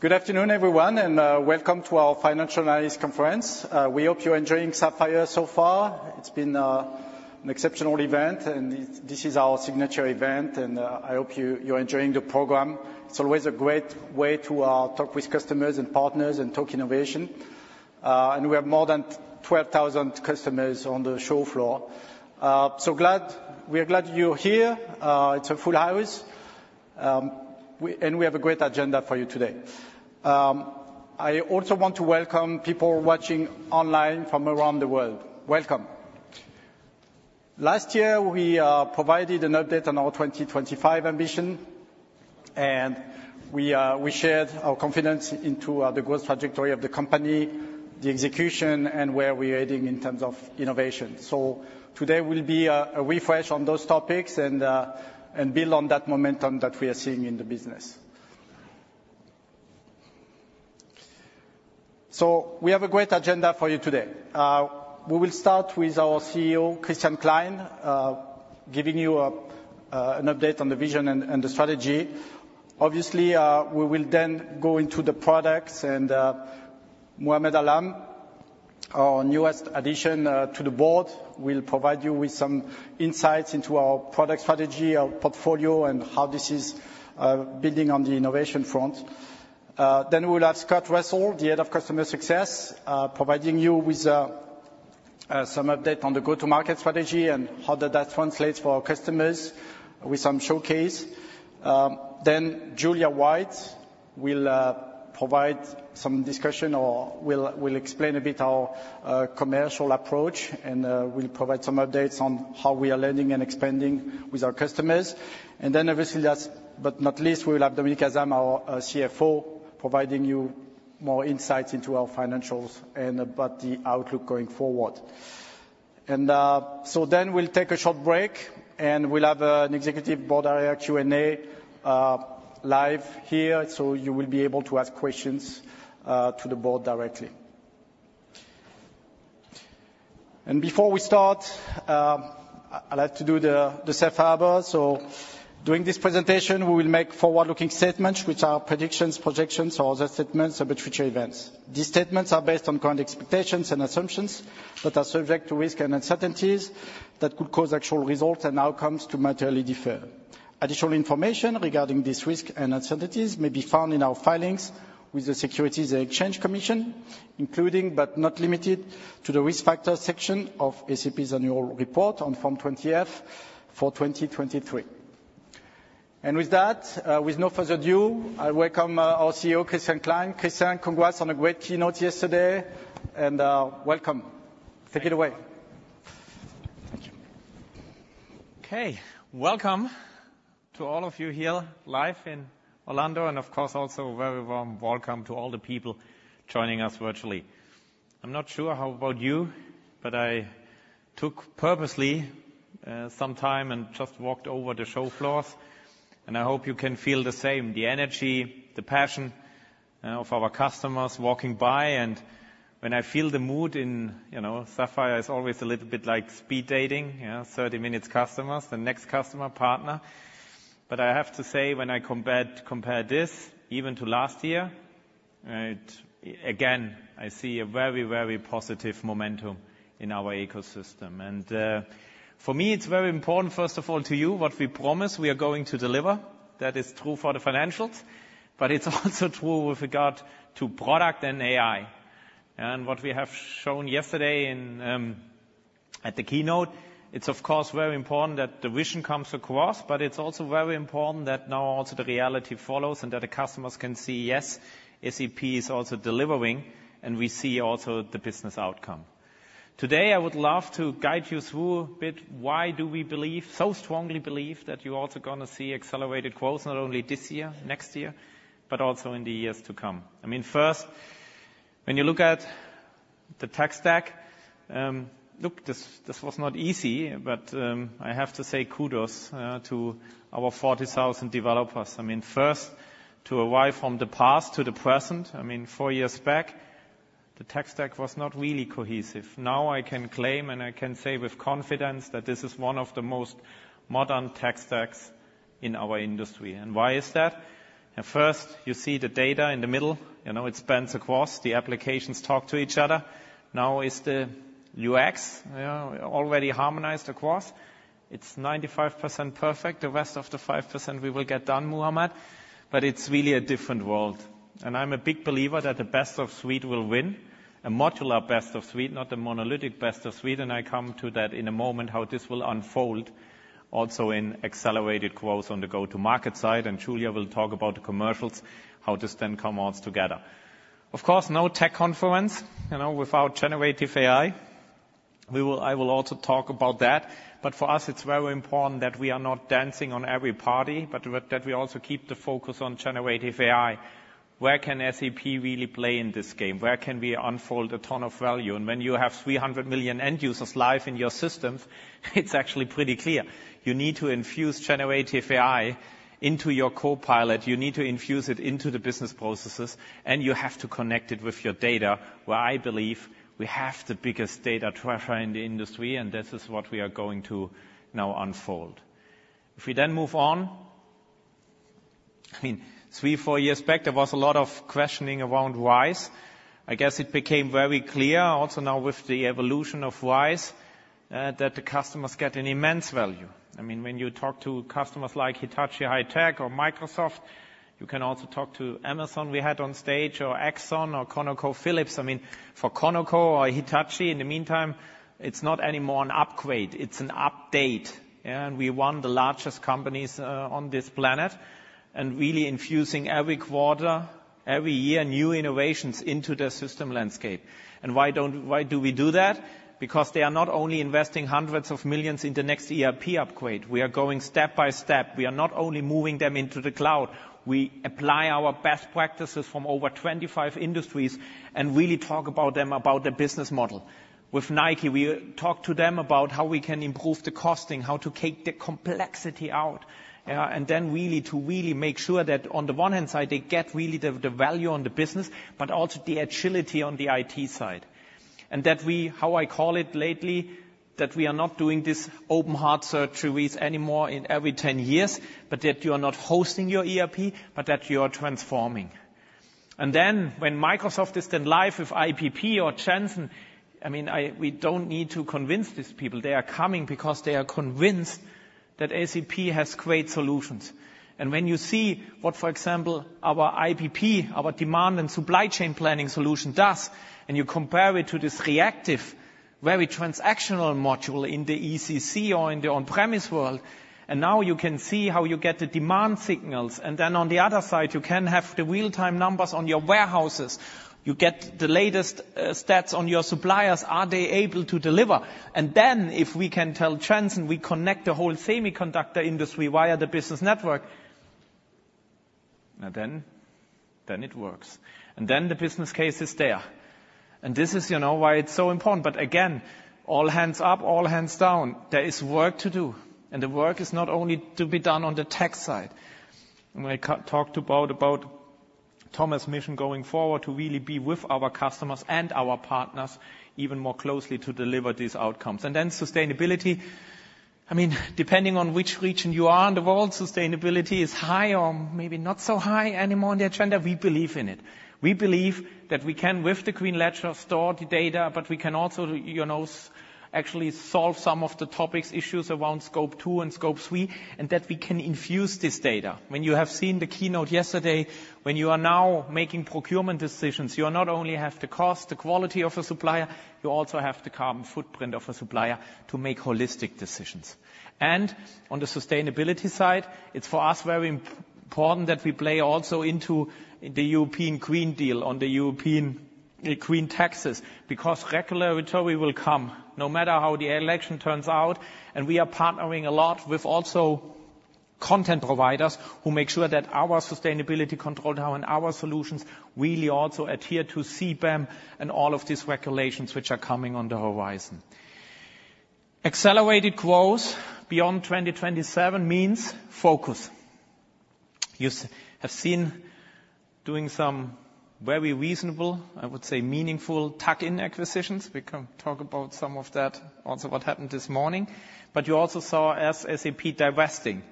Good afternoon, everyone, and welcome to our Financial Analyst Conference. We hope you're enjoying Sapphire so far. It's been an exceptional event, and this is our signature event, and I hope you're enjoying the program. It's always a great way to talk with customers and partners and talk innovation. And we have more than 12,000 customers on the show floor. We are glad you're here. It's a full house, and we have a great agenda for you today. I also want to welcome people watching online from around the world. Welcome. Last year, we provided an update on our 2025 ambition, and we shared our confidence into the growth trajectory of the company, the execution, and where we're heading in terms of innovation. Today will be a refresh on those topics and build on that momentum that we are seeing in the business. We have a great agenda for you today. We will start with our CEO, Christian Klein, giving you an update on the vision and the strategy. Obviously, we will then go into the products, and Muhammad Alam, our newest addition to the board, will provide you with some insights into our product strategy, our portfolio, and how this is building on the innovation front. Then we'll have Scott Russell, the Head of Customer Success, providing you with some update on the go-to-market strategy and how does that translate for our customers with some showcase. Then Julia White will provide some discussion or will explain a bit our commercial approach, and will provide some updates on how we are landing and expanding with our customers. And then obviously, last but not least, we will have Dominik Asam, our CFO, providing you more insights into our financials and about the outlook going forward. So then we'll take a short break, and we'll have an executive board Q&A live here, so you will be able to ask questions to the board directly. And before we start, I'd like to do the safe harbor. So during this presentation, we will make forward-looking statements, which are predictions, projections, or other statements about future events. These statements are based on current expectations and assumptions but are subject to risks and uncertainties that could cause actual results and outcomes to materially differ. Additional information regarding these risks and uncertainties may be found in our filings with the Securities and Exchange Commission, including, but not limited to, the Risk Factors section of SAP's annual report on Form 20-F for 2023. And with that, with no further ado, I welcome our CEO, Christian Klein. Christian, congrats on a great keynote yesterday, and welcome. Take it away. Thank you. Okay, welcome to all of you here live in Orlando, and of course, also a very warm welcome to all the people joining us virtually. I'm not sure how about you, but I took purposely some time and just walked over the show floors, and I hope you can feel the same, the energy, the passion of our customers walking by. And when I feel the mood in. You know, Sapphire is always a little bit like speed dating, you know, 30 minutes customers, the next customer, partner. But I have to say, when I compare this even to last year, it, again, I see a very, very positive momentum in our ecosystem. And, for me, it's very important, first of all, to you, what we promise, we are going to deliver. That is true for the financials, but it's also true with regard to product and AI. And what we have shown yesterday in at the keynote, it's of course very important that the vision comes across, but it's also very important that now also the reality follows, and that the customers can see, yes, SAP is also delivering, and we see also the business outcome. Today, I would love to guide you through a bit why do we believe so strongly believe that you're also gonna see accelerated growth, not only this year, next year, but also in the years to come? I mean, first, when you look at the tech stack, look, this this was not easy, but I have to say kudos to our 40,000 developers. I mean, first, to arrive from the past to the present, I mean, four years back, the tech stack was not really cohesive. Now, I can claim and I can say with confidence that this is one of the most modern tech stacks in our industry. And why is that? At first, you see the data in the middle, you know, it spans across. The applications talk to each other. Now, it's the UX already harmonized across. It's 95% perfect. The rest of the 5%, we will get done, Muhammad, but it's really a different world. And I'm a big believer that the best-of-suite will win, a modular best-of-suite, not the monolithic best-of-suite, and I come to that in a moment, how this will unfold also in accelerated growth on the go-to-market side. Julia will talk about the commercials, how this then come all together. Of course, no tech conference, you know, without generative AI. I will also talk about that, but for us, it's very important that we are not dancing on every party, but that we also keep the focus on generative AI. Where can SAP really play in this game? Where can we unfold a ton of value? And when you have 300 million end users live in your systems, it's actually pretty clear. You need to infuse generative AI into your copilot. You need to infuse it into the business processes, and you have to connect it with your data, where I believe we have the biggest data treasure in the industry, and this is what we are going to now unfold. If we then move on, I mean, three, four years back, there was a lot of questioning around RISE. I guess it became very clear, also now with the evolution of RISE, that the customers get an immense value. I mean, when you talk to customers like Hitachi High-Tech or Microsoft, you can also talk to Amazon, we had on stage, or Exxon or ConocoPhillips. I mean, for Conoco or Hitachi, in the meantime, it's not anymore an upgrade, it's an update, yeah? And we won the largest companies, on this planet, and really infusing every quarter, every year, new innovations into their system landscape. And why do we do that? Because they are not only investing hundreds of millions EUR in the next ERP upgrade, we are going step by step. We are not only moving them into the cloud, we apply our best practices from over 25 industries, and really talk about them, about their business model. With Nike, we talk to them about how we can improve the costing, how to take the complexity out, and then really, to really make sure that on the one hand side, they get really the, the value on the business, but also the agility on the IT side. And that we, how I call it lately, that we are not doing this open heart surgeries anymore in every 10 years, but that you are not hosting your ERP, but that you are transforming. And then, when Microsoft is then live with IBP or Jensen, I mean, I—we don't need to convince these people. They are coming because they are convinced that SAP has great solutions. And when you see what, for example, our IBP, our demand and supply chain planning solution does, and you compare it to this reactive, very transactional module in the ECC or in the on-premise world, and now you can see how you get the demand signals. And then on the other side, you can have the real-time numbers on your warehouses. You get the latest stats on your suppliers, are they able to deliver? And then, if we can tell Jensen, we connect the whole semiconductor industry via the Business Network, and then, then it works, and then the business case is there. And this is, you know, why it's so important. But again, all hands up, all hands down, there is work to do, and the work is not only to be done on the tech side. When I talked about Thomas' mission going forward, to really be with our customers and our partners even more closely to deliver these outcomes. And then sustainability, I mean, depending on which region you are in the world, sustainability is high or maybe not so high anymore on the agenda. We believe in it. We believe that we can, with the Green Ledger, store the data, but we can also, you know, actually solve some of the topics, issues around Scope 2 and Scope 3, and that we can infuse this data. When you have seen the keynote yesterday, when you are now making procurement decisions, you are not only have the cost, the quality of a supplier, you also have the carbon footprint of a supplier to make holistic decisions. On the sustainability side, it's very important for us that we play also into the European Green Deal on the European green taxes, because regulatory will come, no matter how the election turns out, and we are partnering a lot with also content providers, who make sure that our sustainability control now and our solutions really also adhere to CBAM and all of these regulations, which are coming on the horizon. Accelerated growth beyond 2027 means focus. You have seen us doing some very reasonable, I would say, meaningful tuck-in acquisitions. We can talk about some of that, also what happened this morning. But you also saw SAP divesting.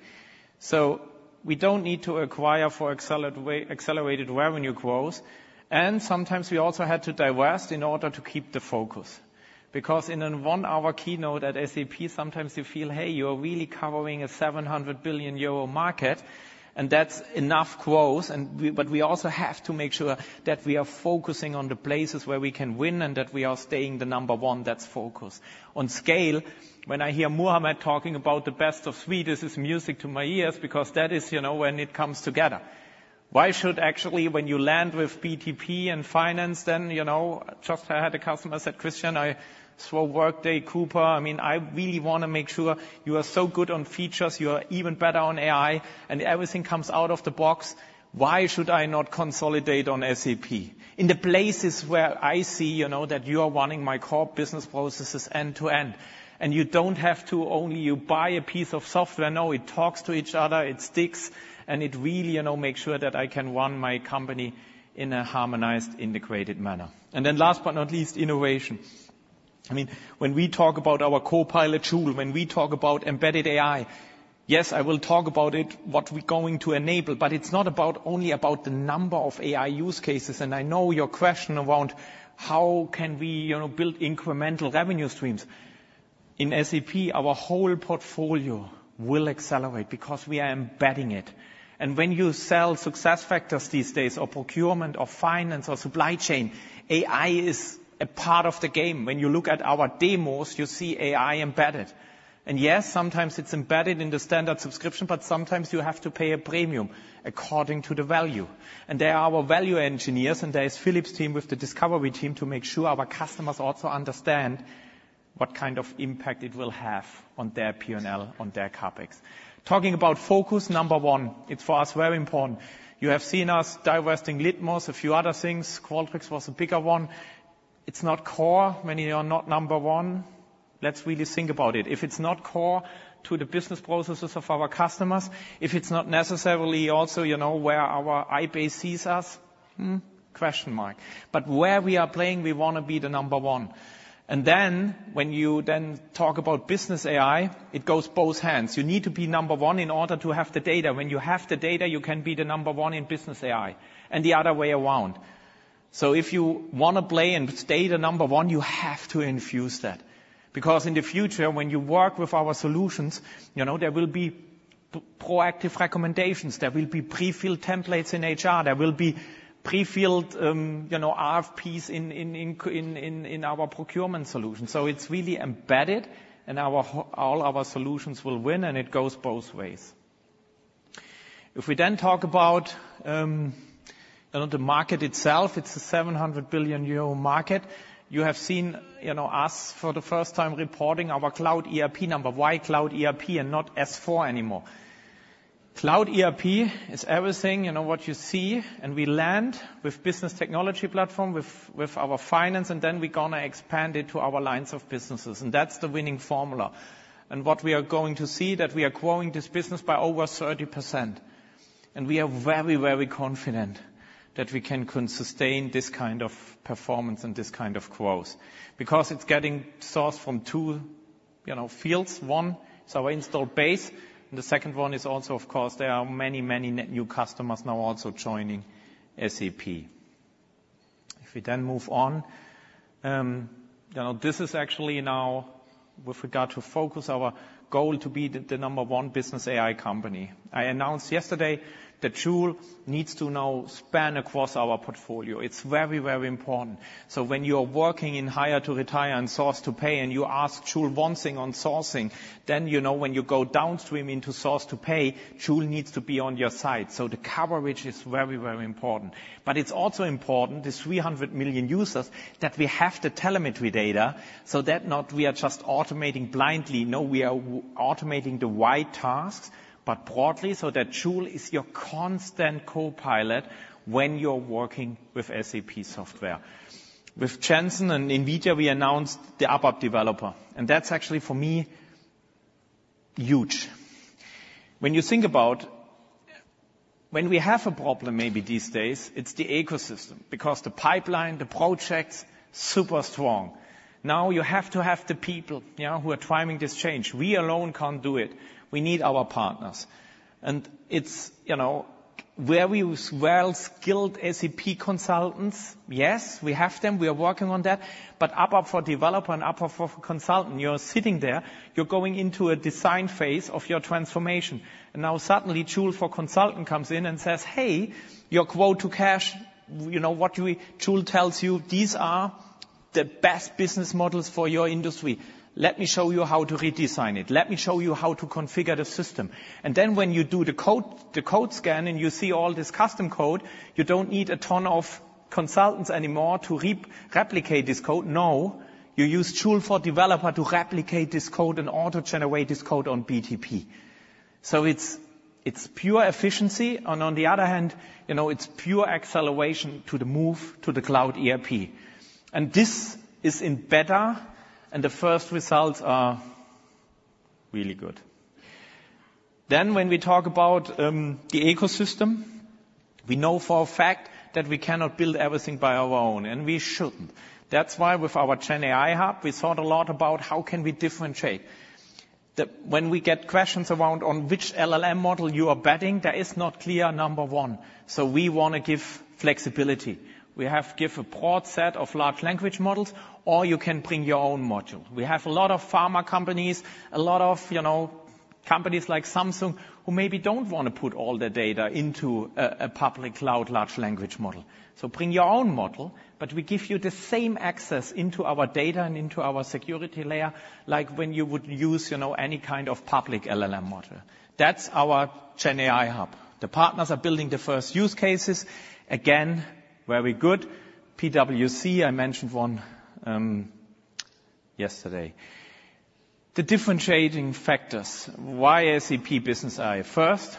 So we don't need to acquire for accelerated revenue growth, and sometimes we also had to divest in order to keep the focus. Because in a one-hour keynote at SAP, sometimes you feel, hey, you are really covering a 700 billion euro market, and that's enough growth, and we, but we also have to make sure that we are focusing on the places where we can win, and that we are staying the number one. That's focus. On scale, when I hear Muhammad talking about the best-of-suite, this is music to my ears, because that is, you know, when it comes together. Why should actually, when you land with BTP and finance, then, you know. Just I had a customer said, “Christian, I saw Workday Coupa. I mean, I really want to make sure you are so good on features, you are even better on AI, and everything comes out of the box. Why should I not consolidate on SAP?” In the places where I see, you know, that you are running my core business processes end-to-end, and you don't have to only, you buy a piece of software. No, it talks to each other, it sticks, and it really, you know, makes sure that I can run my company in a harmonized, integrated manner." And then last but not least, innovation. I mean, when we talk about our copilot Joule, when we talk about embedded AI, yes, I will talk about it, what we're going to enable, but it's not about only about the number of AI use cases. And I know your question around: How can we, you know, build incremental revenue streams? In SAP, our whole portfolio will accelerate because we are embedding it. And when you sell SuccessFactors these days, or procurement, or finance, or supply chain, AI is a part of the game. When you look at our demos, you see AI embedded, and yes, sometimes it's embedded in the standard subscription, but sometimes you have to pay a premium according to the value. And there are our value engineers, and there is Philipp's team with the discovery team, to make sure our customers also understand what kind of impact it will have on their P&L, on their CapEx. Talking about focus, number one, it's for us, very important. You have seen us divesting Litmos, a few other things. Qualtrics was a bigger one. It's not core. Many are not number one. Let's really think about it. If it's not core to the business processes of our customers, if it's not necessarily also, you know, where our IBase sees us. But where we are playing, we want to be the number one. When you then talk about business AI, it goes both hands. You need to be number one in order to have the data. When you have the data, you can be the number one in business AI, and the other way around. So if you want to play and stay the number one, you have to infuse that, because in the future, when you work with our solutions, you know, there will be proactive recommendations, there will be pre-filled templates in HR, there will be pre-filled, you know, RFPs in our procurement solution. So it's really embedded, and our all solutions will win, and it goes both ways. If we then talk about, you know, the market itself, it's a 700 billion euro market. You have seen, you know, us for the first time reporting our cloud ERP number. Why cloud ERP and not S/4 anymore? Cloud ERP is everything, you know, what you see, and we land with Business Technology Platform, with our finance, and then we're gonna expand it to our lines of businesses, and that's the winning formula. And what we are going to see, that we are growing this business by over 30%. And we are very, very confident that we can sustain this kind of performance and this kind of growth. Because it's getting sourced from two, you know, fields. One, is our install base, and the second one is also, of course, there are many, many new customers now also joining SAP. If we then move on, you know, this is actually now with regard to focus our goal to be the number one business AI company. I announced yesterday that Joule needs to now span across our portfolio. It's very, very important. So when you're working in hire to retire and source to pay, and you ask Joule one thing on sourcing, then, you know, when you go downstream into source to pay, Joule needs to be on your side. So the coverage is very, very important. But it's also important, the 300 million users, that we have the telemetry data, so that not we are just automating blindly. No, we are automating the wide tasks, but broadly, so that Joule is your constant co-pilot when you're working with SAP software. With Jensen and NVIDIA, we announced the ABAP developer, and that's actually, for me, huge. When you think about... When we have a problem, maybe these days, it's the ecosystem, because the pipeline, the projects, super strong. Now, you have to have the people, you know, who are driving this change. We alone can't do it. We need our partners. And it's, you know, where we use well-skilled SAP consultants, yes, we have them, we are working on that, but ABAP for developer and ABAP for consultant, you're sitting there, you're going into a design phase of your transformation. And now suddenly, Joule for consultant comes in and says, "Hey, your quote to cash, you know, what we-- Joule tells you these are the best business models for your industry. Let me show you how to redesign it. Let me show you how to configure the system." And then when you do the code, the code scan, and you see all this custom code, you don't need a ton of consultants anymore to replicate this code. No, you use Joule for developer to replicate this code and autogenerate this code on BTP. So it's, it's pure efficiency, and on the other hand, you know, it's pure acceleration to the move to the cloud ERP. And this is in beta, and the first results are really good. Then, when we talk about the ecosystem, we know for a fact that we cannot build everything by our own, and we shouldn't. That's why with our GenAI Hub, we thought a lot about how can we differentiate. When we get questions around on which LLM model you are betting, there is no clear number one, so we want to give flexibility. We give a broad set of large language models, or you can bring your own model. We have a lot of pharma companies, a lot of, you know, companies like Samsung, who maybe don't want to put all their data into a public cloud large language model. So bring your own model, but we give you the same access into our data and into our security layer, like when you would use, you know, any kind of public LLM model. That's our GenAI Hub. The partners are building the first use cases. Again, very good. PwC, I mentioned one yesterday. The differentiating factors, why SAP Business AI? First,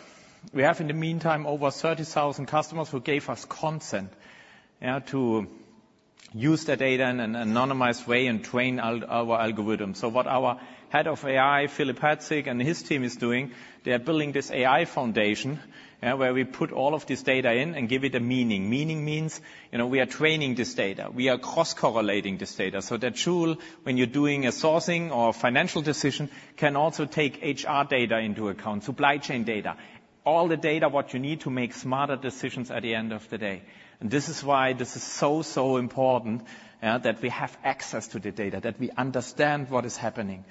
we have, in the meantime, over 30,000 customers who gave us consent, yeah, to use their data in an anonymized way and train our algorithm. So what our head of AI, Philipp Herzig, and his team is doing, they are building this AI foundation, where we put all of this data in and give it a meaning. Meaning means, you know, we are training this data, we are cross-correlating this data, so that Joule, when you're doing a sourcing or financial decision, can also take HR data into account, supply chain data, all the data, what you need to make smarter decisions at the end of the day. And this is why this is so, so important, that we have access to the data, that we understand what is happening.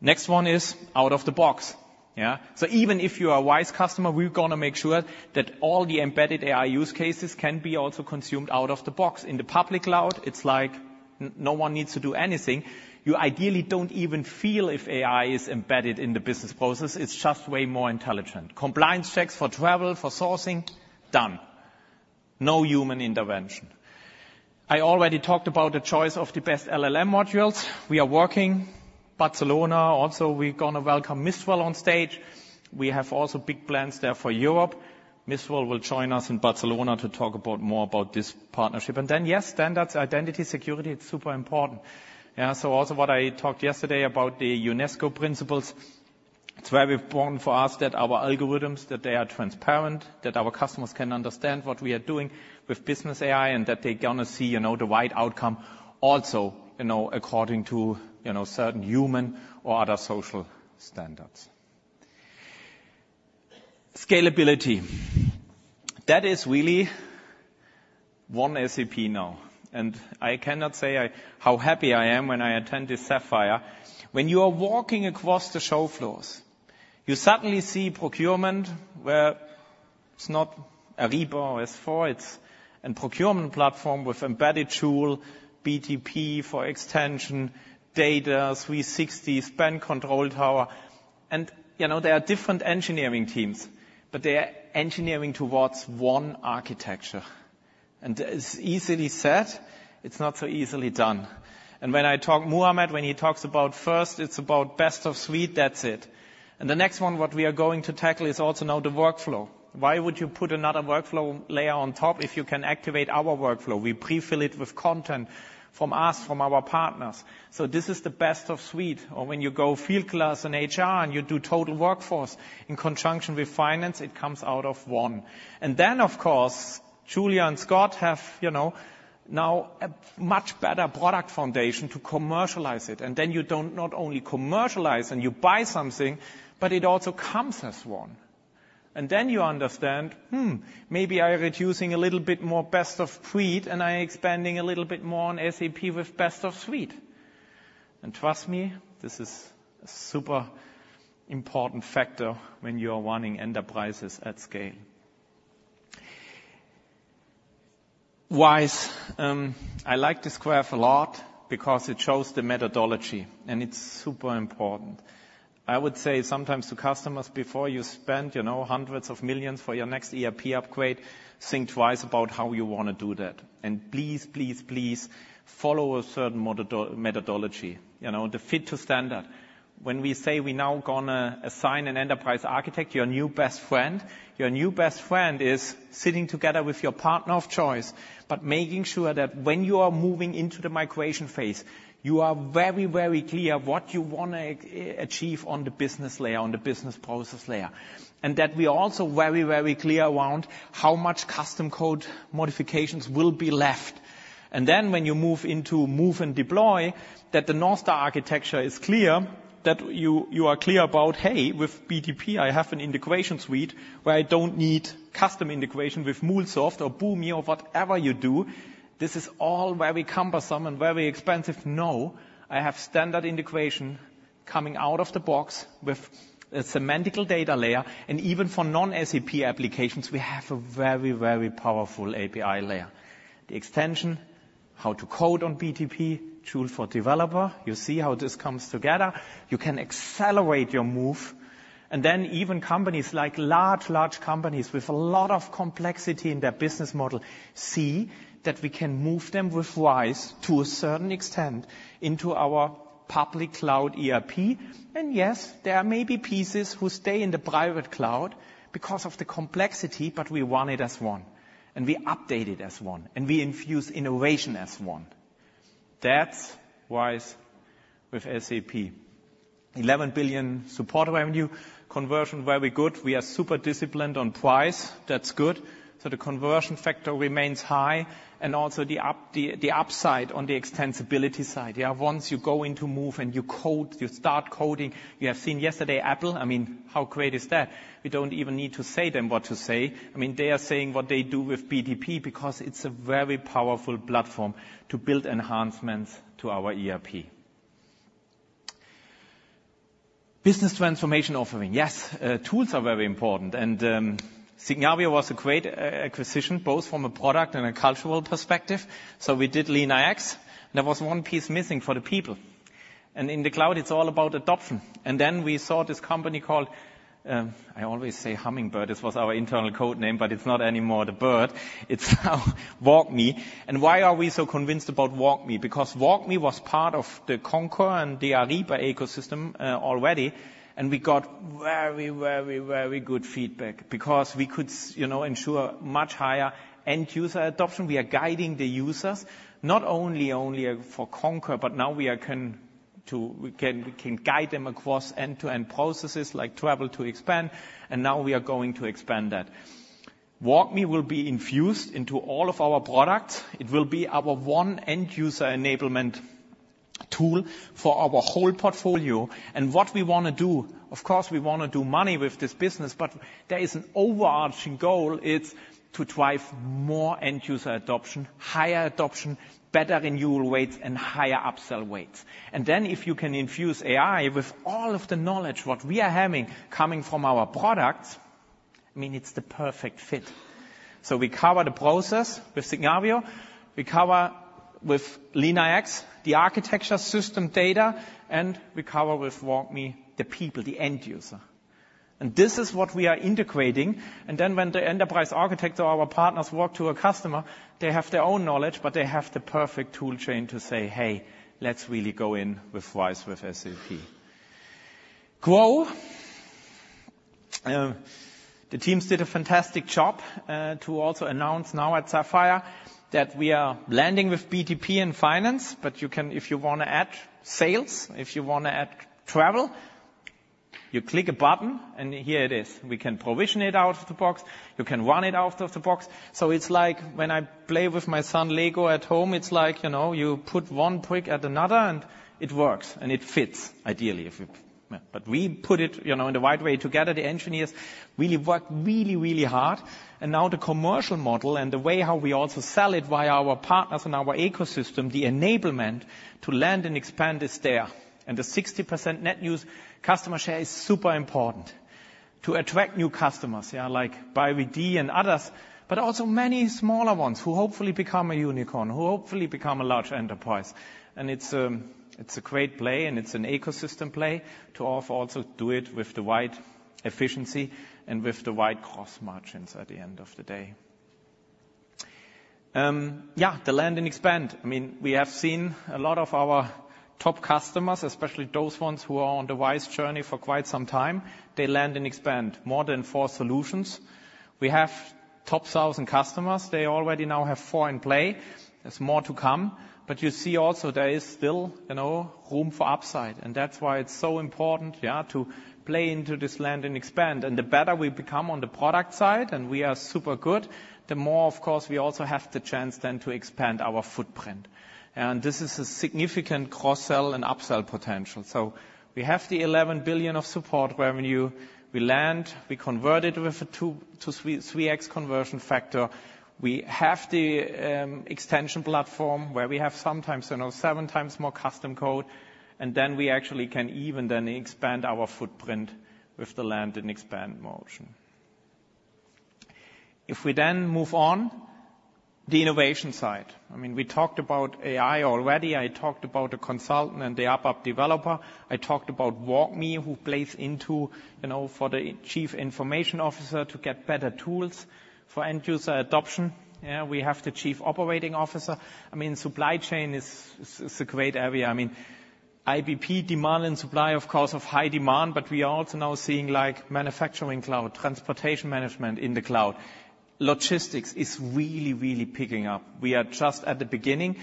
Next one is out of the box, yeah? So even if you are a RISE customer, we're gonna make sure that all the embedded AI use cases can be also consumed out of the box. In the public cloud, it's like no one needs to do anything. You ideally don't even feel if AI is embedded in the business process. It's just way more intelligent. Compliance checks for travel, for sourcing, done. No human intervention. I already talked about the choice of the best LLM modules. We are working. Barcelona, also, we're gonna welcome Mistral on stage. We have also big plans there for Europe. Mistral will join us in Barcelona to talk about more about this partnership. And then, yes, standards, identity, security, it's super important. Yeah, so also what I talked yesterday about the UNESCO principles-... It's very important for us that our algorithms, that they are transparent, that our customers can understand what we are doing with business AI, and that they're gonna see, you know, the right outcome also, you know, according to, you know, certain human or other social standards. Scalability, that is really one SAP now, and I cannot say how happy I am when I attend this Sapphire. When you are walking across the show floors, you suddenly see procurement, where it's not Ariba or S/4, it's a procurement platform with embedded Joule, BTP for extension, data 360, Spend Control Tower. And, you know, there are different engineering teams, but they are engineering towards one architecture. And it's easily said, it's not so easily done. And when I talk... Muhammad, when he talks about first, it's about best-of-suite, that's it. And the next one, what we are going to tackle is also now the workflow. Why would you put another workflow layer on top if you can activate our workflow? We pre-fill it with content from us, from our partners. So this is the best-of-suite. Or when you go Fieldglass and HR, and you do total workforce in conjunction with finance, it comes out of one. And then, of course, Julia and Scott have, you know, now a much better product foundation to commercialize it. And then you don't not only commercialize and you buy something, but it also comes as one. And then you understand, "Hmm, maybe I am reducing a little bit more best-of-suite, and I'm expanding a little bit more on SAP with best-of-suite." And trust me, this is a super important factor when you are running enterprises at scale. Wise, I like this graph a lot because it shows the methodology, and it's super important. I would say sometimes to customers, before you spend, you know, EUR hundreds of millions for your next ERP upgrade, think twice about how you want to do that. Please, please, please, follow a certain methodology, you know, the Fit-to-Standard. When we say we now gonna assign an enterprise architect, your new best friend, your new best friend is sitting together with your partner of choice, but making sure that when you are moving into the migration phase, you are very, very clear what you want to achieve on the business layer, on the business process layer. That we are also very, very clear around how much custom code modifications will be left. And then when you move into move and deploy, that the North Star architecture is clear, that you, you are clear about, "Hey, with BTP, I have an integration suite where I don't need custom integration with MuleSoft or Boomi or whatever you do." This is all very cumbersome and very expensive. No, I have standard integration coming out of the box with a semantical data layer, and even for non-SAP applications, we have a very, very powerful API layer. The extension, how to code on BTP, tool for developer. You see how this comes together. You can accelerate your move, and then even companies like large, large companies with a lot of complexity in their business model, see that we can move them with RISE to a certain extent into our public cloud ERP. Yes, there may be pieces who stay in the private cloud because of the complexity, but we want it as one, and we update it as one, and we infuse innovation as one. That's RISE with SAP. 11 billion support revenue. Conversion, very good. We are super disciplined on price. That's good. So the conversion factor remains high, and also the upside on the extensibility side. Yeah, once you go into move and you code, you start coding, you have seen yesterday Apple, I mean, how great is that? We don't even need to say them what to say. I mean, they are saying what they do with BTP because it's a very powerful platform to build enhancements to our ERP. Business transformation offering. Yes, tools are very important, and, Signavio was a great, acquisition, both from a product and a cultural perspective. So we did LeanIX, and there was one piece missing for the people. And in the cloud, it's all about adoption. And then we saw this company called, I always say Hummingbird. This was our internal code name, but it's not anymore the bird. It's now WalkMe. And why are we so convinced about WalkMe? Because WalkMe was part of the Concur and the Ariba ecosystem, already, and we got very, very, very good feedback because we could, you know, ensure much higher end-user adoption. We are guiding the users, not only for Concur, but now we can guide them across end-to-end processes like travel to expense, and now we are going to expand that. WalkMe will be infused into all of our products. It will be our one end-user enablement tool for our whole portfolio. And what we wanna do, of course, we wanna do money with this business, but there is an overarching goal, it's to drive more end-user adoption, higher adoption, better annual rates, and higher upsell rates. And then if you can infuse AI with all of the knowledge, what we are having coming from our products, I mean, it's the perfect fit. So we cover the process with Signavio, we cover with LeanIX, the architecture system data, and we cover with WalkMe, the people, the end user. And this is what we are integrating, and then when the enterprise architect or our partners walk to a customer, they have their own knowledge, but they have the perfect tool chain to say, "Hey, let's really go in with RISE with SAP." GROW?... The teams did a fantastic job, to also announce now at Sapphire that we are landing with BTP and finance, but you can, if you wanna add sales, if you wanna add travel, you click a button, and here it is. We can provision it out of the box. You can run it out of the box. So it's like when I play with my son Lego at home, it's like, you know, you put one brick at another, and it works, and it fits ideally, if you... But we put it, you know, in the right way together. The engineers really worked really, really hard. And now the commercial model and the way how we also sell it via our partners and our ecosystem, the enablement to land and expand is there. The 60% net new customer share is super important to attract new customers, yeah, like BYD and others, but also many smaller ones who hopefully become a unicorn, who hopefully become a large enterprise. It's a great play, and it's an ecosystem play to also do it with the right efficiency and with the right cost margins at the end of the day. Yeah, the land and expand. I mean, we have seen a lot of our top customers, especially those ones who are on the RISE journey for quite some time, they land and expand more than four solutions. We have top sales and customers. They already now have four in play. There's more to come, but you see also there is still, you know, room for upside, and that's why it's so important, yeah, to play into this land and expand. The better we become on the product side, and we are super good, the more, of course, we also have the chance then to expand our footprint. This is a significant cross-sell and upsell potential. We have the 11 billion of support revenue. We land, we convert it with a 2-3x conversion factor. We have the extension platform, where we have sometimes, you know, 7 times more custom code, and then we actually can even then expand our footprint with the land and expand motion. If we then move on to the innovation side. I mean, we talked about AI already. I talked about the consultant and the ABAP developer. I talked about WalkMe, who plays into, you know, for the chief information officer to get better tools for end user adoption. Yeah, we have the chief operating officer. I mean, supply chain is a great area. I mean, IBP, demand and supply, of course, of high demand, but we are also now seeing, like, Manufacturing Cloud, Transportation Management in the cloud. Logistics is really, really picking up. We are just at the beginning,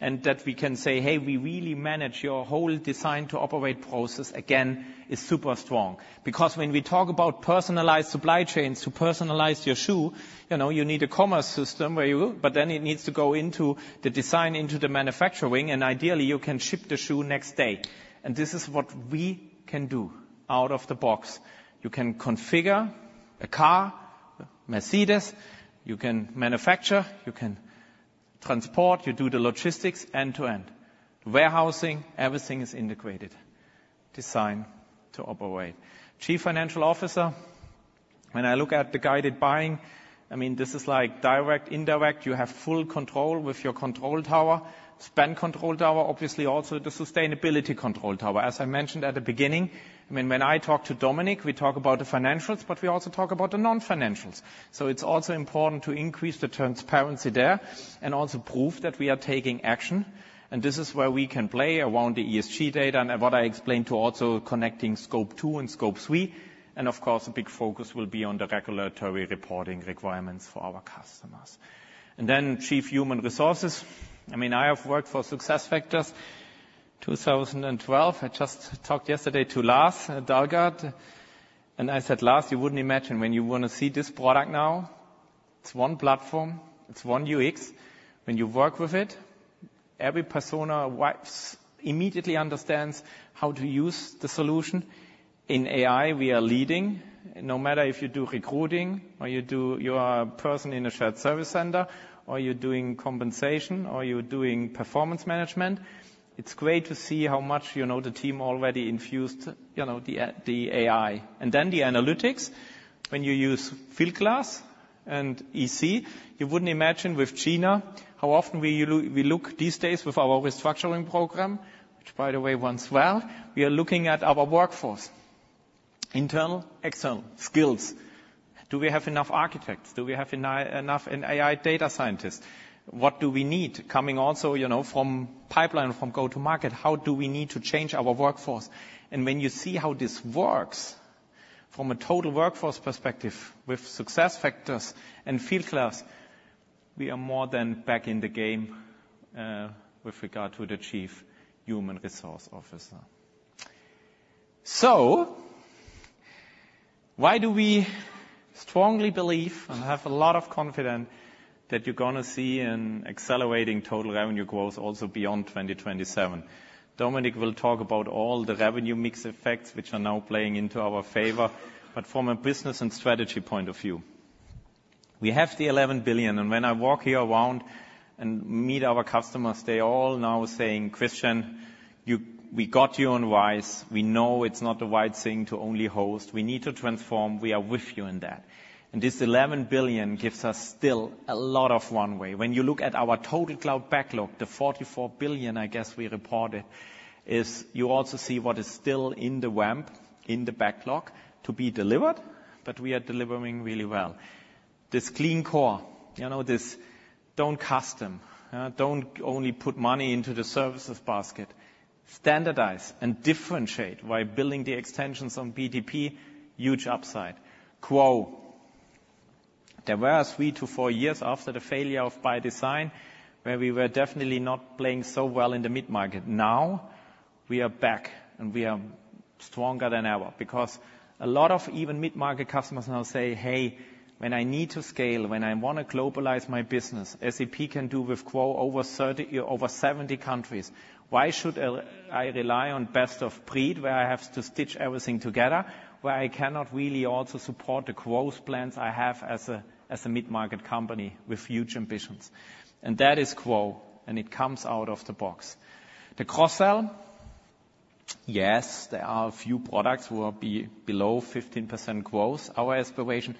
and that we can say, "Hey, we really manage your whole design to operate process," again, is super strong. Because when we talk about personalized supply chains, to personalize your shoe, you know, you need a commerce system where you—but then it needs to go into the design, into the manufacturing, and ideally, you can ship the shoe next day. And this is what we can do out of the box. You can configure a car, Mercedes, you can manufacture, you can transport, you do the logistics end-to-end. Warehousing, everything is integrated, designed to operate. Chief Financial Officer, when I look at the guided buying, I mean, this is like direct, indirect. You have full control with your control tower, Spend Control Tower, obviously, also the Sustainability Control Tower. As I mentioned at the beginning, I mean, when I talk to Dominik, we talk about the financials, but we also talk about the non-financials. So it's also important to increase the transparency there and also prove that we are taking action. And this is where we can play around the ESG data and what I explained to also connecting Scope 2 and Scope 3. And of course, a big focus will be on the regulatory reporting requirements for our customers. And then Chief Human Resources. I mean, I have worked for SuccessFactors, 2012. I just talked yesterday to Lars Dalgaard, and I said, "Lars, you wouldn't imagine when you wanna see this product now, it's one platform, it's one UX. When you work with it, every persona VIPE-- immediately understands how to use the solution." In AI, we are leading. No matter if you do recruiting or you do-- you are a person in a shared service center, or you're doing compensation, or you're doing performance management, it's great to see how much, you know, the team already infused, you know, the, the AI. And then the analytics, when you use Fieldglass and EC, you wouldn't imagine with Gina, how often we lu-- we look these days with our restructuring program, which, by the way, runs well. We are looking at our workforce, internal, external, skills. Do we have enough architects? Do we have enou- enough AI data scientists? What do we need coming also, you know, from pipeline, from go-to-market? How do we need to change our workforce? And when you see how this works from a total workforce perspective with SuccessFactors and Fieldglass, we are more than back in the game with regard to the chief human resource officer. So why do we strongly believe and have a lot of confidence that you're gonna see an accelerating total revenue growth also beyond 2027? Dominik will talk about all the revenue mix effects, which are now playing into our favor. But from a business and strategy point of view, we have the 11 billion, and when I walk here around and meet our customers, they all now saying, "Christian, you—we got you on RISE. We know it's not the right thing to only host. We need to transform. We are with you in that." And this 11 billion gives us still a lot of runway. When you look at our total cloud backlog, the 44 billion, I guess we reported, is you also see what is still in the ramp, in the backlog to be delivered, but we are delivering really well. This Clean Core, you know, this don't customize, don't only put money into the services basket. Standardize and differentiate by building the extensions on BTP, huge upside. GROW, there were 3-4 years after the failure of ByDesign, where we were definitely not playing so well in the mid-market. Now, we are back, and we are stronger than ever, because a lot of even mid-market customers now say, "Hey, when I need to scale, when I want to globalize my business, SAP can do with GROW over 30, over 70 countries. Why should I rely on best of breed, where I have to stitch everything together, where I cannot really also support the growth plans I have as a, as a mid-market company with huge ambitions?" And that is GROW, and it comes out of the box. The cross-sell, yes, there are a few products who are below 15% growth. Our aspiration,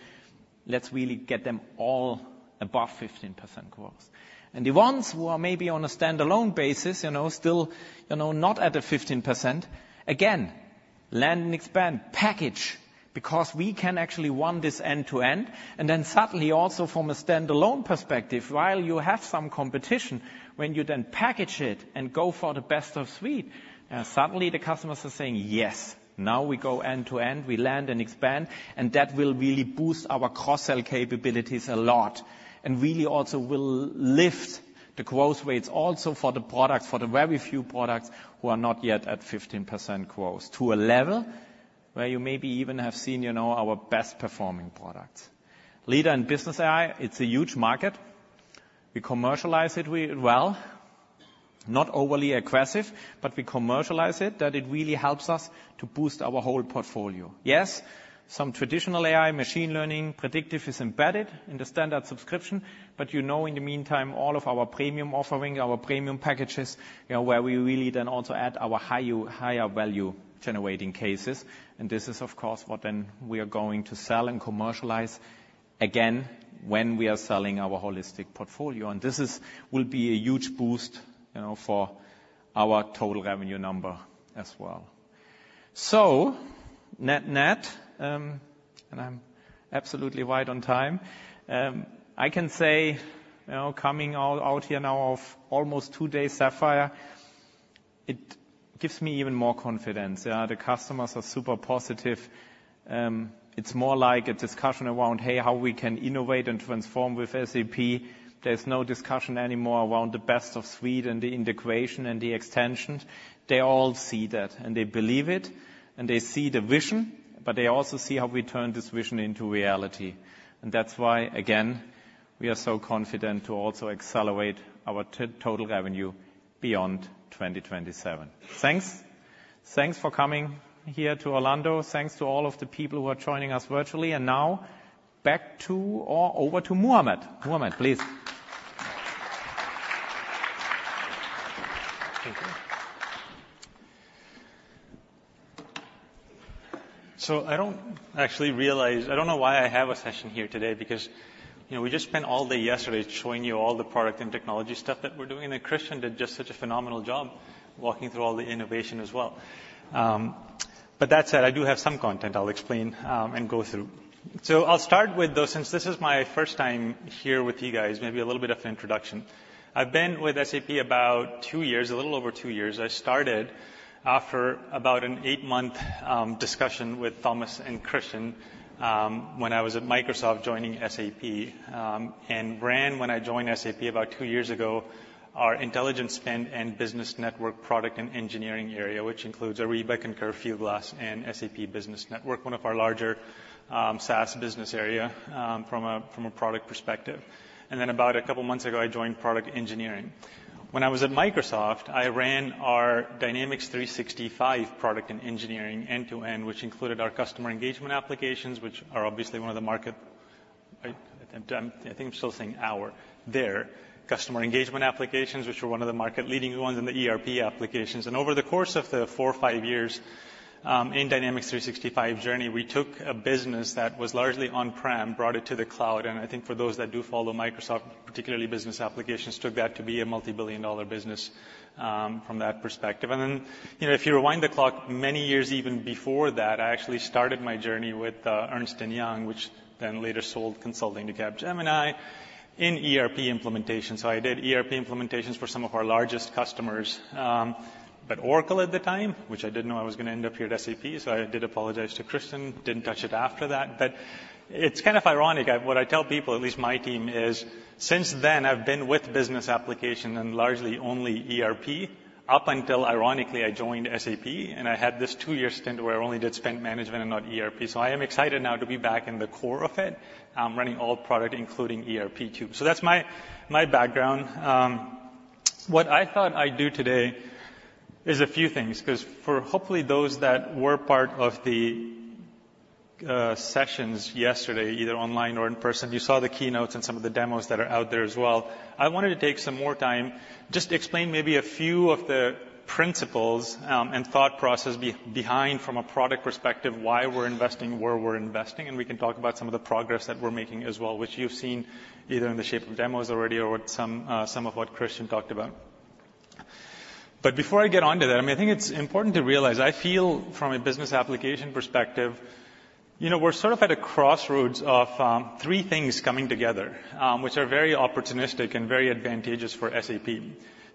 let's really get them all above 15% growth. And the ones who are maybe on a standalone basis, you know, still, you know, not at the 15%, again, land and expand, package, because we can actually run this end to end. And then suddenly, also from a standalone perspective, while you have some competition, when you then package it and go for the best-of-suite, suddenly the customers are saying, "Yes, now we go end to end. We land and expand," and that will really boost our cross-sell capabilities a lot, and really also will lift the growth rates also for the products, for the very few products who are not yet at 15% growth, to a level where you maybe even have seen, you know, our best performing products. Leader in business AI, it's a huge market. We commercialize it well, not overly aggressive, but we commercialize it, that it really helps us to boost our whole portfolio. Yes, some traditional AI, machine learning, predictive is embedded in the standard subscription, but you know, in the meantime, all of our premium offering, our premium packages, you know, where we really then also add our higher value-generating cases. This is, of course, what then we are going to sell and commercialize again when we are selling our holistic portfolio, and this will be a huge boost, you know, for our total revenue number as well. So net-net, and I'm absolutely right on time. I can say, you know, coming out here now of almost two days Sapphire, it gives me even more confidence. The customers are super positive. It's more like a discussion around, hey, how we can innovate and transform with SAP. There's no discussion anymore around the best-of-suite and the integration and the extensions. They all see that, and they believe it, and they see the vision, but they also see how we turn this vision into reality. And that's why, again, we are so confident to also accelerate our total revenue beyond 2027. Thanks. Thanks for coming here to Orlando. Thanks to all of the people who are joining us virtually, and now back to or over to Muhammad. Muhammad, please. Thank you. So I don't actually realize I don't know why I have a session here today, because, you know, we just spent all day yesterday showing you all the product and technology stuff that we're doing, and Christian did just such a phenomenal job walking through all the innovation as well. But that said, I do have some content I'll explain and go through. So I'll start with, though, since this is my first time here with you guys, maybe a little bit of an introduction. I've been with SAP about two years, a little over two years. I started after about an eight-month discussion with Thomas and Christian, when I was at Microsoft, joining SAP. when I joined SAP about two years ago and ran our Intelligent Spend and Business Network product and engineering area, which includes Ariba and Fieldglass and SAP Business Network, one of our larger SaaS business area from a product perspective. And then, about a couple months ago, I joined product engineering. When I was at Microsoft, I ran our Dynamics 365 product and engineering end-to-end, which included our customer engagement applications, which are obviously one of the market, I think I'm still saying our, their customer engagement applications, which were one of the market-leading ones in the ERP applications. Over the course of the 4 or 5 years in Dynamics 365 journey, we took a business that was largely on-prem, brought it to the cloud, and I think for those that do follow Microsoft, particularly business applications, took that to be a multi-billion-dollar business from that perspective. And then, you know, if you rewind the clock many years even before that, I actually started my journey with Ernst & Young, which then later sold consulting to Capgemini in ERP implementation. So I did ERP implementations for some of our largest customers, but Oracle at the time, which I didn't know I was gonna end up here at SAP, so I did apologize to Christian, didn't touch it after that. It's kind of ironic, what I tell people, at least my team, is since then, I've been with business application and largely only ERP, up until, ironically, I joined SAP, and I had this two-year stint where I only Spend Management and not ERP. I am excited now to be back in the core of it, running all product, including ERP, too. That's my, my background. What I thought I'd do today is a few things, 'cause for, hopefully, those that were part of the, sessions yesterday, either online or in person, you saw the keynotes and some of the demos that are out there as well. I wanted to take some more time just to explain maybe a few of the principles, and thought process behind, from a product perspective, why we're investing where we're investing, and we can talk about some of the progress that we're making as well, which you've seen either in the shape of demos already or some, some of what Christian talked about. But before I get onto that, I mean, I think it's important to realize, I feel from a business application perspective. You know, we're sort of at a crossroads of three things coming together, which are very opportunistic and very advantageous for SAP.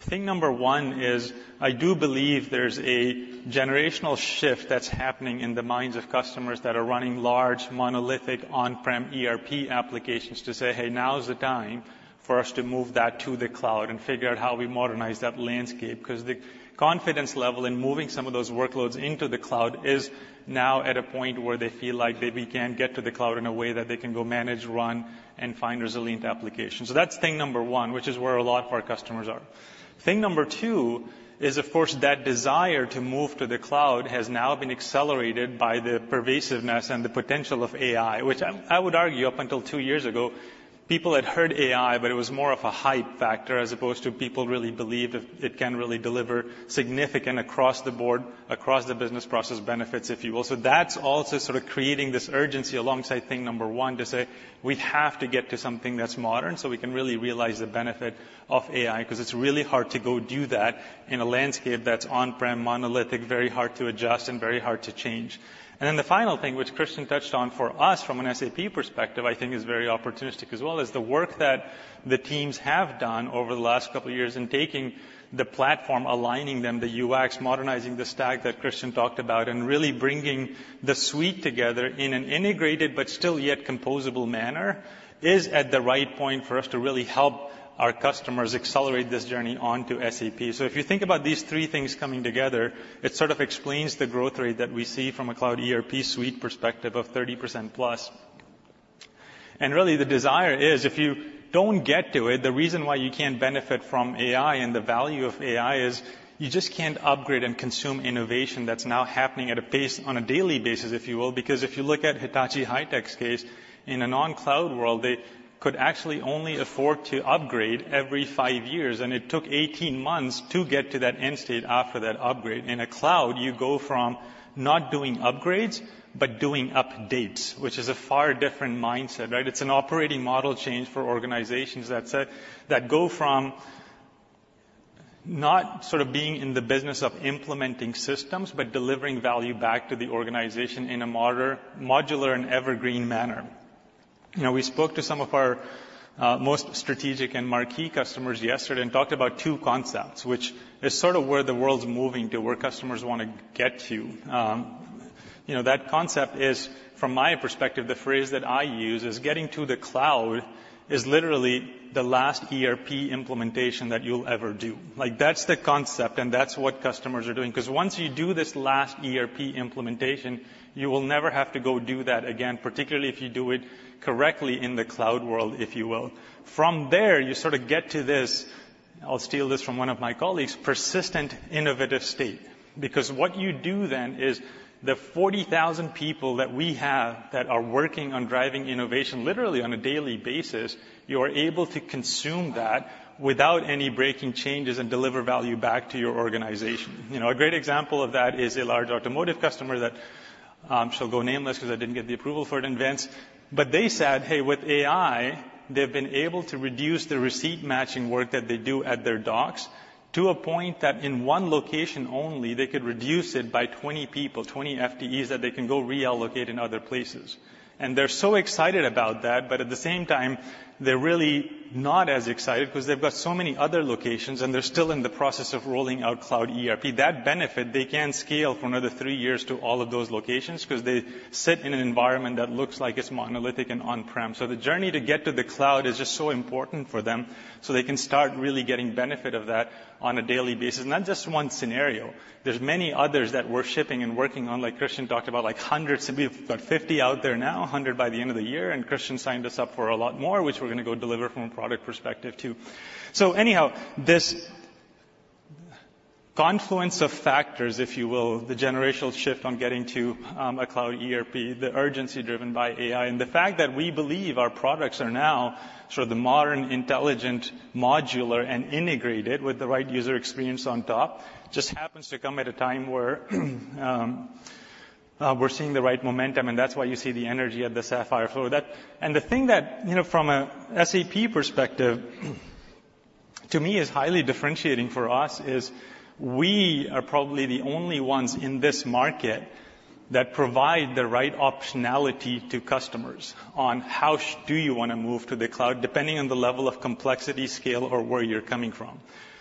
Thing number one is, I do believe there's a generational shift that's happening in the minds of customers that are running large, monolithic, on-prem ERP applications to say, "Hey, now is the time for us to move that to the cloud and figure out how we modernize that landscape." Because the confidence level in moving some of those workloads into the cloud is now at a point where they feel like they can get to the cloud in a way that they can go manage, run, and find resilient applications. So that's thing number one, which is where a lot of our customers are. Thing number two is, of course, that desire to move to the cloud has now been accelerated by the pervasiveness and the potential of AI, which I, I would argue, up until two years ago, people had heard AI, but it was more of a hype factor, as opposed to people really believe it, it can really deliver significant across-the-board, across-the-business process benefits, if you will. So that's also sort of creating this urgency alongside thing number one, to say, "We have to get to something that's modern, so we can really realize the benefit of AI," 'cause it's really hard to go do that in a landscape that's on-prem, monolithic, very hard to adjust and very hard to change. And then the final thing, which Christian touched on, for us, from an SAP perspective, I think is very opportunistic as well, is the work that the teams have done over the last couple of years in taking the platform, aligning them, the UX, modernizing the stack that Christian talked about, and really bringing the suite together in an integrated, but still yet composable manner, is at the right point for us to really help our customers accelerate this journey onto SAP. So if you think about these three things coming together, it sort of explains the growth rate that we see from a Cloud ERP Suite perspective of 30%+. Really, the desire is, if you don't get to it, the reason why you can't benefit from AI and the value of AI is you just can't upgrade and consume innovation that's now happening at a pace on a daily basis, if you will, because if you look at Hitachi High-Tech's case, in a non-cloud world, they could actually only afford to upgrade every five years, and it took 18 months to get to that end state after that upgrade. In a cloud, you go from not doing upgrades, but doing updates, which is a far different mindset, right? It's an operating model change for organizations that go from not sort of being in the business of implementing systems, but delivering value back to the organization in a modular and evergreen manner. You know, we spoke to some of our most strategic and marquee customers yesterday and talked about two concepts, which is sort of where the world's moving to, where customers want to get to. You know, that concept is, from my perspective, the phrase that I use is, getting to the cloud is literally the last ERP implementation that you'll ever do. Like, that's the concept, and that's what customers are doing, 'cause once you do this last ERP implementation, you will never have to go do that again, particularly if you do it correctly in the cloud world, if you will. From there, you sort of get to this, I'll steal this from one of my colleagues, persistent, innovative state. Because what you do then is, the 40,000 people that we have that are working on driving innovation, literally on a daily basis, you are able to consume that without any breaking changes and deliver value back to your organization. You know, a great example of that is a large automotive customer that shall go nameless 'cause I didn't get the approval for it in advance, but they said, hey, with AI, they've been able to reduce the receipt matching work that they do at their docks to a point that in one location only, they could reduce it by 20 people, 20 FTEs, that they can go reallocate in other places. And they're so excited about that, but at the same time, they're really not as excited because they've got so many other locations, and they're still in the process of rolling out cloud ERP. That benefit, they can't scale for another three years to all of those locations 'cause they sit in an environment that looks like it's monolithic and on-prem. So the journey to get to the cloud is just so important for them, so they can start really getting benefit of that on a daily basis. Not just one scenario. There's many others that we're shipping and working on, like Christian talked about, like hundreds, so we've got 50 out there now, 100 by the end of the year, and Christian signed us up for a lot more, which we're gonna go deliver from a product perspective, too. So anyhow, this confluence of factors, if you will, the generational shift on getting to a Cloud ERP, the urgency driven by AI, and the fact that we believe our products are now sort of the modern, intelligent, modular, and integrated with the right user experience on top, just happens to come at a time where we're seeing the right momentum, and that's why you see the energy at the Sapphire flow. And the thing that, you know, from a SAP perspective, to me, is highly differentiating for us, is we are probably the only ones in this market that provide the right optionality to customers on how do you want to move to the cloud, depending on the level of complexity, scale, or where you're coming from.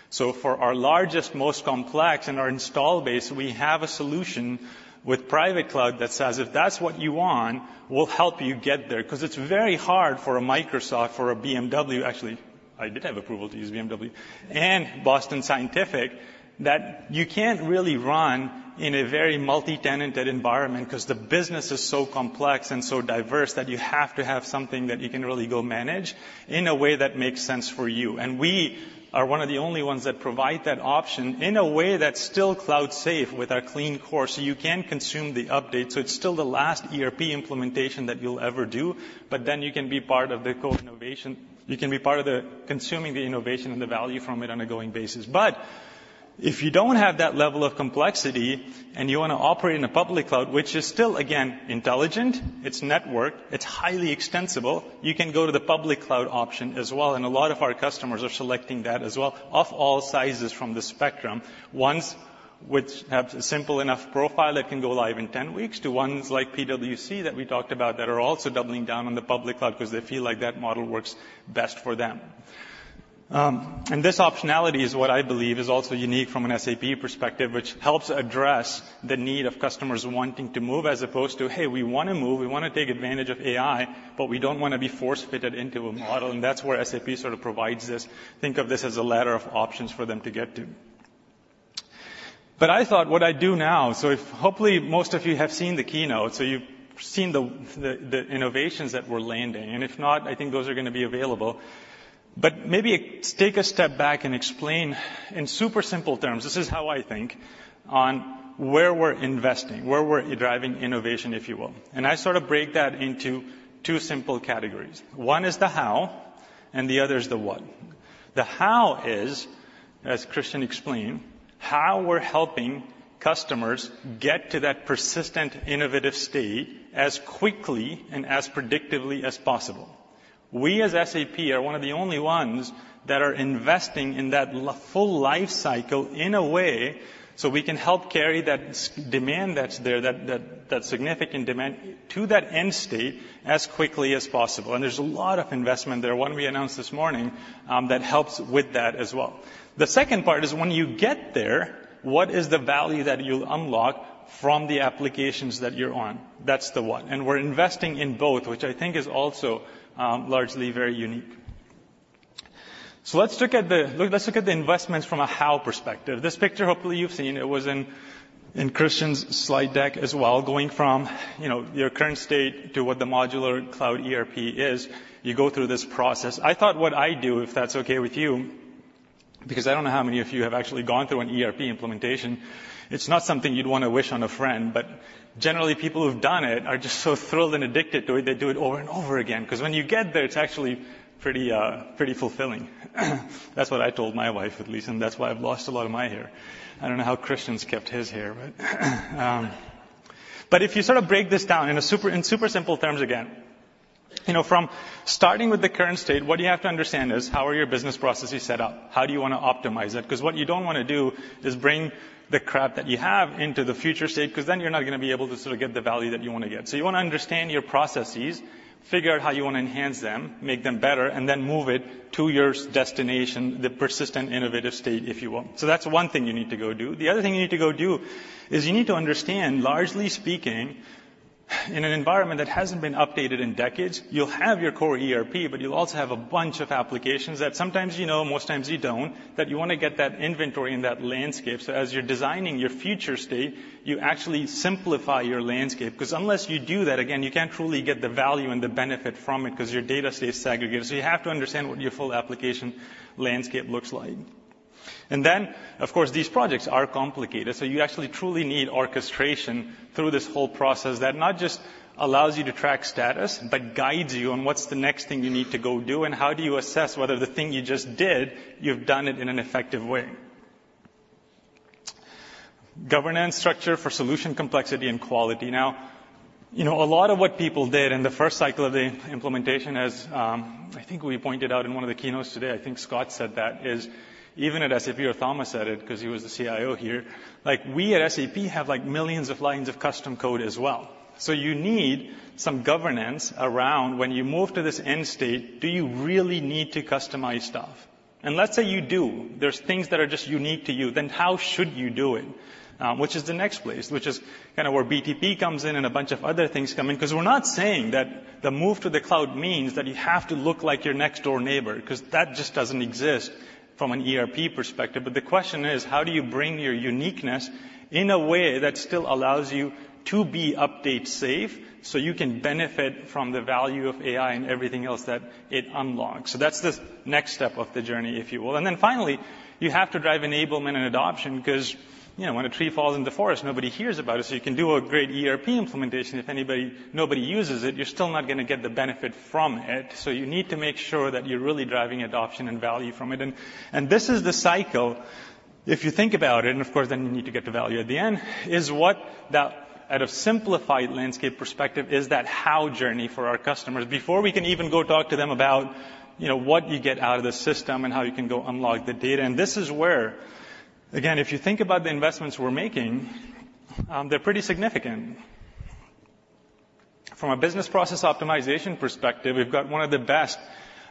So for our largest, most complex in our install base, we have a solution with private cloud that says, if that's what you want, we'll help you get there. 'Cause it's very hard for a Microsoft or a BMW, actually, I did have approval to use BMW, and Boston Scientific, that you can't really run in a very multi-tenanted environment 'cause the business is so complex and so diverse that you have to have something that you can really go manage in a way that makes sense for you. And we are one of the only ones that provide that option in a way that's still cloud safe with our Clean Core, so you can consume the update. So it's still the last ERP implementation that you'll ever do, but then you can be part of the co-innovation. You can be part of the consuming the innovation and the value from it on a going basis. But if you don't have that level of complexity and you want to operate in a public cloud, which is still, again, intelligent, it's networked, it's highly extensible, you can go to the public cloud option as well, and a lot of our customers are selecting that as well, of all sizes from the spectrum, which have a simple enough profile that can go live in 10 weeks, to ones like PwC that we talked about, that are also doubling down on the public cloud because they feel like that model works best for them. This optionality is what I believe is also unique from an SAP perspective, which helps address the need of customers wanting to move, as opposed to, "Hey, we want to move, we want to take advantage of AI, but we don't want to be force-fitted into a model." And that's where SAP sort of provides this. Think of this as a ladder of options for them to get to. But I thought what I'd do now. So, if hopefully, most of you have seen the keynote, so you've seen the innovations that we're landing, and if not, I think those are going to be available. But maybe take a step back and explain in super simple terms, this is how I think, on where we're investing, where we're driving innovation, if you will. And I sort of break that into two simple categories. One is the how, and the other is the what. The how is, as Christian explained, how we're helping customers get to that persistent, innovative state as quickly and as predictively as possible. We, as SAP, are one of the only ones that are investing in that full life cycle in a way so we can help carry that significant demand that's there to that end state as quickly as possible. And there's a lot of investment there, one we announced this morning, that helps with that as well. The second part is when you get there, what is the value that you'll unlock from the applications that you're on? That's the one and we're investing in both, which I think is also largely very unique. So let's look at the... Let's look at the investments from a how perspective. This picture, hopefully, you've seen, was in Christian's slide deck as well, going from, you know, your current state to what the modular cloud ERP is. You go through this process. I thought what I'd do, if that's okay with you, because I don't know how many of you have actually gone through an ERP implementation. It's not something you'd want to wish on a friend, but generally, people who've done it are just so thrilled and addicted to it, they do it over and over again, because when you get there, it's actually pretty, pretty fulfilling. That's what I told my wife, at least, and that's why I've lost a lot of my hair. I don't know how Christian's kept his hair, but... But if you sort of break this down in super simple terms again, you know, from starting with the current state, what you have to understand is: how are your business processes set up? How do you want to optimize it? Because what you don't want to do is bring the crap that you have into the future state, because then you're not going to be able to sort of get the value that you want to get. So you want to understand your processes, figure out how you want to enhance them, make them better, and then move it to your destination, the persistent, innovative state, if you will. So that's one thing you need to go do. The other thing you need to go do is you need to understand, largely speaking, in an environment that hasn't been updated in decades, you'll have your core ERP, but you'll also have a bunch of applications that sometimes you know, most times you don't, that you want to get that inventory in that landscape. So as you're designing your future state, you actually simplify your landscape, because unless you do that, again, you can't truly get the value and the benefit from it because your data stays segregated. So you have to understand what your full application landscape looks like. And then, of course, these projects are complicated, so you actually truly need orchestration through this whole process that not just allows you to track status, but guides you on what's the next thing you need to go do, and how do you assess whether the thing you just did, you've done it in an effective way. Governance structure for solution, complexity, and quality. Now, you know, a lot of what people did in the first cycle of the implementation, as, I think we pointed out in one of the keynotes today, I think Scott said that, is even at SAP, or Thomas said it, because he was the CIO here, like, we at SAP have, like, millions of lines of custom code as well. So you need some governance around when you move to this end state, do you really need to customize stuff? And let's say you do. There's things that are just unique to you, then how should you do it? Which is the next place, which is kind of where BTP comes in and a bunch of other things come in. Because we're not saying that the move to the cloud means that you have to look like your next-door neighbor, because that just doesn't exist from an ERP perspective. But the question is: how do you bring your uniqueness in a way that still allows you to be update-safe, so you can benefit from the value of AI and everything else that it unlocks? So that's the next step of the journey, if you will. And then finally, you have to drive enablement and adoption, because, you know, when a tree falls in the forest, nobody hears about it. So you can do a great ERP implementation. If anybody, nobody uses it, you're still not going to get the benefit from it. So you need to make sure that you're really driving adoption and value from it. And this is the cycle. If you think about it, and of course, then you need to get the value at the end, is what that, at a simplified landscape perspective, is that how journey for our customers before we can even go talk to them about, you know, what you get out of the system and how you can go unlock the data. And this is where, again, if you think about the investments we're making, they're pretty significant. From a business process optimization perspective, we've got one of the best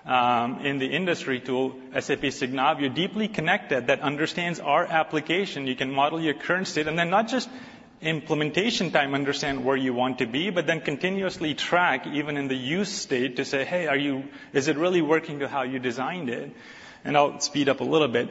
in the industry tool, SAP Signavio, deeply connected, that understands our application. You can model your current state, and then not just implementation time, understand where you want to be, but then continuously track even in the use state to say, "Hey, is it really working how you designed it?" I'll speed up a little bit.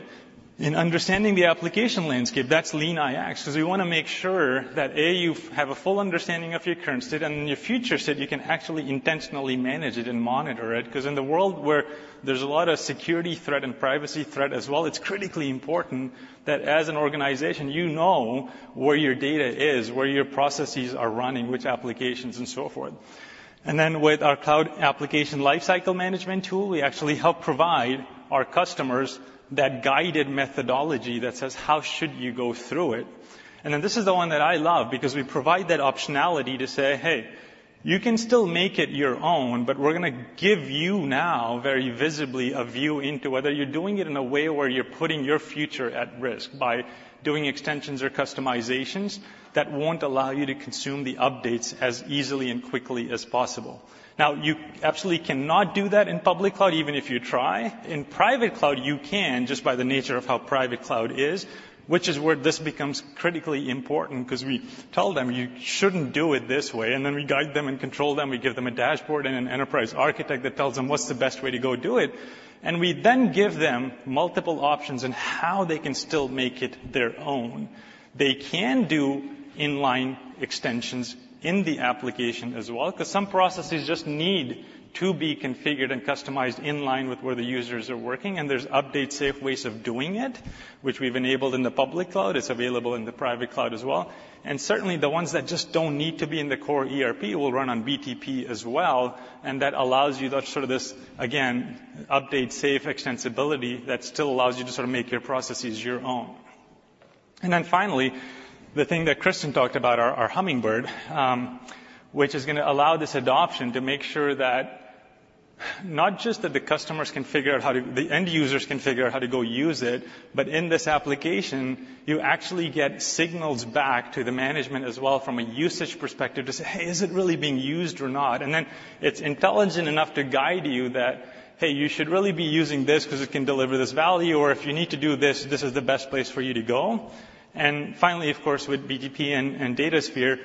In understanding the application landscape, that's LeanIX, because we want to make sure that, A, you have a full understanding of your current state, and in your future state, you can actually intentionally manage it and monitor it, because in the world where there's a lot of security threat and privacy threat as well, it's critically important that as an organization, you know where your data is, where your processes are running, which applications, and so forth. And then with our Cloud Application Lifecycle Management tool, we actually help provide our customers that guided methodology that says, "How should you go through it?"... And then this is the one that I love, because we provide that optionality to say, "Hey, you can still make it your own, but we're going to give you now, very visibly, a view into whether you're doing it in a way where you're putting your future at risk by doing extensions or customizations that won't allow you to consume the updates as easily and quickly as possible." Now, you absolutely cannot do that in public cloud, even if you try. In private cloud, you can, just by the nature of how private cloud is, which is where this becomes critically important, 'cause we tell them, "You shouldn't do it this way," and then we guide them and control them. We give them a dashboard and an enterprise architect that tells them what's the best way to go do it. We then give them multiple options on how they can still make it their own. They can do inline extensions in the application as well, 'cause some processes just need to be configured and customized in line with where the users are working, and there's update-safe ways of doing it, which we've enabled in the public cloud. It's available in the private cloud as well. Certainly, the ones that just don't need to be in the core ERP will run on BTP as well, and that allows you that sort of this, again, update-safe extensibility that still allows you to sort of make your processes your own. And then finally, the thing that Christian talked about, our, our Hummingbird, which is going to allow this adoption to make sure that, not just that the customers can figure out how to, the end users can figure out how to go use it, but in this application, you actually get signals back to the management as well from a usage perspective to say, "Hey, is it really being used or not?" And then it's intelligent enough to guide you that, "Hey, you should really be using this because it can deliver this value," or, "If you need to do this, this is the best place for you to go." And finally, of course, with BTP and Datasphere,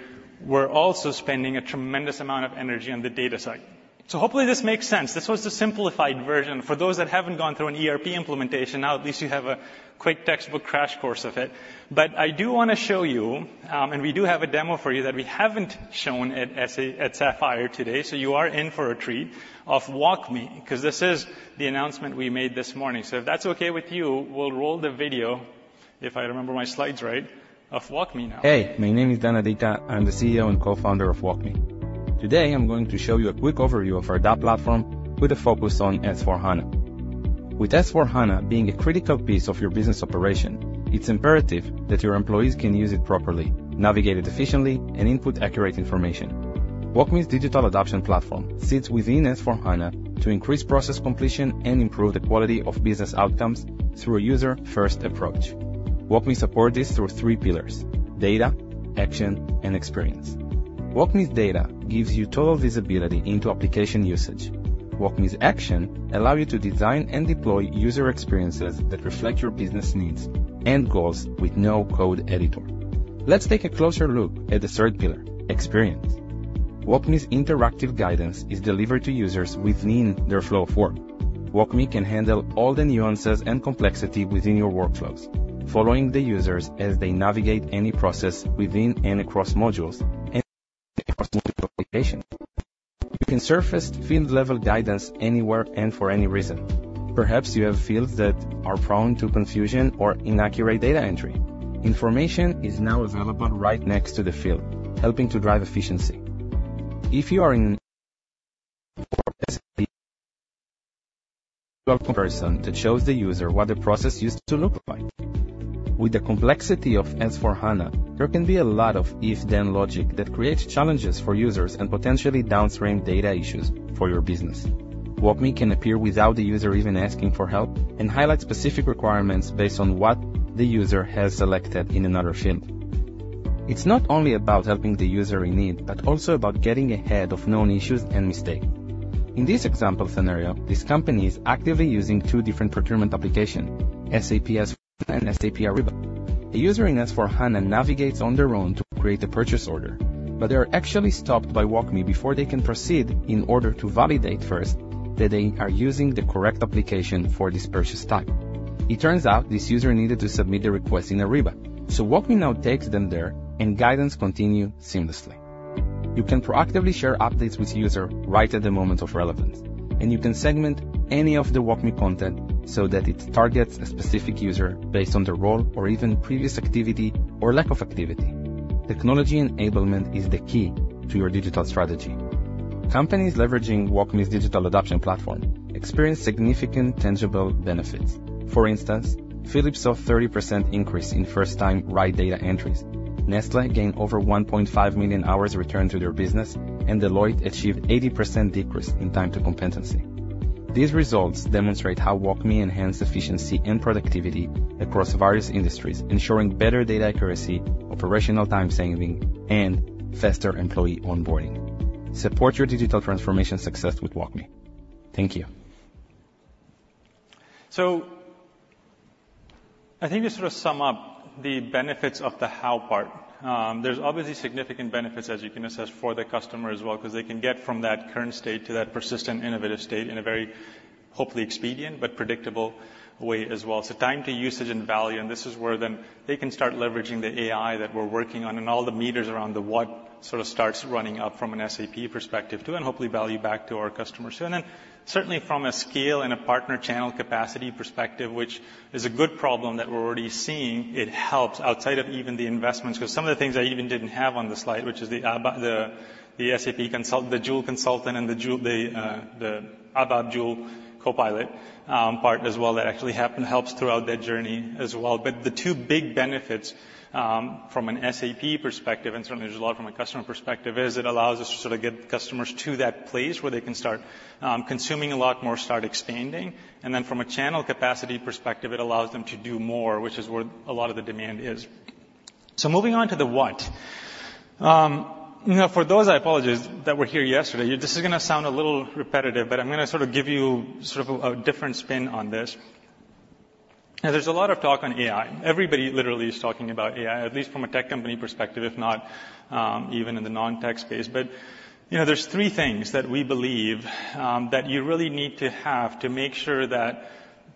we're also spending a tremendous amount of energy on the data side. So hopefully this makes sense. This was the simplified version. For those that haven't gone through an ERP implementation, now at least you have a quick textbook crash course of it. But I do want to show you, and we do have a demo for you that we haven't shown at Sapphire today, so you are in for a treat, of WalkMe, 'cause this is the announcement we made this morning. So if that's okay with you, we'll roll the video, if I remember my slides right, of WalkMe now. Hey, my name is Dan Adika. I'm the CEO and co-founder of WalkMe. Today, I'm going to show you a quick overview of our DAP platform with a focus on S/4HANA. With S/4HANA being a critical piece of your business operation, it's imperative that your employees can use it properly, navigate it efficiently, and input accurate information. WalkMe's Digital Adoption Platform sits within S/4HANA to increase process completion and improve the quality of business outcomes through a user-first approach. WalkMe supports this through three pillars: data, action, and experience. WalkMe's data gives you total visibility into application usage. WalkMe's actions allow you to design and deploy user experiences that reflect your business needs and goals with no-code editor. Let's take a closer look at the third pillar, experience. WalkMe's interactive guidance is delivered to users within their flow of work. WalkMe can handle all the nuances and complexity within your workflows, following the users as they navigate any process within and across modules, and across application. You can surface field-level guidance anywhere and for any reason. Perhaps you have fields that are prone to confusion or inaccurate data entry. Information is now available right next to the field, helping to drive efficiency. If you are in... person that shows the user what the process used to look like. With the complexity of S/4HANA, there can be a lot of if/then logic that creates challenges for users and potentially downstream data issues for your business. WalkMe can appear without the user even asking for help and highlight specific requirements based on what the user has selected in another field. It's not only about helping the user in need, but also about getting ahead of known issues and mistakes. In this example scenario, this company is actively using two different procurement applications, SAP S/4HANA and SAP Ariba. A user in S/4HANA navigates on their own to create a purchase order, but they are actually stopped by WalkMe before they can proceed, in order to validate first that they are using the correct application for this purchase type. It turns out this user needed to submit a request in Ariba, so WalkMe now takes them there, and guidance continue seamlessly. You can proactively share updates with user right at the moment of relevance, and you can segment any of the WalkMe content so that it targets a specific user based on their role or even previous activity or lack of activity. Technology enablement is the key to your digital strategy. Companies leveraging WalkMe's digital adoption platform experience significant tangible benefits. For instance, Philips saw 30% increase in first-time right data entries. Nestlé gained over 1.5 million hours returned to their business, and Deloitte achieved 80% decrease in time to competency. These results demonstrate how WalkMe enhance efficiency and productivity across various industries, ensuring better data accuracy, operational time saving, and faster employee onboarding. Support your digital transformation success with WalkMe. Thank you. So I think to sort of sum up the benefits of the how part, there's obviously significant benefits, as you can assess, for the customer as well, 'cause they can get from that current state to that persistent innovative state in a very, hopefully, expedient, but predictable way as well. So time to usage and value, and this is where then they can start leveraging the AI that we're working on, and all the meters around the what sort of starts running up from an SAP perspective, too, and hopefully value back to our customers. So then, certainly from a scale and a partner channel capacity perspective, which is a good problem that we're already seeing, it helps outside of even the investments, 'cause some of the things I even didn't have on the slide, which is the SAP consultant, the Joule consultant, and the ABAP Joule copilot part as well, that actually helps throughout that journey as well. But the two big benefits from an SAP perspective, and certainly there's a lot from a customer perspective, is it allows us to sort of get customers to that place where they can start consuming a lot more, start expanding. And then from a channel capacity perspective, it allows them to do more, which is where a lot of the demand is. So moving on to the what. You know, for those, I apologize, that were here yesterday, this is going to sound a little repetitive, but I'm going to sort of give you sort of a, a different spin on this. Now, there's a lot of talk on AI. Everybody literally is talking about AI, at least from a tech company perspective, if not, even in the non-tech space. But, you know, there's three things that we believe, that you really need to have to make sure that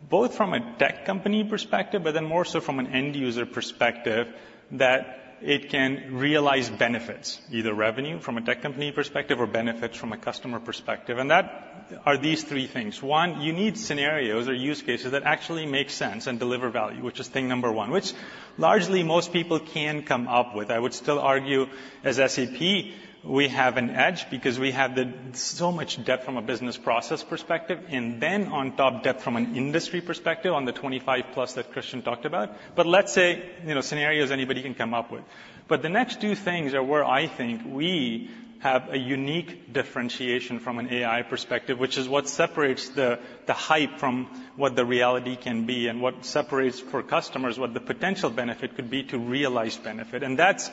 both from a tech company perspective, but then more so from an end user perspective, that it can realize benefits, either revenue from a tech company perspective or benefits from a customer perspective, and that are these three things. One, you need scenarios or use cases that actually make sense and deliver value, which is thing number one, which largely most people can come up with. I would still argue, as SAP, we have an edge because we have the, so much depth from a business process perspective, and then on top, depth from an industry perspective on the 25+ that Christian talked about. But let's say, you know, scenarios anybody can come up with. But the next two things are where I think we have a unique differentiation from an AI perspective, which is what separates the, the hype from what the reality can be and what separates, for customers, what the potential benefit could be to realize benefit. And that's,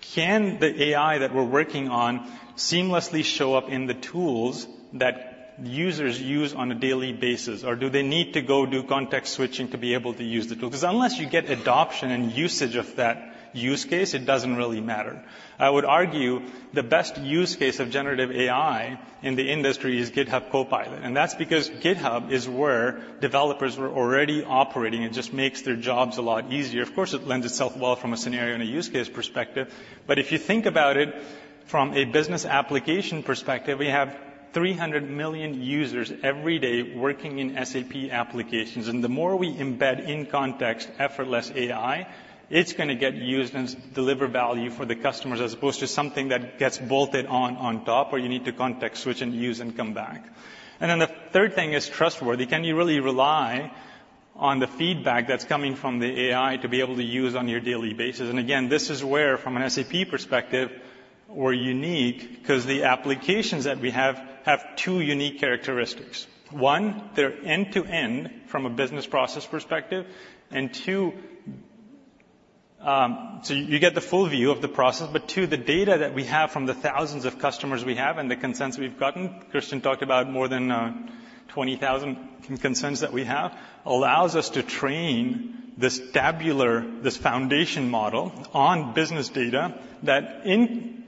can the AI that we're working on seamlessly show up in the tools that users use on a daily basis? Or do they need to go do context switching to be able to use the tool? Because unless you get adoption and usage of that use case, it doesn't really matter. I would argue the best use case of generative AI in the industry is GitHub Copilot, and that's because GitHub is where developers were already operating. It just makes their jobs a lot easier. Of course, it lends itself well from a scenario and a use case perspective, but if you think about it from a business application perspective, we have 300 million users every day working in SAP applications, and the more we embed in context, effortless AI, it's gonna get used and deliver value for the customers, as opposed to something that gets bolted on, on top, or you need to context switch and use and come back. And then the third thing is trustworthy. Can you really rely on the feedback that's coming from the AI to be able to use on your daily basis? Again, this is where, from an SAP perspective, we're unique because the applications that we have have two unique characteristics. One, they're end-to-end from a business process perspective, and two, So you get the full view of the process, but two, the data that we have from the thousands of customers we have and the consents we've gotten, Christian talked about more than 20,000 consents that we have, allows us to train this tabular, this foundation model on business data that in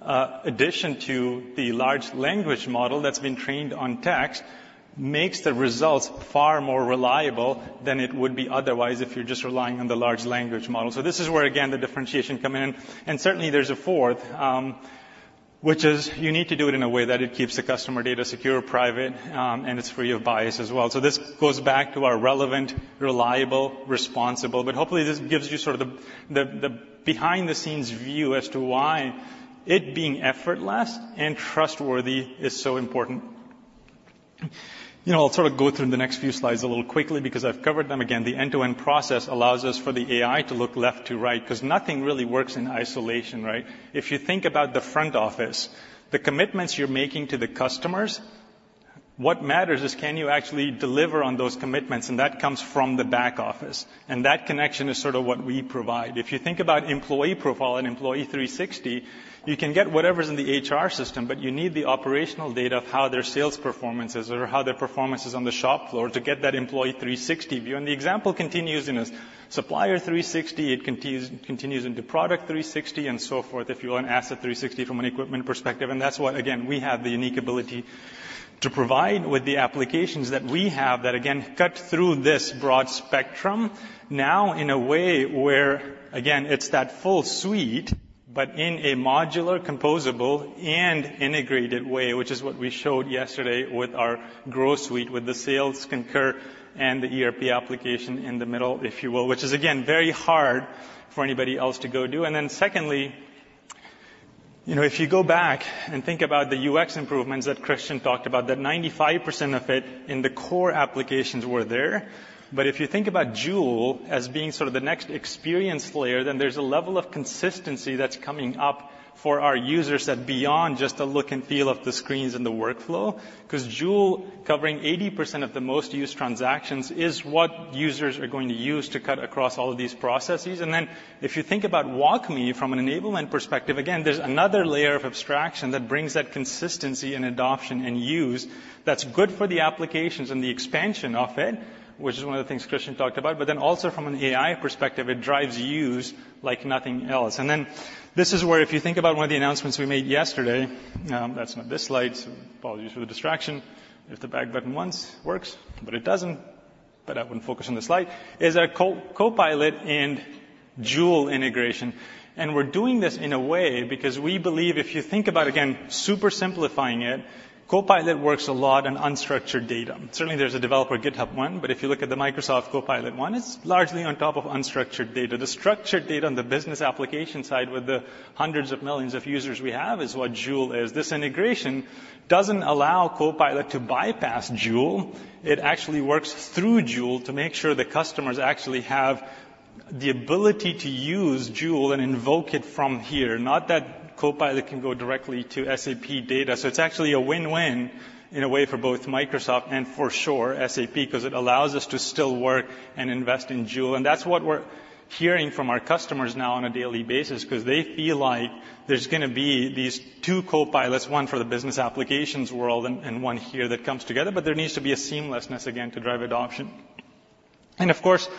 addition to the large language model that's been trained on text, makes the results far more reliable than it would be otherwise if you're just relying on the large language model. So this is where, again, the differentiation come in. And certainly there's a fourth, which is you need to do it in a way that it keeps the customer data secure, private, and it's free of bias as well. So this goes back to our relevant, reliable, responsible, but hopefully, this gives you sort of the behind-the-scenes view as to why it being effortless and trustworthy is so important. You know, I'll sort of go through the next few slides a little quickly because I've covered them. Again, the end-to-end process allows us for the AI to look left to right, because nothing really works in isolation, right? If you think about the front office, the commitments you're making to the customers, what matters is, can you actually deliver on those commitments? And that comes from the back office, and that connection is sort of what we provide. If you think about employee profile and Employee 360, you can get whatever's in the HR system, but you need the operational data of how their sales performance is or how their performance is on the shop floor to get that Employee 360 view. And the example continues in a Supplier 360. It continues, continues into Product 360, and so forth, if you want Asset 360 from an equipment perspective, and that's what, again, we have the unique ability to provide with the applications that we have, that, again, cut through this broad spectrum now in a way where, again, it's that full suite, but in a modular, composable, and integrated way, which is what we showed yesterday with our growth suite, with the Sales, Concur and the ERP application in the middle, if you will, which is, again, very hard for anybody else to go do. And then secondly, you know, if you go back and think about the UX improvements that Christian talked about, that 95% of it in the core applications were there. But if you think about Joule as being sort of the next experience layer, then there's a level of consistency that's coming up for our users that beyond just the look and feel of the screens and the workflow, because Joule, covering 80% of the most used transactions, is what users are going to use to cut across all of these processes. And then, if you think about WalkMe from an enablement perspective, again, there's another layer of abstraction that brings that consistency and adoption and use that's good for the applications and the expansion of it, which is one of the things Christian talked about. But then also from an AI perspective, it drives use like nothing else. And then this is where if you think about one of the announcements we made yesterday, that's not this slide. Apologies for the distraction. Hit the back button once. Works, but it doesn't. But I wouldn't focus on this slide, is our Copilot and Joule integration, and we're doing this in a way because we believe if you think about, again, super simplifying it, Copilot works a lot on unstructured data. Certainly, there's a developer, GitHub one, but if you look at the Microsoft Copilot one, it's largely on top of unstructured data. The structured data on the business application side, with the hundreds of millions of users we have, is what Joule is. This integration doesn't allow Copilot to bypass Joule. It actually works through Joule to make sure the customers actually have-... The ability to use Joule and invoke it from here, not that Copilot can go directly to SAP data. So it's actually a win-win in a way, for both Microsoft and for sure, SAP, because it allows us to still work and invest in Joule. And that's what we're hearing from our customers now on a daily basis, because they feel like there's going to be these two copilots, one for the business applications world and one here that comes together. But there needs to be a seamlessness, again, to drive adoption. And of course,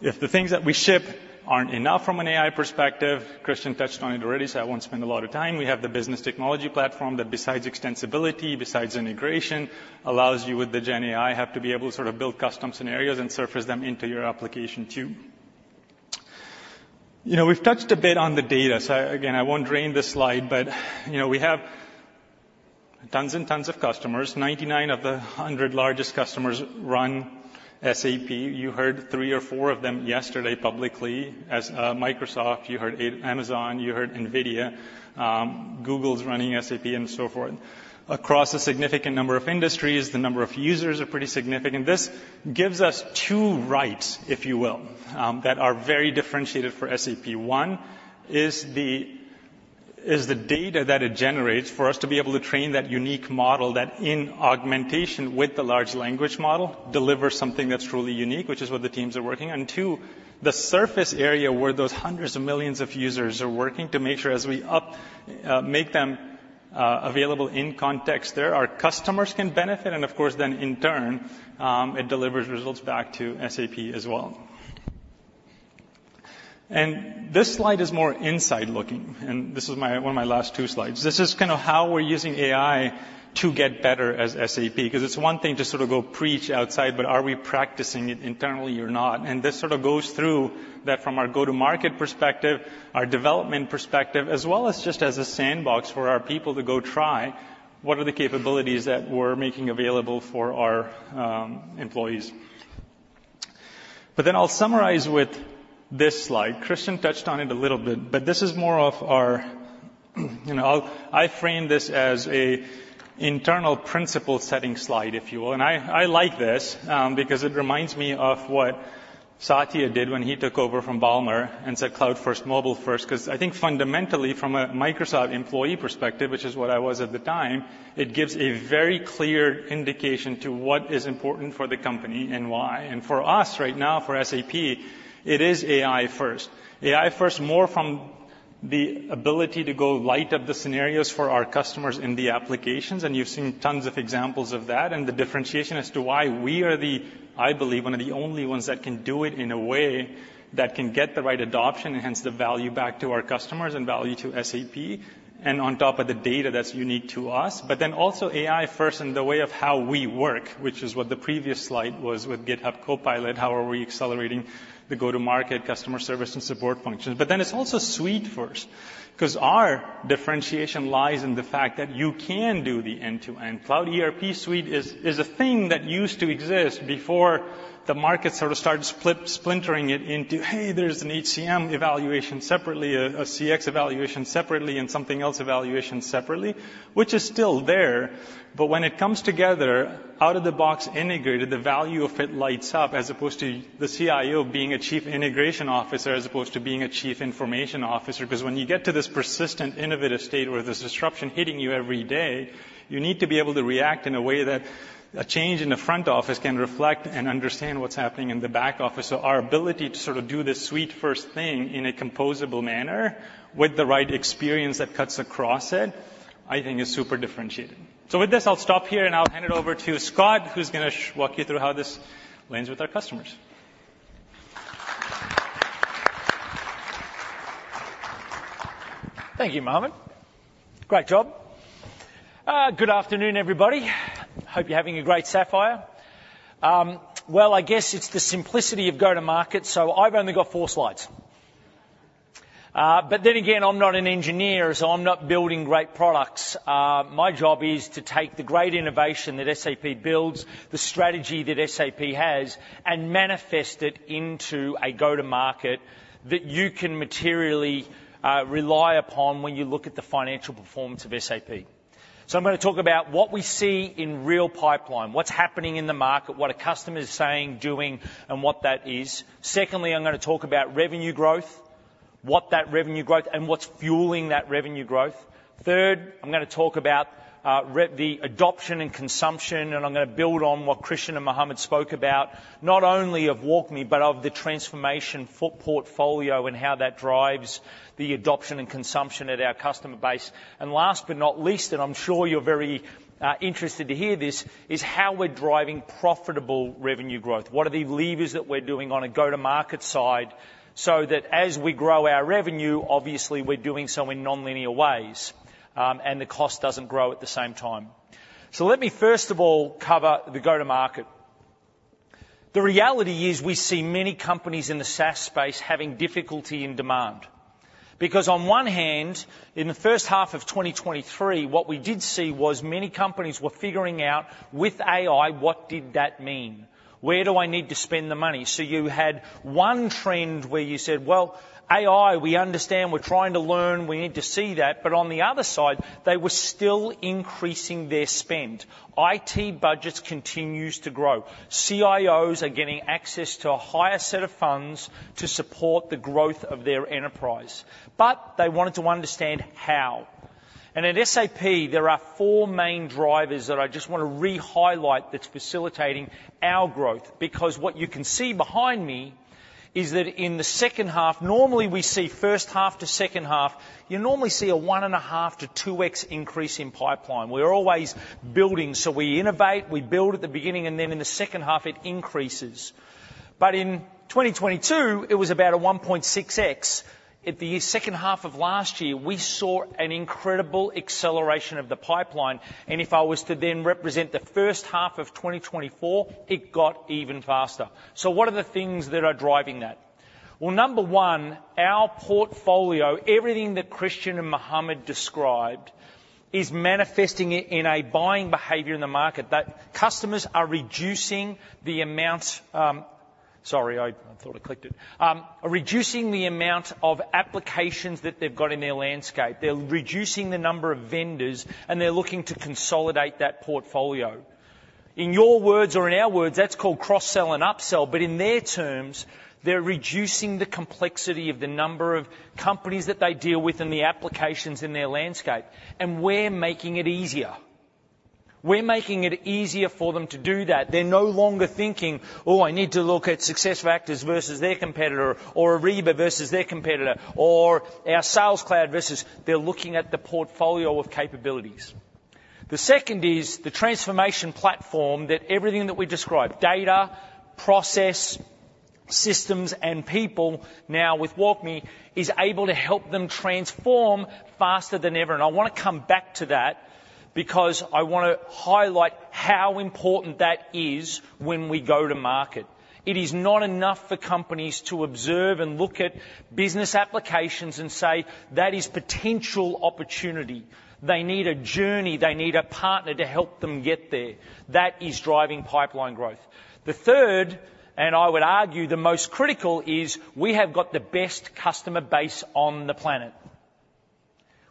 if the things that we ship aren't enough from an AI perspective, Christian touched on it already, so I won't spend a lot of time. We have the Business Technology Platform that, besides extensibility, besides integration, allows you, with the GenAI, have to be able to sort of build custom scenarios and surface them into your application, too. You know, we've touched a bit on the data, so again, I won't drain this slide, but, you know, we have tons and tons of customers. 99 of the 100 largest customers run SAP. You heard 3 or 4 of them yesterday publicly as, Microsoft, you heard Amazon, you heard NVIDIA, Google's running SAP, and so forth. Across a significant number of industries, the number of users are pretty significant. This gives us two rights, if you will, that are very differentiated for SAP. One is the data that it generates for us to be able to train that unique model, that in augmentation with the large language model, delivers something that's truly unique, which is what the teams are working. And two, the surface area where those hundreds of millions of users are working to make sure as we make them available in context, there our customers can benefit, and of course, then in turn, it delivers results back to SAP as well. And this slide is more inside looking, and this is one of my last two slides. This is kind of how we're using AI to get better as SAP, because it's one thing to sort of go preach outside, but are we practicing it internally or not? This sort of goes through that from our go-to-market perspective, our development perspective, as well as just as a sandbox for our people to go try what are the capabilities that we're making available for our employees. But then I'll summarize with this slide. Christian touched on it a little bit, but this is more of our. You know, I, I frame this as an internal principle-setting slide, if you will. And I, I like this, because it reminds me of what Satya did when he took over from Ballmer and said, "Cloud first, mobile first." Because I think fundamentally from a Microsoft employee perspective, which is what I was at the time, it gives a very clear indication to what is important for the company and why. For us, right now, for SAP, it is AI first. AI first, more from the ability to go light up the scenarios for our customers in the applications. And you've seen tons of examples of that, and the differentiation as to why we are the, I believe, one of the only ones that can do it in a way that can get the right adoption, enhance the value back to our customers and value to SAP, and on top of the data that's unique to us. But then also AI first in the way of how we work, which is what the previous slide was with GitHub Copilot. How are we accelerating the go-to-market customer service and support functions? But then it's also suite first, 'cause our differentiation lies in the fact that you can do the end-to-end. Cloud ERP Suite is a thing that used to exist before the market sort of started splintering it into, "Hey, there's an HCM evaluation separately, a CX evaluation separately, and something else evaluation separately," which is still there. But when it comes together, out-of-the-box integrated, the value of it lights up, as opposed to the CIO being a chief integration officer, as opposed to being a chief information officer. Because when you get to this persistent, innovative state where there's disruption hitting you every day, you need to be able to react in a way that a change in the front office can reflect and understand what's happening in the back office. So our ability to sort of do this suite-first thing in a composable manner, with the right experience that cuts across it, I think is super differentiating. With this, I'll stop here, and I'll hand it over to Scott, who's going to walk you through how this lands with our customers. Thank you, Muhammad. Great job. Good afternoon, everybody. Hope you're having a great Sapphire. Well, I guess it's the simplicity of go-to-market, so I've only got four slides. But then again, I'm not an engineer, so I'm not building great products. My job is to take the great innovation that SAP builds, the strategy that SAP has, and manifest it into a go-to-market that you can materially rely upon when you look at the financial performance of SAP. So I'm gonna talk about what we see in real pipeline, what's happening in the market, what a customer is saying, doing, and what that is. Secondly, I'm gonna talk about revenue growth, what that revenue growth, and what's fueling that revenue growth. Third, I'm gonna talk about the adoption and consumption, and I'm gonna build on what Christian and Muhammad spoke about, not only of WalkMe, but of the transformation footprint portfolio and how that drives the adoption and consumption at our customer base. And last but not least, and I'm sure you're very interested to hear this, is how we're driving profitable revenue growth. What are the levers that we're doing on a go-to-market side so that as we grow our revenue, obviously we're doing so in nonlinear ways, and the cost doesn't grow at the same time. So let me, first of all, cover the go-to-market. The reality is, we see many companies in the SaaS space having difficulty in demand. Because on one hand, in the first half of 2023, what we did see was many companies were figuring out, with AI, what did that mean? Where do I need to spend the money? So you had one trend where you said: Well, AI, we understand. We're trying to learn. We need to see that. But on the other side, they were still increasing their spend. IT budgets continues to grow. CIOs are getting access to a higher set of funds to support the growth of their enterprise, but they wanted to understand how. And at SAP, there are four main drivers that I just want to re-highlight that's facilitating our growth, because what you can see behind me is that in the second half, normally we see first half to second half, you normally see a 1.5-2x increase in pipeline. We're always building, so we innovate, we build at the beginning, and then in the second half it increases. But in 2022, it was about a 1.6x. At the second half of last year, we saw an incredible acceleration of the pipeline, and if I was to then represent the first half of 2024, it got even faster. So what are the things that are driving that? Well, number one, our portfolio, everything that Christian and Muhammad described, is manifesting it in a buying behavior in the market, that customers are reducing the amount of applications that they've got in their landscape. They're reducing the number of vendors, and they're looking to consolidate that portfolio. In your words or in our words, that's called cross-sell and upsell, but in their terms, they're reducing the complexity of the number of companies that they deal with and the applications in their landscape. And we're making it easier. We're making it easier for them to do that. They're no longer thinking, "Oh, I need to look at SuccessFactors versus their competitor, or Ariba versus their competitor, or our Sales Cloud versus..." They're looking at the portfolio of capabilities. The second is the transformation platform that everything that we described, data, process, systems, and people, now with WalkMe, is able to help them transform faster than ever. And I want to come back to that because I want to highlight how important that is when we go to market. It is not enough for companies to observe and look at business applications and say, "That is potential opportunity." They need a journey. They need a partner to help them get there. That is driving pipeline growth. The third, and I would argue the most critical, is we have got the best customer base on the planet.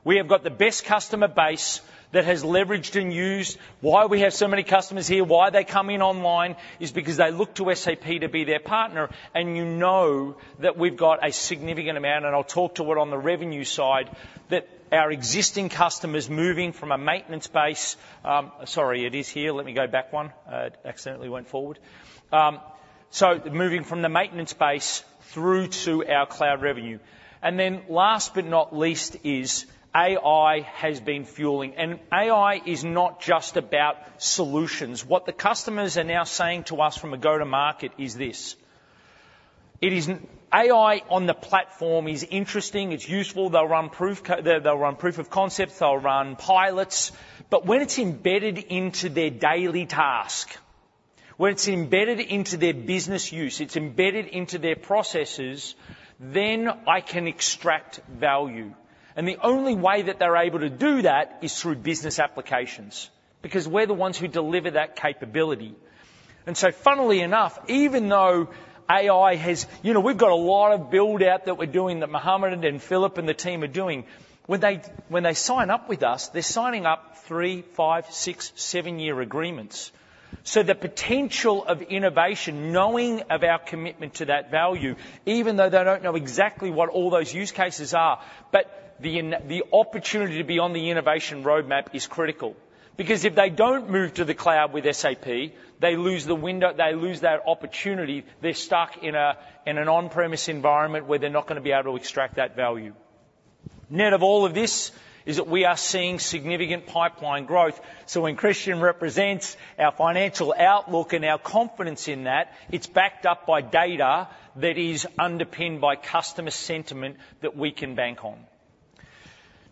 We have got the best customer base that has leveraged and used. Why we have so many customers here, why they come in online, is because they look to SAP to be their partner, and you know that we've got a significant amount, and I'll talk to it on the revenue side, that our existing customers moving from a maintenance base. Sorry, it is here. Let me go back one. I accidentally went forward. So moving from the maintenance base through to our cloud revenue. Then last but not least is AI has been fueling. AI is not just about solutions. What the customers are now saying to us from a go-to-market is this, it is, "AI on the platform is interesting, it's useful. They'll run proof of concepts, they'll run pilots, but when it's embedded into their daily task, when it's embedded into their business use, it's embedded into their processes, then I can extract value." The only way that they're able to do that is through business applications, because we're the ones who deliver that capability. So, funnily enough, even though AI has... You know, we've got a lot of build-out that we're doing, that Muhammad and Philipp and the team are doing. When they, when they sign up with us, they're signing up three, five, six, seven-year agreements. So the potential of innovation, knowing of our commitment to that value, even though they don't know exactly what all those use cases are, but the opportunity to be on the innovation roadmap is critical. Because if they don't move to the cloud with SAP, they lose the window, they lose that opportunity. They're stuck in a, in an on-premise environment where they're not gonna be able to extract that value. Net of all of this is that we are seeing significant pipeline growth. So when Christian represents our financial outlook and our confidence in that, it's backed up by data that is underpinned by customer sentiment that we can bank on.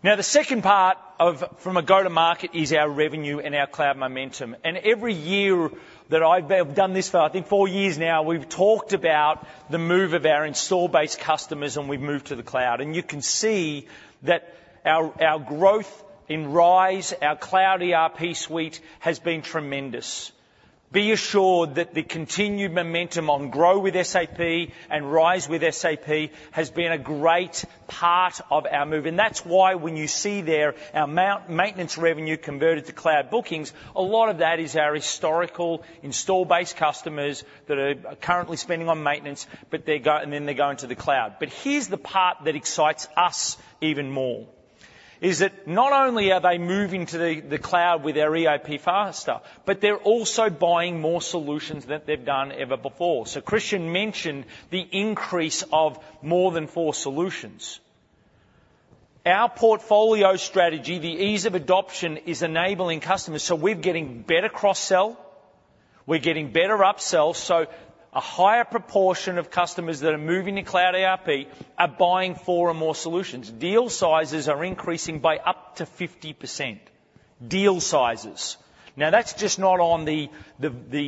Now, the second part of, from a go-to-market is our revenue and our cloud momentum. Every year that I've done this for, I think four years now, we've talked about the move of our install-based customers, and we've moved to the cloud. You can see that our, our growth in RISE, our Cloud ERP Suite, has been tremendous. Be assured that the continued momentum on GROW with SAP and RISE with SAP has been a great part of our move. That's why when you see there our maintenance revenue converted to cloud bookings, a lot of that is our historical install base customers that are currently spending on maintenance, but they're going to the cloud. But here's the part that excites us even more, is that not only are they moving to the, the cloud with our ERP faster, but they're also buying more solutions than they've done ever before. So Christian mentioned the increase of more than 4 solutions. Our portfolio strategy, the ease of adoption, is enabling customers, so we're getting better cross-sell, we're getting better upsell, so a higher proportion of customers that are moving to cloud ERP are buying 4 or more solutions. Deal sizes are increasing by up to 50%. Deal sizes. Now, that's just not on the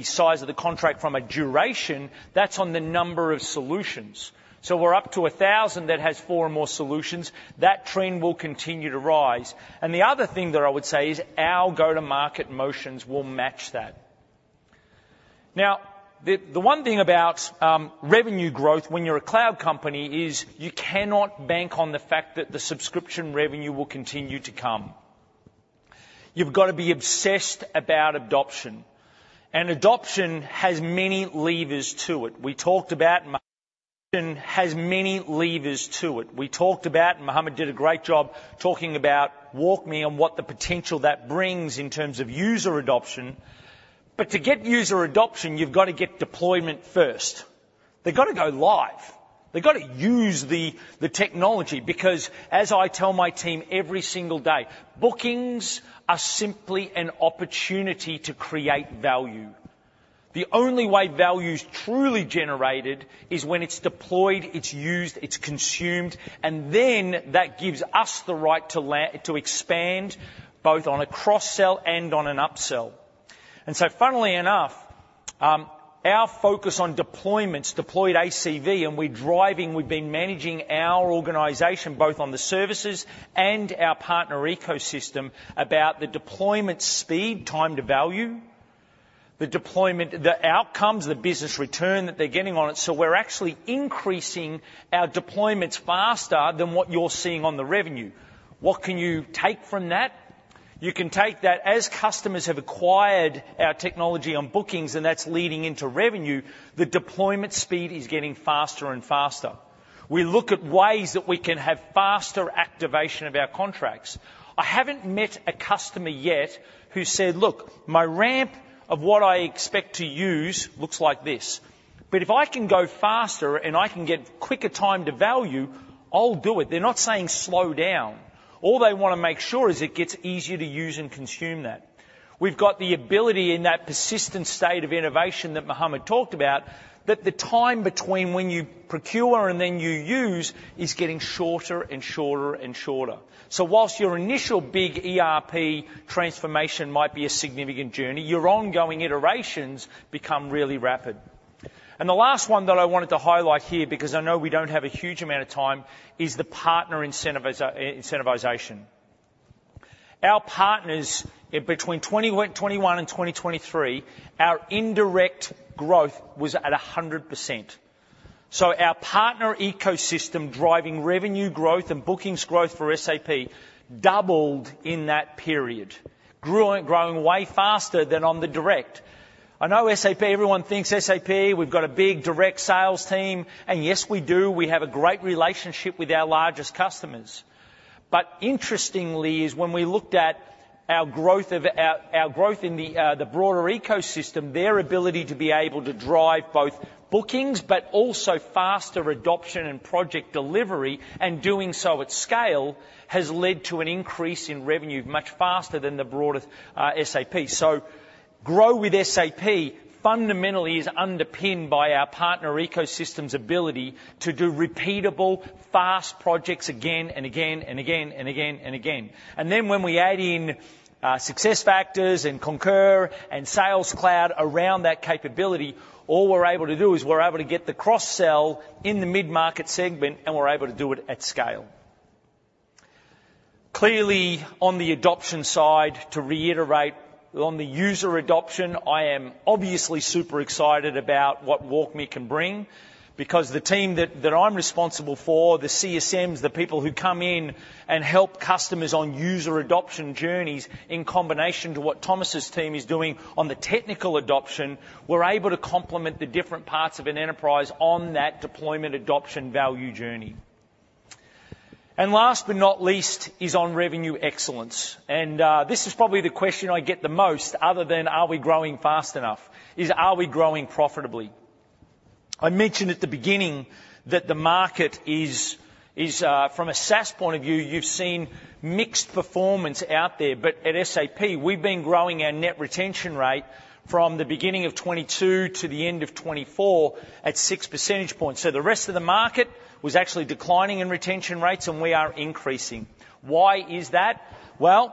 size of the contract from a duration, that's on the number of solutions. So we're up to 1,000 that has 4 or more solutions. That trend will continue to rise. And the other thing that I would say is our go-to-market motions will match that. Now, the one thing about revenue growth when you're a cloud company is you cannot bank on the fact that the subscription revenue will cotinue to come. You've got to be obsessed about adoption, and adoption has many levers to it. We talked about, and Muhammad did a great job talking about WalkMe and what the potential that brings in terms of user adoption. But to get user adoption, you've got to get deployment first. They've got to go live. They've got to use the, the technology, because as I tell my team every single day, bookings are simply an opportunity to create value. The only way value is truly generated is when it's deployed, it's used, it's consumed, and then that gives us the right to expand, both on a cross-sell and on an upsell. So funnily enough, our focus on deployments, deployed ACV, and we're driving. We've been managing our organization, both on the services and our partner ecosystem, about the deployment speed, time to value, the deployment, the outcomes, the business return that they're getting on it. So we're actually increasing our deployments faster than what you're seeing on the revenue. What can you take from that? You can take that as customers have acquired our technology on bookings, and that's leading into revenue, the deployment speed is getting faster and faster. We look at ways that we can have faster activation of our contracts. I haven't met a customer yet who said, "Look, my ramp of what I expect to use looks like this, but if I can go faster and I can get quicker time to value, I'll do it." They're not saying slow down. All they want to make sure is it gets easier to use and consume that. We've got the ability in that persistent state of innovation that Muhammad talked about, that the time between when you procure and then you use is getting shorter and shorter and shorter. So while your initial big ERP transformation might be a significant journey, your ongoing iterations become really rapid. And the last one that I wanted to highlight here, because I know we don't have a huge amount of time, is the partner incentivization. Our partners, between 2021 and 2023, our indirect growth was at 100%. So our partner ecosystem, driving revenue growth and bookings growth for SAP, doubled in that period, grew, growing way faster than on the direct. I know SAP, everyone thinks SAP, we've got a big direct sales team, and yes, we do. We have a great relationship with our largest customers. But interestingly is when we looked at our growth... our growth in the broader ecosystem, their ability to be able to drive both bookings but also faster adoption and project delivery, and doing so at scale, has led to an increase in revenue much faster than the broader SAP. So GROW with SAP fundamentally is underpinned by our partner ecosystem's ability to do repeatable, fast projects again and again and again and again and again. And then when we add in SuccessFactors and Concur and Sales Cloud around that capability, all we're able to do is we're able to get the cross-sell in the mid-market segment, and we're able to do it at scale. Clearly, on the adoption side, to reiterate, on the user adoption, I am obviously super excited about what WalkMe can bring, because the team that I'm responsible for, the CSMs, the people who come in and help customers on user adoption journeys, in combination to what Thomas's team is doing on the technical adoption, we're able to complement the different parts of an enterprise on that deployment adoption value journey. And last but not least is on revenue excellence, and this is probably the question I get the most other than, "Are we growing fast enough?" is, "Are we growing profitably?" I mentioned at the beginning that the market is from a SaaS point of view, you've seen mixed performance out there. But at SAP, we've been growing our net retention rate from the beginning of 2022 to the end of 2024 at six percentage points. So the rest of the market was actually declining in retention rates, and we are increasing. Why is that? Well,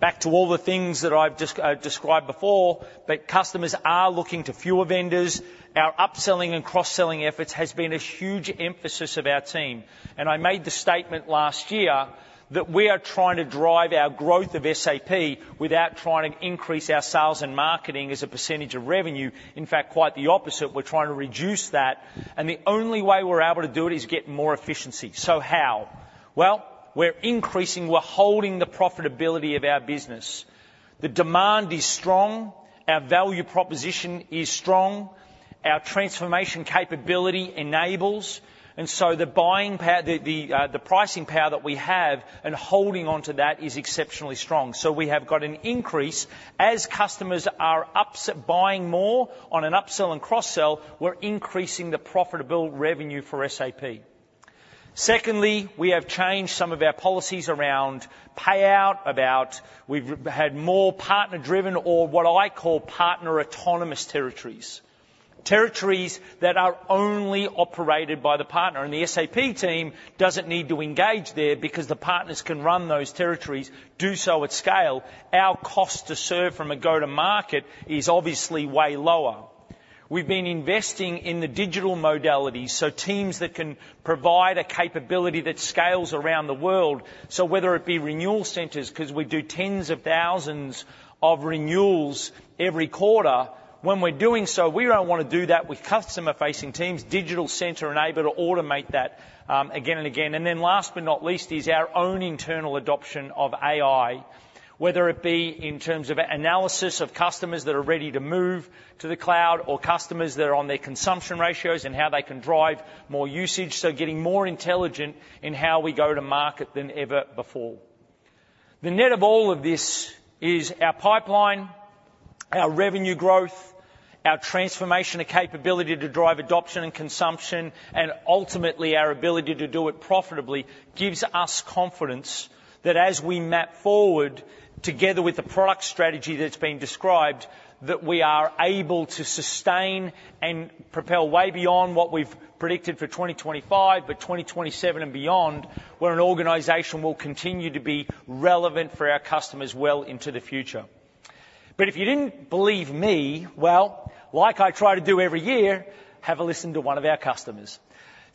back to all the things that I've described before, but customers are looking to fewer vendors. Our upselling and cross-selling efforts has been a huge emphasis of our team. And I made the statement last year that we are trying to drive our growth of SAP without trying to increase our sales and marketing as a percentage of revenue. In fact, quite the opposite. We're trying to reduce that, and the only way we're able to do it is get more efficiency. So how? Well, we're increasing. We're holding the profitability of our business. The demand is strong, our value proposition is strong, our transformation capability enables, and so the buying power, the pricing power that we have and holding on to that is exceptionally strong. So we have got an increase. As customers are buying more on an upsell and cross-sell, we're increasing the profitable revenue for SAP. Secondly, we have changed some of our policies around payout, we've had more partner-driven or what I call partner autonomous territories. Territories that are only operated by the partner, and the SAP team doesn't need to engage there because the partners can run those territories, do so at scale. Our cost to serve from a go-to-market is obviously way lower. We've been investing in the digital modalities, so teams that can provide a capability that scales around the world. So whether it be renewal centers, because we do tens of thousands of renewals every quarter. When we're doing so, we don't want to do that with customer-facing teams. Digital center enabled to automate that, again and again. And then last but not least is our own internal adoption of AI, whether it be in terms of analysis of customers that are ready to move to the cloud or customers that are on their consumption ratios and how they can drive more usage, so getting more intelligent in how we go to market than ever before. The net of all of this is our pipeline, our revenue growth, our transformation and capability to drive adoption and consumption, and ultimately, our ability to do it profitably, gives us confidence that as we map forward, together with the product strategy that's been described, that we are able to sustain and propel way beyond what we've predicted for 2025, but 2027 and beyond, we're an organization will continue to be relevant for our customers well into the future. But if you didn't believe me, well, like I try to do every year, have a listen to one of our customers.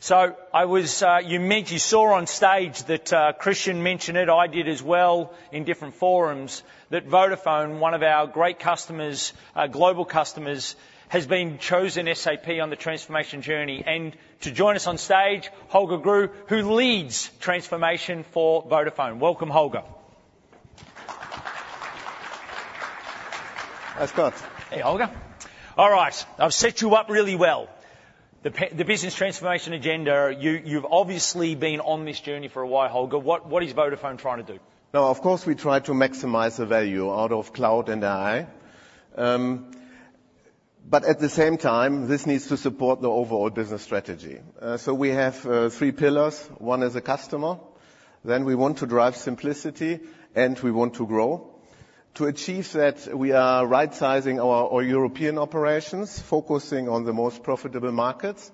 So I was, you saw on stage that, Christian mentioned it, I did as well in different forums, that Vodafone, one of our great customers, global customers, has chosen SAP on the transformation journey. And to join us on stage, Holger Grewe, who leads transformation for Vodafone. Welcome, Holger. Hi, Scott. Hey, Holger. All right, I've set you up really well. The business transformation agenda, you've obviously been on this journey for a while, Holger. What is Vodafone trying to do? Now, of course, we try to maximize the value out of cloud and AI. But at the same time, this needs to support the overall business strategy. So we have three pillars. One is the customer, then we want to drive simplicity, and we want to grow. To achieve that, we are right-sizing our European operations, focusing on the most profitable markets.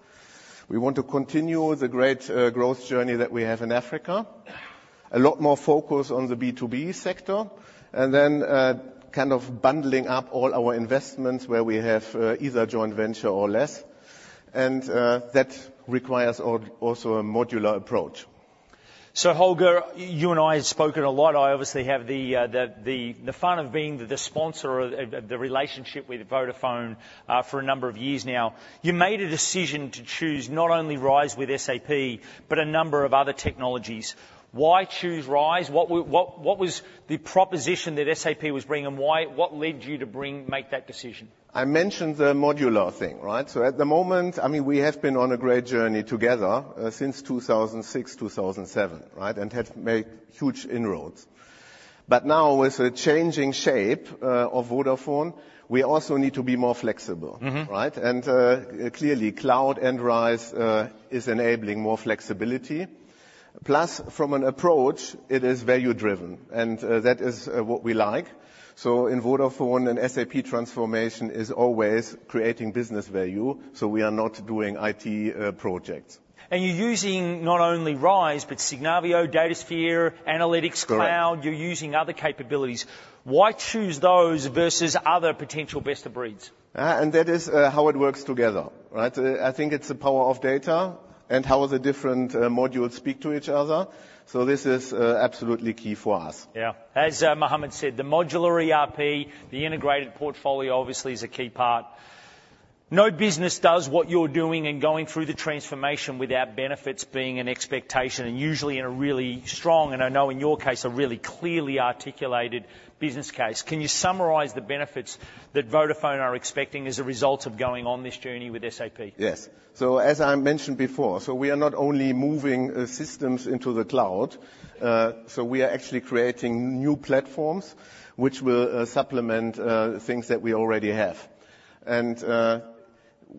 We want to continue the great growth journey that we have in Africa. A lot more focus on the B2B sector, and then kind of bundling up all our investments where we have either joint venture or less, and that requires also a modular approach. So, Holger, you and I have spoken a lot. I obviously have the fun of being the sponsor of the relationship with Vodafone for a number of years now. You made a decision to choose not only RISE with SAP, but a number of other technologies. Why choose RISE? What was the proposition that SAP was bringing, and what led you to make that decision? I mentioned the modular thing, right? So at the moment, I mean, we have been on a great journey together since 2006, 2007, right? And have made huge inroads. But now, with the changing shape of Vodafone, we also need to be more flexible. Mm-hmm. Right? And clearly, cloud and RISE is enabling more flexibility. Plus, from an approach, it is value-driven, and that is what we like. So in Vodafone, an SAP transformation is always creating business value, so we are not doing IT projects. You're using not only RISE, but Signavio, Datasphere, Analytics Cloud- Correct... You're using other capabilities. Why choose those versus other potential best of breeds? And that is how it works together, right? I think it's the power of data and how the different modules speak to each other, so this is absolutely key for us. Yeah. As Muhammad said, the modular ERP, the integrated portfolio obviously is a key part. No business does what you're doing and going through the transformation without benefits being an expectation, and usually in a really strong, and I know in your case, a really clearly articulated business case. Can you summarize the benefits that Vodafone are expecting as a result of going on this journey with SAP? Yes. So as I mentioned before, so we are not only moving systems into the cloud, so we are actually creating new platforms which will supplement things that we already have. And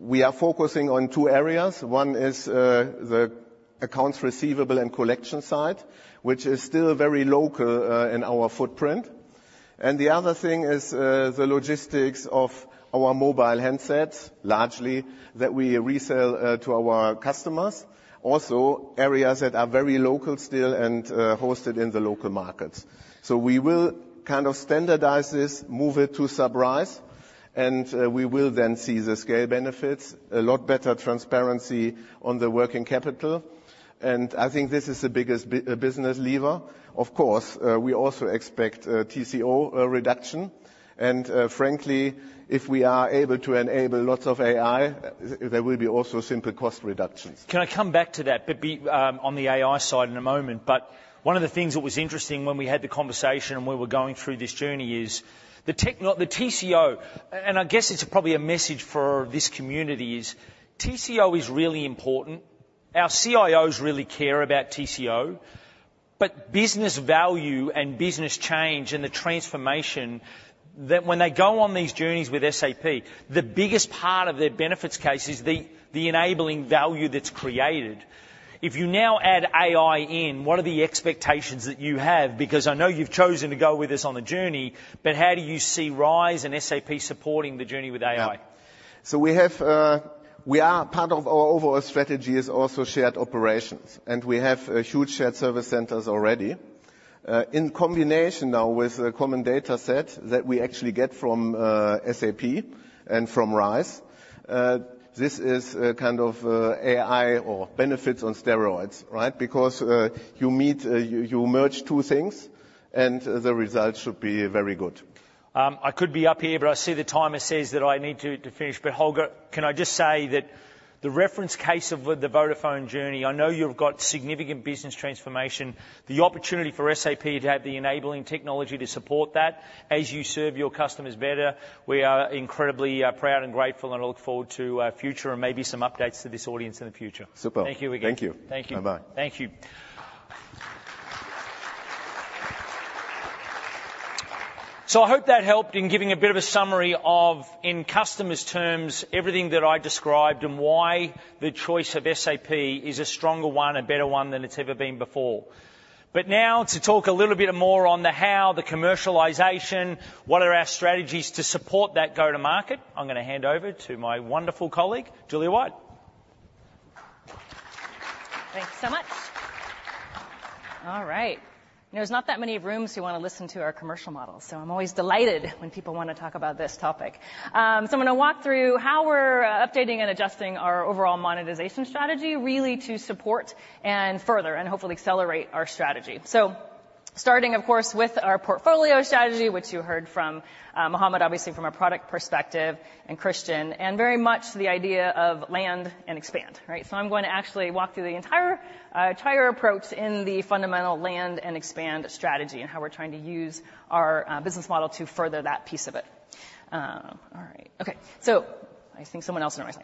we are focusing on two areas. One is the accounts receivable and collection side, which is still very local in our footprint. And the other thing is the logistics of our mobile handsets, largely, that we resell to our customers. Also, areas that are very local still and hosted in the local markets. So we will kind of standardize this, move it to RISE with SAP, and we will then see the scale benefits, a lot better transparency on the working capital, and I think this is the biggest business lever. Of course, we also expect TCO reduction, and frankly, if we are able to enable lots of AI, there will be also simple cost reductions. Can I come back to that, but on the AI side in a moment? But one of the things that was interesting when we had the conversation and we were going through this journey is, The TCO, and I guess it's probably a message for this community, is TCO is really important. Our CIOs really care about TCO, but business value and business change and the transformation, that when they go on these journeys with SAP, the biggest part of their benefits case is the enabling value that's created. If you now add AI in, what are the expectations that you have? Because I know you've chosen to go with us on the journey, but how do you see RISE and SAP supporting the journey with AI? Yeah. So we have part of our overall strategy is also shared operations, and we have huge shared service centers already. In combination now with the common data set that we actually get from SAP and from RISE, this is kind of AI or benefits on steroids, right? Because you merge two things, and the results should be very good. I could be up here, but I see the timer says that I need to finish. But Holger, can I just say that the reference case of the Vodafone journey, I know you've got significant business transformation. The opportunity for SAP to have the enabling technology to support that as you serve your customers better, we are incredibly proud and grateful and look forward to future and maybe some updates to this audience in the future. Superb. Thank you again. Thank you. Thank you. Bye-bye. Thank you. So I hope that helped in giving a bit of a summary of, in customers' terms, everything that I described and why the choice of SAP is a stronger one, a better one than it's ever been before. But now to talk a little bit more on the how, the commercialization, what are our strategies to support that go-to-market, I'm gonna hand over to my wonderful colleague, Julia White. Thanks so much. All right. You know, there's not that many rooms who wanna listen to our commercial model, so I'm always delighted when people want to talk about this topic. So I'm gonna walk through how we're updating and adjusting our overall monetization strategy, really to support and further, and hopefully accelerate our strategy. So starting, of course, with our portfolio strategy, which you heard from Muhammad, obviously, from a product perspective, and Christian, and very much the idea of land and expand, right? So I'm going to actually walk through the entire approach in the fundamental land and expand strategy, and how we're trying to use our business model to further that piece of it. All right. Okay,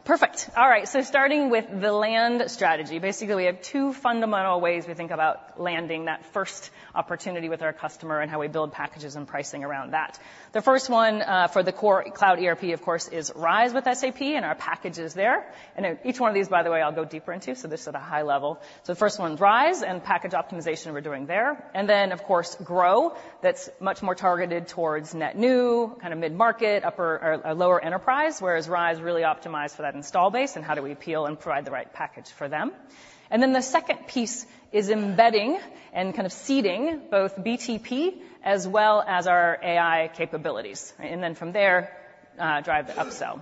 perfect. All right, so starting with the land strategy. Basically, we have two fundamental ways we think about landing that first opportunity with our customer and how we build packages and pricing around that. The first one, for the core Cloud ERP, of course, is RISE with SAP and our packages there. And each one of these, by the way, I'll go deeper into, so this is at a high level. So the first one is RISE and package optimization we're doing there. And then, of course, GROW, that's much more targeted towards net new, kind of mid-market, upper... lower enterprise, whereas RISE really optimized for that install base and how do we appeal and provide the right package for them. And then the second piece is embedding and kind of seeding both BTP as well as our AI capabilities, and then from there, drive the upsell.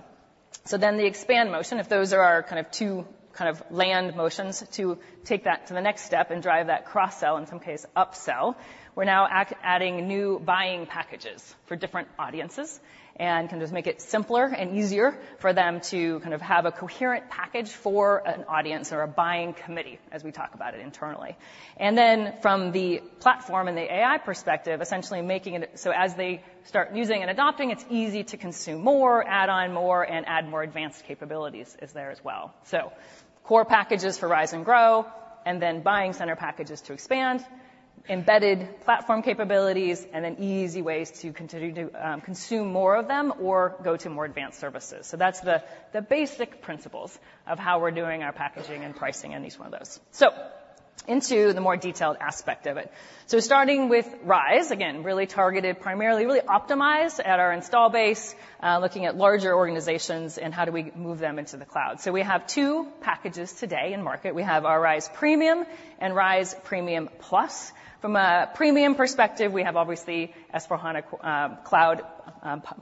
Then the expand motion, if those are our kind of two kind of land motions, to take that to the next step and drive that cross-sell, in some case, upsell, we're now adding new buying packages for different audiences, and can just make it simpler and easier for them to kind of have a coherent package for an audience or a buying committee, as we talk about it internally. And then from the platform and the AI perspective, essentially making it so as they start using and adopting, it's easy to consume more, add on more, and add more advanced capabilities is there as well. So core packages for RISE and GROW, and then buying center packages to expand, embedded platform capabilities, and then easy ways to continue to consume more of them or go to more advanced services. So that's the basic principles of how we're doing our packaging and pricing on each one of those. So into the more detailed aspect of it. So starting with RISE, again, really targeted, primarily, really optimized at our install base, looking at larger organizations and how do we move them into the cloud. So we have two packages today in market. We have our RISE Premium and RISE Premium Plus. From a Premium perspective, we have obviously S/4HANA Cloud,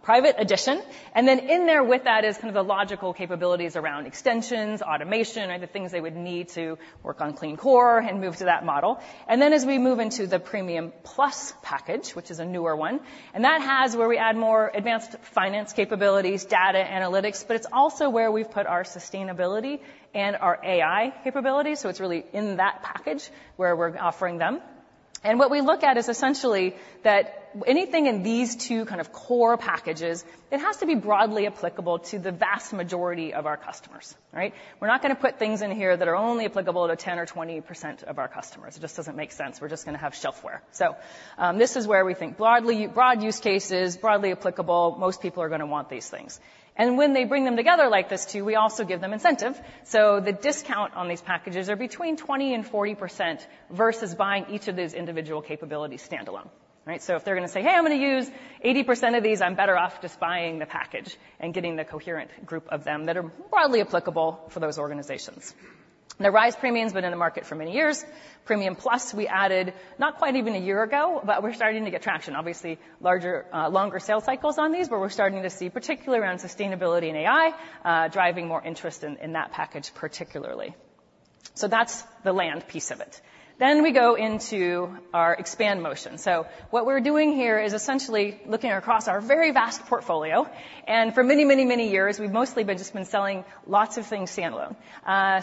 Private Edition. And then in there with that is kind of the logical capabilities around extensions, automation, and the things they would need to work on Clean Core and move to that model. And then as we move into the Premium Plus package, which is a newer one, and that has where we add more advanced finance capabilities, data analytics, but it's also where we've put our sustainability and our AI capabilities. So it's really in that package where we're offering them. And what we look at is essentially that anything in these two kind of core packages, it has to be broadly applicable to the vast majority of our customers, right? We're not gonna put things in here that are only applicable to 10% or 20% of our customers. It just doesn't make sense. We're just gonna have shelfware. So, this is where we think broadly, broad use cases, broadly applicable, most people are gonna want these things. And when they bring them together like this, too, we also give them incentive. So the discount on these packages are between 20% and 40% versus buying each of these individual capabilities standalone, right? So if they're gonna say, "Hey, I'm gonna use 80% of these, I'm better off just buying the package," and getting the coherent group of them that are broadly applicable for those organizations. The RISE Premium's been in the market for many years. Premium Plus, we added not quite even a year ago, but we're starting to get traction. Obviously, larger... Longer sales cycles on these, but we're starting to see, particularly around sustainability and AI, driving more interest in that package, particularly. So that's the land piece of it. Then we go into our expand motion. So what we're doing here is essentially looking across our very vast portfolio, and for many, many, many years, we've mostly just been selling lots of things standalone.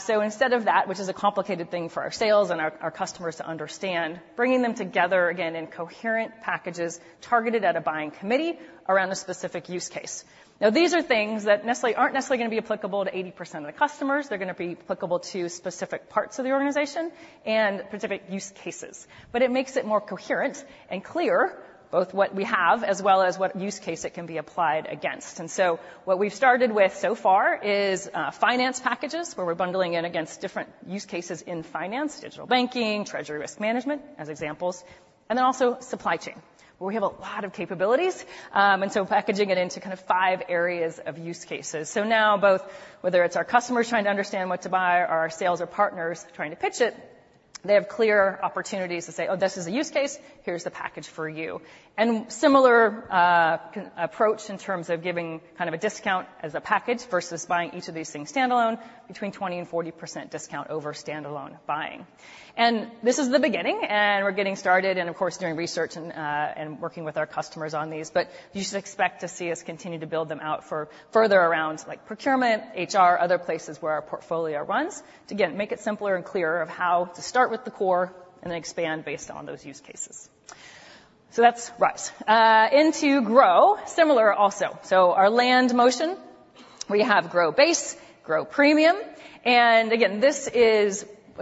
So instead of that, which is a complicated thing for our sales and our customers to understand, bringing them together, again, in coherent packages, targeted at a buying committee around a specific use case. Now, these are things that aren't necessarily gonna be applicable to 80% of the customers. They're gonna be applicable to specific parts of the organization and specific use cases. But it makes it more coherent and clear, both what we have as well as what use case it can be applied against. And so what we've started with so far is, finance packages, where we're bundling in against different use cases in finance, digital banking, treasury risk management, as examples, and then also supply chain, where we have a lot of capabilities, and so packaging it into kind of five areas of use cases. So now both, whether it's our customers trying to understand what to buy, or our sales or partners trying to pitch it, they have clear opportunities to say, "Oh, this is a use case, here's the package for you." And similar, approach in terms of giving kind of a discount as a package versus buying each of these things standalone, between 20%-40% discount over standalone buying. This is the beginning, and we're getting started, and of course, doing research and working with our customers on these, but you should expect to see us continue to build them out for further around, like procurement, HR, other places where our portfolio runs. To again make it simpler and clearer of how to start with the core and then expand based on those use cases. So that's RISE. Into GROW, similar also. So we have GROW Base, GROW Premium, and again,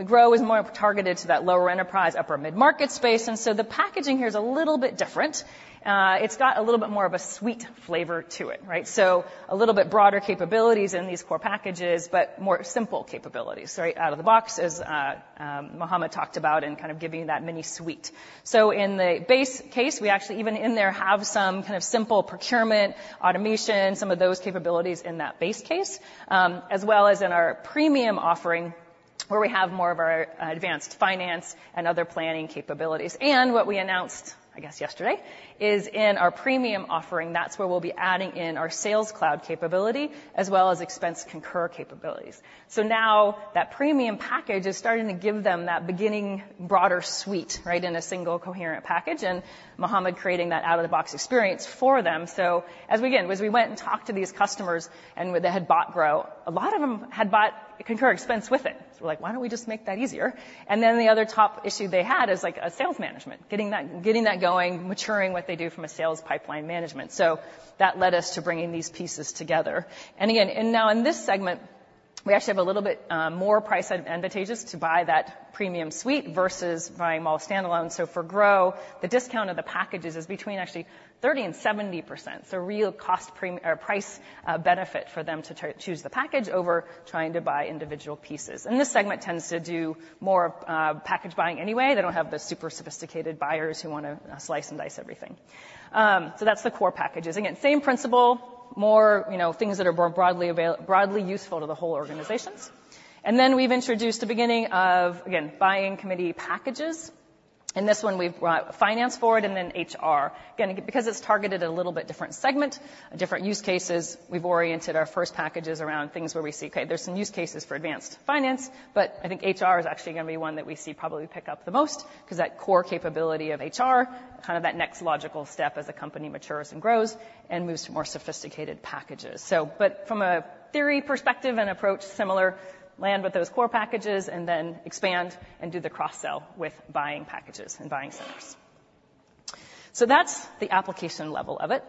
GROW is more targeted to that lower enterprise, upper mid-market space, and so the packaging here is a little bit different. It's got a little bit more of a suite flavor to it, right? So a little bit broader capabilities in these core packages, but more simple capabilities, right out-of-the-box, as Muhammad talked about, and kind of giving you that mini suite. So in the base case, we actually even in there have some kind of simple procurement, automation, some of those capabilities in that base case, as well as in our premium offering, where we have more of our advanced finance and other planning capabilities. And what we announced, I guess, yesterday, is in our premium offering, that's where we'll be adding in our Sales Cloud capability as well as expense Concur capabilities. So now that premium package is starting to give them that beginning, broader suite, right, in a single coherent package, and Muhammad creating that out-of-the-box experience for them. So, again, as we went and talked to these customers and they had bought GROW, a lot of them had bought a Concur Expense with it. So we're like, "Why don't we just make that easier?" And then the other top issue they had is, like, sales management, getting that going, maturing what they do from a sales pipeline management. So that led us to bringing these pieces together. And again, now in this segment, we actually have a little bit more price advantageous to buy that premium suite versus buying them all standalone. So for GROW, the discount of the packages is between actually 30%-70%. So real cost or price benefit for them to choose the package over trying to buy individual pieces. And this segment tends to do more package buying anyway. They don't have the super sophisticated buyers who wanna slice and dice everything. So that's the core packages. Again, same principle, more, you know, things that are more broadly useful to the whole organizations. And then we've introduced the beginning of, again, buying committee packages. In this one, we've brought finance forward and then HR. Again, because it's targeted a little bit different segment, different use cases, we've oriented our first packages around things where we see, okay, there's some use cases for advanced finance, but I think HR is actually gonna be one that we see probably pick up the most because that core capability of HR, kind of that next logical step as a company matures and grows and moves to more sophisticated packages. But from a theory perspective and approach, similar, land with those core packages and then expand and do the cross-sell with buying packages and buying centers. So that's the application level of it.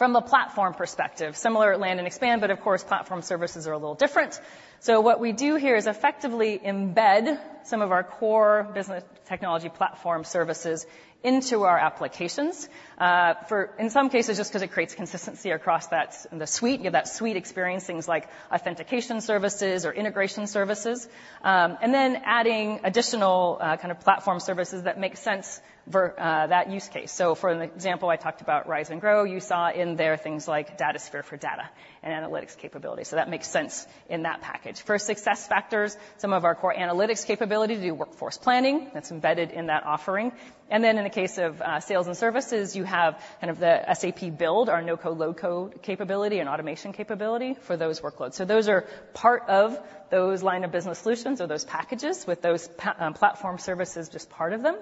From a platform perspective, similar land and expand, but of course, platform services are a little different. So what we do here is effectively embed some of our core Business Technology Platform services into our applications, for... in some cases, just 'cause it creates consistency across that, the suite. You have that suite experience, things like authentication services or integration services, and then adding additional, kind of platform services that make sense for, that use case. So for an example, I talked about RISE and GROW. You saw in there things like Datasphere for data and analytics capability. So that makes sense in that package. For SuccessFactors, some of our core analytics capability to do workforce planning, that's embedded in that offering. And then in the case of sales and services, you have kind of the SAP Build, our no-code, low-code capability and automation capability for those workloads. So those are part of those line of business solutions or those packages with those platform services, just part of them.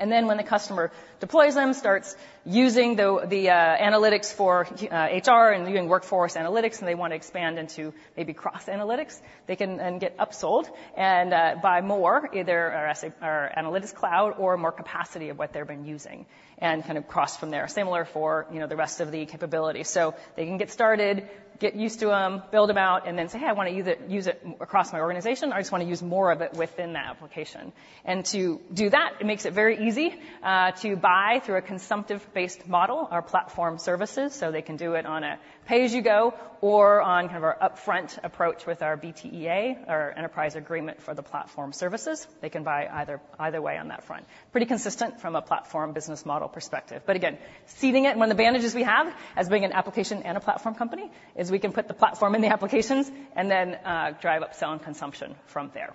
And then when the customer deploys them, starts using the analytics for HR and doing workforce analytics, and they want to expand into maybe cross analytics, they can then get upsold and buy more, either our SAP Analytics Cloud or more capacity of what they've been using, and kind of cross from there. Similar for, you know, the rest of the capability. So they can get started, get used to them, build them out, and then say, "Hey, I wanna use it, use it across my organization," or, "I just wanna use more of it within that application." And to do that, it makes it very easy to buy through a consumptive-based model, our platform services, so they can do it on a pay-as-you-go or on kind of our upfront approach with our BTP EA, our enterprise agreement for the platform services. They can buy either, either way on that front. Pretty consistent from a platform business model perspective. But again, seeding it, one of the advantages we have as being an application and a platform company, is we can put the platform in the applications and then drive up sell and consumption from there.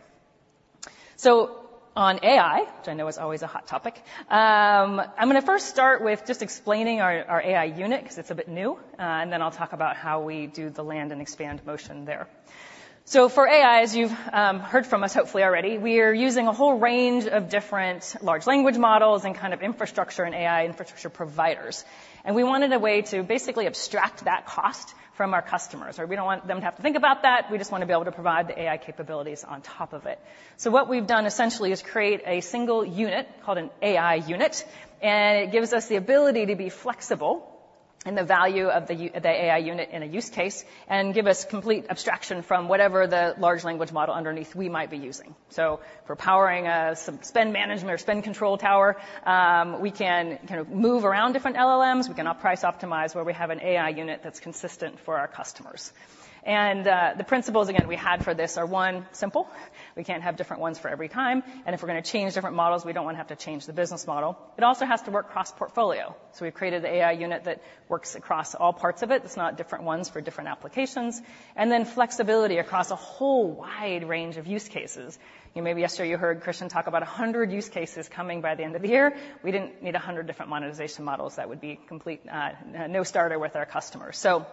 So on AI, which I know is always a hot topic, I'm gonna first start with just explaining our, our AI unit because it's a bit new, and then I'll talk about how we do the land and expand motion there. So for AI, as you've heard from us, hopefully already, we are using a whole range of different large language models and kind of infrastructure and AI infrastructure providers. And we wanted a way to basically abstract that cost from our customers. So we don't want them to have to think about that. We just want to be able to provide the AI capabilities on top of it. So what we've done essentially is create a single unit called an AI unit, and it gives us the ability to be flexible in the value of the AI unit in a use case and give us complete abstraction from whatever the large language model underneath we might be using. So for powering some Spend Management or Spend Control Tower, we can kind of move around different LLMs. We can now price optimize where we have an AI unit that's consistent for our customers. And the principles, again, we had for this are, one, simple. We can't have different ones for every time, and if we're gonna change different models, we don't wanna have to change the business model. It also has to work cross-portfolio. So we've created an AI unit that works across all parts of it. It's not different ones for different applications. And then flexibility across a whole wide range of use cases. You know, maybe yesterday you heard Christian talk about 100 use cases coming by the end of the year. We didn't need 100 different monetization models. That would be complete non-starter with our customers. So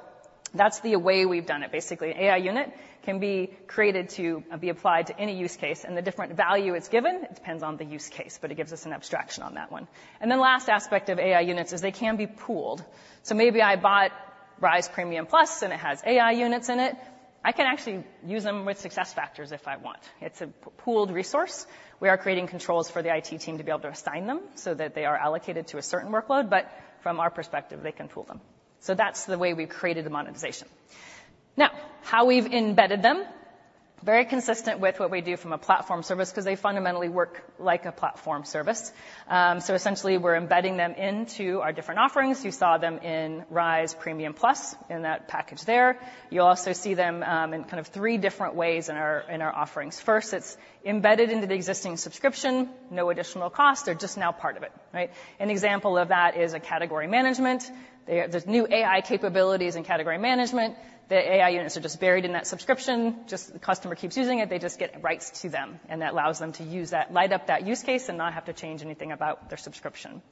that's the way we've done it. Basically, AI unit can be created to be applied to any use case, and the different value it's given, it depends on the use case, but it gives us an abstraction on that one. And then last aspect of AI units is they can be pooled. So maybe I bought RISE Premium Plus, and it has AI units in it. I can actually use them with SuccessFactors if I want. It's a pooled resource. We are creating controls for the IT team to be able to assign them, so that they are allocated to a certain workload, but from our perspective, they can pool them. So that's the way we've created the monetization. Now, how we've embedded them, very consistent with what we do from a platform service, 'cause they fundamentally work like a platform service. So essentially, we're embedding them into our different offerings. You saw them in RISE Premium Plus, in that package there. You'll also see them in kind of three different ways in our, in our offerings. First, it's embedded into the existing subscription, no additional cost, they're just now part of it, right? An example of that is a Category Management. There, there's new AI capabilities in Category Management. The AI units are just buried in that subscription, just the customer keeps using it, they just get rights to them, and that allows them to use that, light up that use case and not have to change anything about their subscription.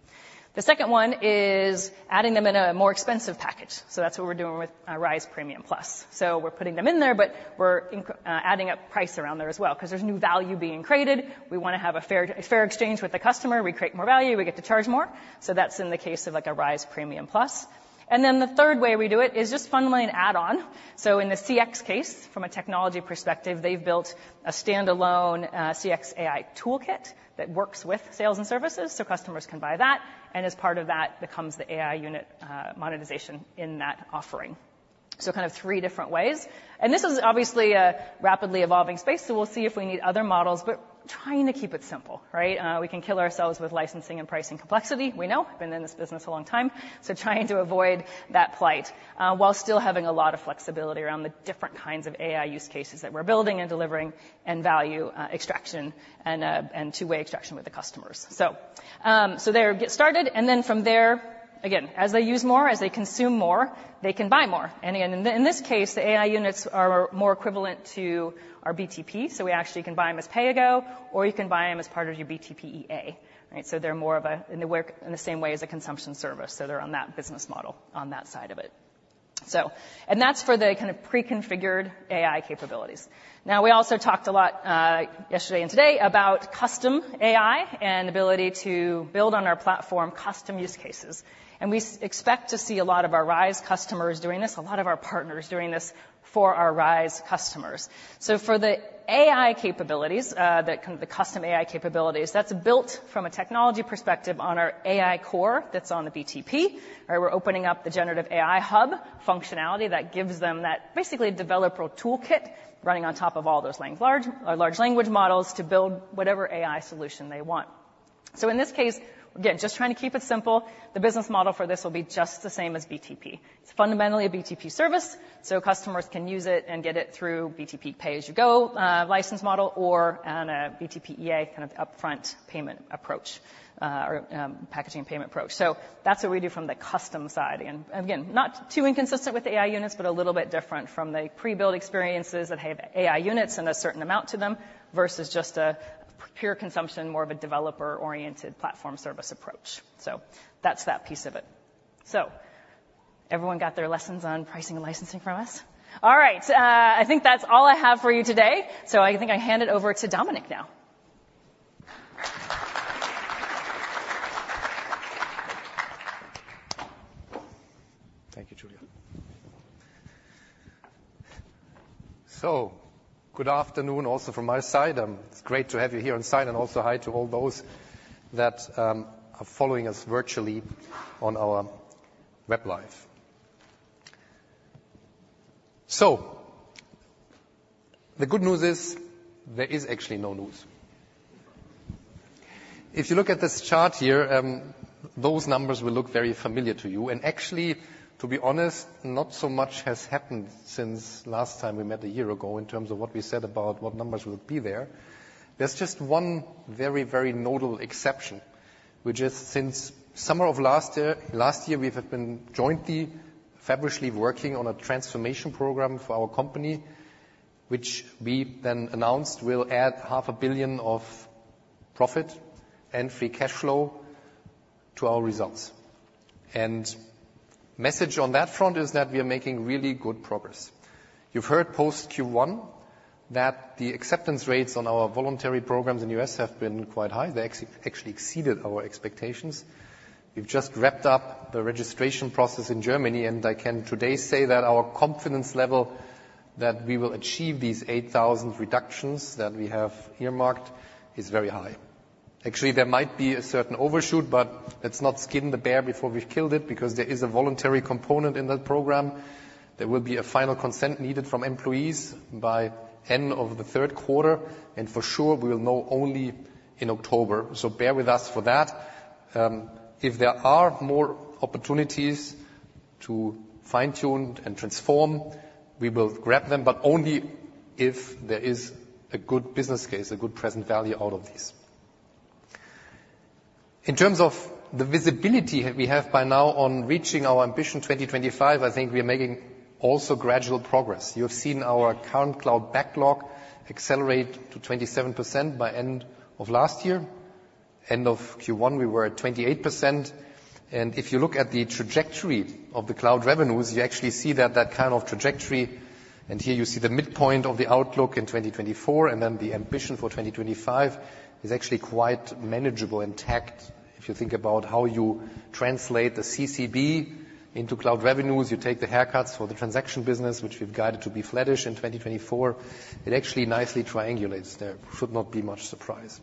The second one is adding them in a more expensive package, so that's what we're doing with RISE Premium Plus. So we're putting them in there, but we're adding up price around there as well, 'cause there's new value being created. We wanna have a fair, fair exchange with the customer. We create more value, we get to charge more, so that's in the case of, like, a RISE Premium Plus. And then the third way we do it is just fundamentally an add-on. So in the CX case, from a technology perspective, they've built a standalone, CX AI Toolkit that works with sales and services, so customers can buy that, and as part of that becomes the AI unit, monetization in that offering. So kind of three different ways. And this is obviously a rapidly evolving space, so we'll see if we need other models, but trying to keep it simple, right? We can kill ourselves with licensing and pricing complexity. We know, been in this business a long time, so trying to avoid that plight, while still having a lot of flexibility around the different kinds of AI use cases that we're building and delivering, and value, extraction and, and two-way extraction with the customers. So, get started, and then from there, again, as they use more, as they consume more, they can buy more. And again, in this case, the AI units are more equivalent to our BTP, so we actually can buy them as pay as you go, or you can buy them as part of your BTP EA. Right, so they're more of a... And they work in the same way as a consumption service, so they're on that business model on that side of it. So, and that's for the kind of pre-configured AI capabilities. Now, we also talked a lot, yesterday and today about custom AI and ability to build on our platform custom use cases. And we expect to see a lot of our RISE customers doing this, a lot of our partners doing this for our RISE customers. So for the AI capabilities, that kind, the custom AI capabilities, that's built from a technology perspective on our AI Core that's on the BTP. We're opening up the Generative AI Hub functionality that gives them that basically developer toolkit running on top of all those large language models to build whatever AI solution they want. So in this case, again, just trying to keep it simple, the business model for this will be just the same as BTP. It's fundamentally a BTP service, so customers can use it and get it through BTP pay-as-you-go license model or on a BTP EA kind of upfront payment approach, or packaging payment approach. So that's what we do from the custom side. Again, not too inconsistent with the AI units, but a little bit different from the pre-built experiences that have AI units and a certain amount to them, versus just a pure consumption, more of a developer-oriented platform service approach. That's that piece of it. Everyone got their lessons on pricing and licensing from us? All right, I think that's all I have for you today, so I think I hand it over to Dominik now. Thank you, Julia. Good afternoon also from my side. It's great to have you here on site, and also hi to all those that are following us virtually on our web live. The good news is, there is actually no news. If you look at this chart here, those numbers will look very familiar to you. And actually, to be honest, not so much has happened since last time we met a year ago in terms of what we said about what numbers would be there. There's just one very, very notable exception, which is since summer of last year, last year, we have been jointly, fabulously working on a transformation program for our company, which we then announced will add 500 million of profit and free cash flow to our results. Message on that front is that we are making really good progress. You've heard post Q1 that the acceptance rates on our voluntary programs in the U.S. have been quite high. They actually exceeded our expectations. We've just wrapped up the registration process in Germany, and I can today say that our confidence level that we will achieve these 8,000 reductions that we have earmarked is very high. Actually, there might be a certain overshoot, but let's not skin the bear before we've killed it, because there is a voluntary component in that program. There will be a final consent needed from employees by end of the third quarter, and for sure we will know only in October, so bear with us for that. If there are more opportunities to fine-tune and transform, we will grab them, but only if there is a good business case, a good present value out of this. In terms of the visibility we have by now on reaching our ambition 2025, I think we are making also gradual progress. You have seen our current cloud backlog accelerate to 27% by end of last year. End of Q1, we were at 28%. And if you look at the trajectory of the cloud revenues, you actually see that, that kind of trajectory, and here you see the midpoint of the outlook in 2024, and then the ambition for 2025, is actually quite manageable intact. If you think about how you translate the CCB-... Into cloud revenues, you take the haircuts for the transaction business, which we've guided to be flattish in 2024. It actually nicely triangulates there. Should not be much surprise.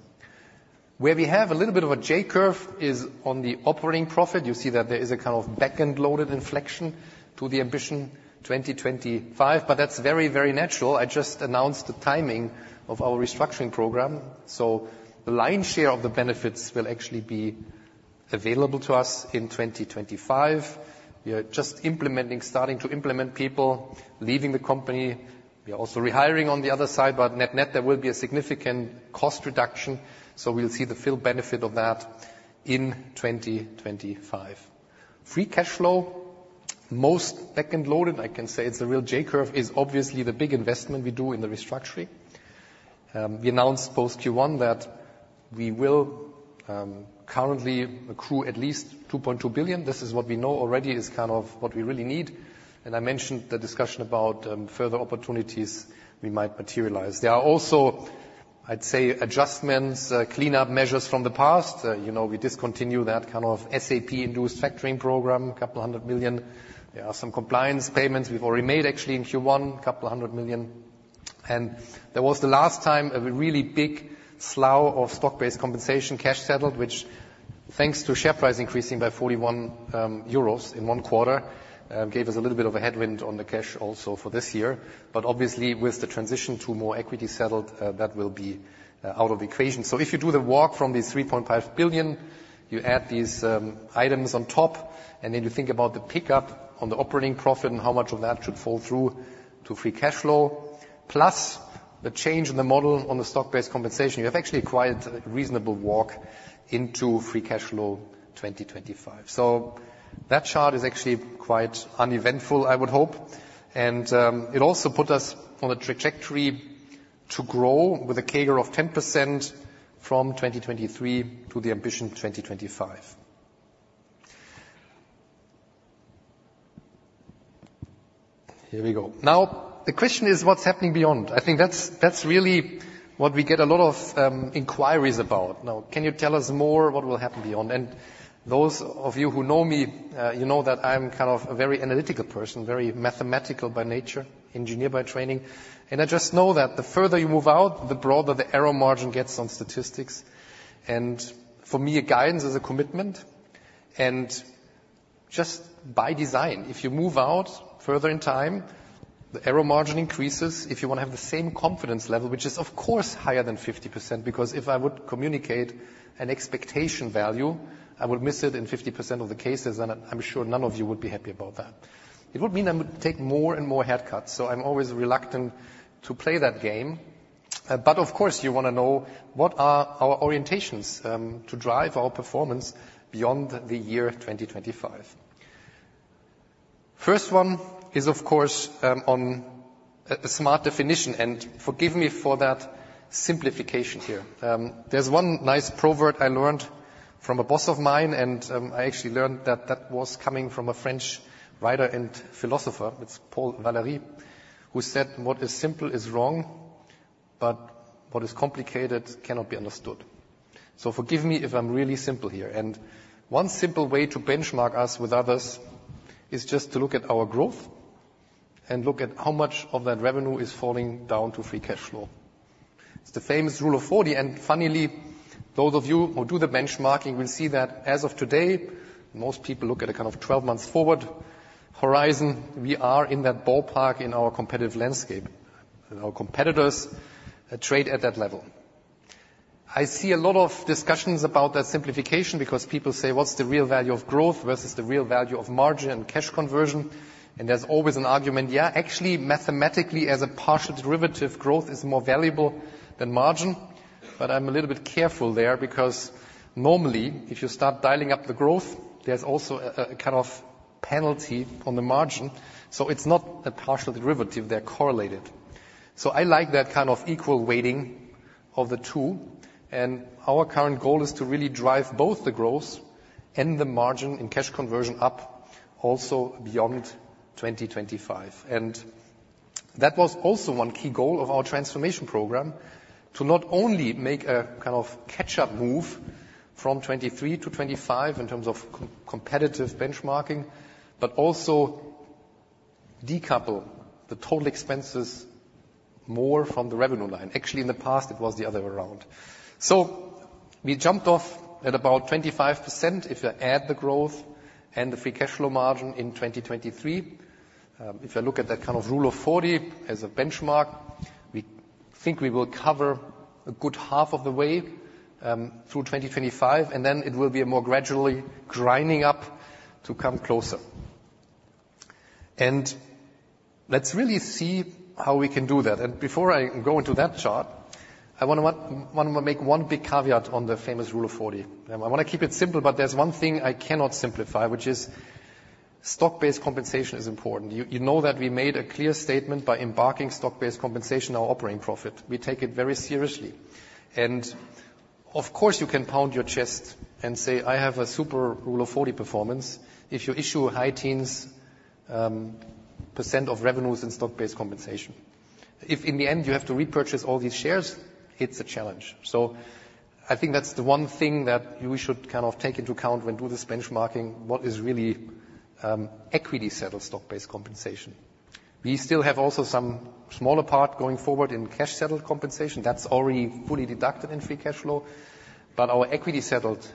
Where we have a little bit of a J-curve is on the operating profit. You see that there is a kind of back-end loaded inflection to the Ambition 2025, but that's very, very natural. I just announced the timing of our restructuring program, so the lion's share of the benefits will actually be available to us in 2025. We are just implementing, starting to implement people leaving the company. We are also rehiring on the other side, but net-net, there will be a significant cost reduction, so we'll see the full benefit of that in 2025. Free cash flow, most back-end loaded, I can say it's a real J-curve, is obviously the big investment we do in the restructuring. We announced post Q1 that we will currently accrue at least 2.2 billion. This is what we know already is kind of what we really need. And I mentioned the discussion about further opportunities we might materialize. There are also, I'd say, adjustments, cleanup measures from the past. You know, we discontinue that kind of SAP-induced factoring program, 200 million. There are some compliance payments we've already made, actually, in Q1, 200 million. There was the last time, a really big slough of stock-based compensation, cash settled, which, thanks to share price increasing by 41 euros in one quarter, gave us a little bit of a headwind on the cash also for this year. But obviously with the transition to more equity settled, that will be out of the equation. So if you do the walk from the 3.5 billion, you add these items on top, and then you think about the pickup on the operating profit and how much of that should fall through to free cash flow, plus the change in the model on the stock-based compensation, you have actually quite a reasonable walk into free cash flow 2025. So that chart is actually quite uneventful, I would hope. It also put us on a trajectory to grow with a CAGR of 10% from 2023 to the Ambition 2025. Here we go. Now, the question is what's happening beyond? I think that's, that's really what we get a lot of inquiries about. Now, can you tell us more what will happen beyond? And those of you who know me, you know that I'm kind of a very analytical person, very mathematical by nature, engineer by training. And I just know that the further you move out, the broader the error margin gets on statistics. And for me, a guidance is a commitment, and just by design, if you move out further in time, the error margin increases. If you want to have the same confidence level, which is of course higher than 50%, because if I would communicate an expectation value, I would miss it in 50% of the cases, and I'm sure none of you would be happy about that. It would mean I would take more and more head cuts, so I'm always reluctant to play that game. But of course, you want to know what are our orientations, to drive our performance beyond the year 2025. First one is, of course, on a smart definition, and forgive me for that simplification here. There's one nice proverb I learned from a boss of mine, and I actually learned that that was coming from a French writer and philosopher. It's Paul Valéry, who said, "What is simple is wrong, but what is complicated cannot be understood." So forgive me if I'm really simple here. And one simple way to benchmark us with others is just to look at our growth and look at how much of that revenue is falling down to free cash flow. It's the famous Rule of 40, and funnily, those of you who do the benchmarking will see that as of today, most people look at a kind of 12 months forward horizon. We are in that ballpark in our competitive landscape, and our competitors trade at that level. I see a lot of discussions about that simplification because people say: What's the real value of growth versus the real value of margin and cash conversion? There's always an argument, yeah, actually, mathematically, as a partial derivative, growth is more valuable than margin, but I'm a little bit careful there, because normally, if you start dialing up the growth, there's also a, a kind of penalty on the margin, so it's not a partial derivative, they're correlated. So I like that kind of equal weighting of the two. And our current goal is to really drive both the growth and the margin in cash conversion up also beyond 2025. And that was also one key goal of our transformation program, to not only make a kind of catch-up move from 2023 to 2025 in terms of competitive benchmarking, but also decouple the total expenses more from the revenue line. Actually, in the past, it was the other way around. So we jumped off at about 25% if you add the growth and the free cash flow margin in 2023. If you look at that kind of Rule of 40 as a benchmark, we think we will cover a good half of the way through 2025, and then it will be a more gradually grinding up to come closer. And let's really see how we can do that. And before I go into that chart, I want to make one big caveat on the famous Rule of 40. I want to keep it simple, but there's one thing I cannot simplify, which is stock-based compensation is important. You know that we made a clear statement by embedding stock-based compensation in our operating profit. We take it very seriously. Of course, you can pound your chest and say, "I have a super Rule of 40 performance," if you issue high teens % of revenues in stock-based compensation. If in the end you have to repurchase all these shares, it's a challenge. So I think that's the one thing that you should kind of take into account when doing this benchmarking, what is really equity settled stock-based compensation. We still have also some smaller part going forward in cash settled compensation that's already fully deducted in free cash flow. But our equity settled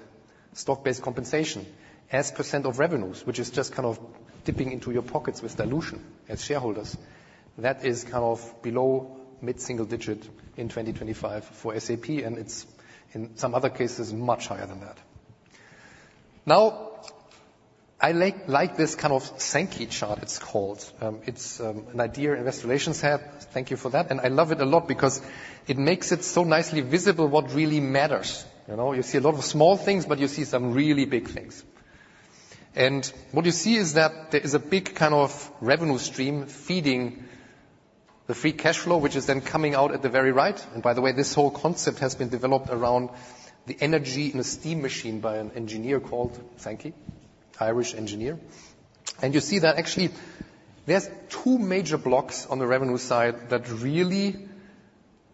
stock-based compensation as % of revenues, which is just kind of dipping into your pockets with dilution as shareholders, that is kind of below mid-single digit in 2025 for SAP, and it's in some other cases, much higher than that. Now, I like, like this kind of Sankey chart, it's called. It's an idea Investor Relations had. Thank you for that. I love it a lot because it makes it so nicely visible what really matters, you know? You see a lot of small things, but you see some really big things. What you see is that there is a big kind of revenue stream feeding the free cash flow, which is then coming out at the very right. By the way, this whole concept has been developed around the energy in a steam machine by an engineer called Sankey, Irish engineer. You see that actually there's two major blocks on the revenue side that really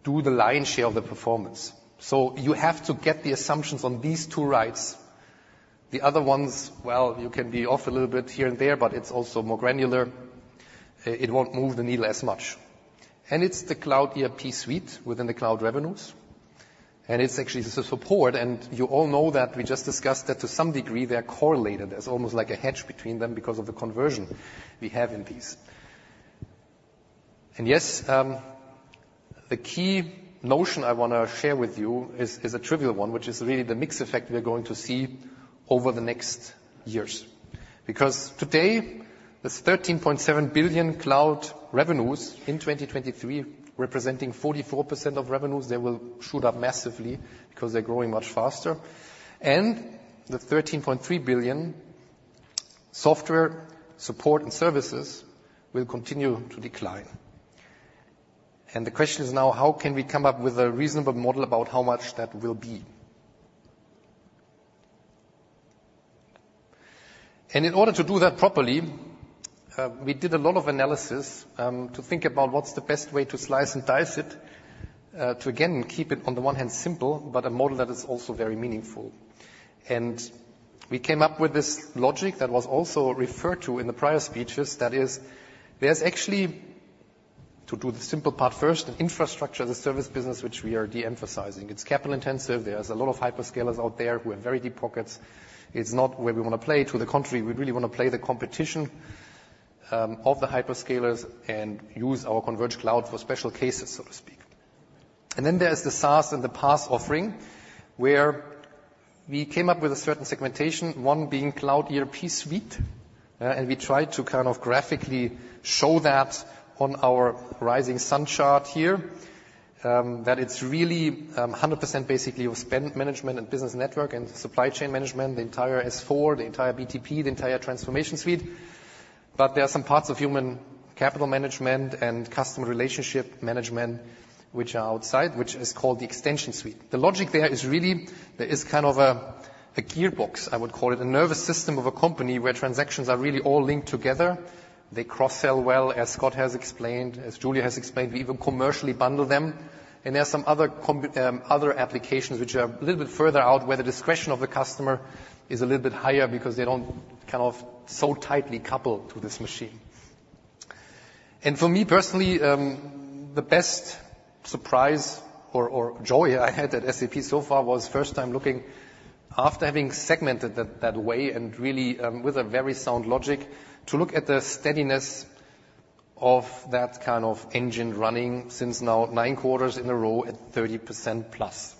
do the lion's share of the performance. So you have to get the assumptions on these two rights. The other ones, well, you can be off a little bit here and there, but it's also more granular. It won't move the needle as much. And it's the Cloud ERP Suite within the cloud revenues, and it's actually the support. And you all know that we just discussed that to some degree they're correlated. There's almost like a hedge between them because of the conversion we have in these. And yes, the key notion I want to share with you is a trivial one, which is really the mix effect we are going to see over the next years. Because today, there's 13.7 billion cloud revenues in 2023, representing 44% of revenues. They will shoot up massively because they're growing much faster. And the 13.3 billion software support and services will continue to decline. And the question is now, how can we come up with a reasonable model about how much that will be? In order to do that properly, we did a lot of analysis, to think about what's the best way to slice and dice it, to again, keep it, on the one hand, simple, but a model that is also very meaningful. We came up with this logic that was also referred to in the prior speeches. That is, there's actually, to do the simple part first, infrastructure as a service business, which we are de-emphasizing. It's capital intensive. There's a lot of hyperscalers out there who have very deep pockets. It's not where we want to play. To the contrary, we really want to play the competition, of the hyperscalers and use our converged cloud for special cases, so to speak. Then there's the SaaS and the PaaS offering, where we came up with a certain segmentation, one being Cloud ERP Suite. And we tried to kind of graphically show that on our rising sun chart here, that it's really 100% basically of Spend Management and Business Network and Supply Chain Management, the entire S/4, the entire BTP, the entire transformation suite. But there are some parts of Human Capital Management and Customer Relationship Management which are outside, which is called the Extension Suite. The logic there is really, there is kind of a, a gearbox, I would call it, a nervous system of a company where transactions are really all linked together. They cross-sell well, as Scott has explained, as Julia has explained, we even commercially bundle them. And there are some other applications which are a little bit further out, where the discretion of the customer is a little bit higher because they don't kind of so tightly couple to this machine. For me personally, the best surprise or, or joy I had at SAP so far was first time looking after having segmented that, that way and really, with a very sound logic, to look at the steadiness of that kind of engine running since now 9 quarters in a row at 30%+.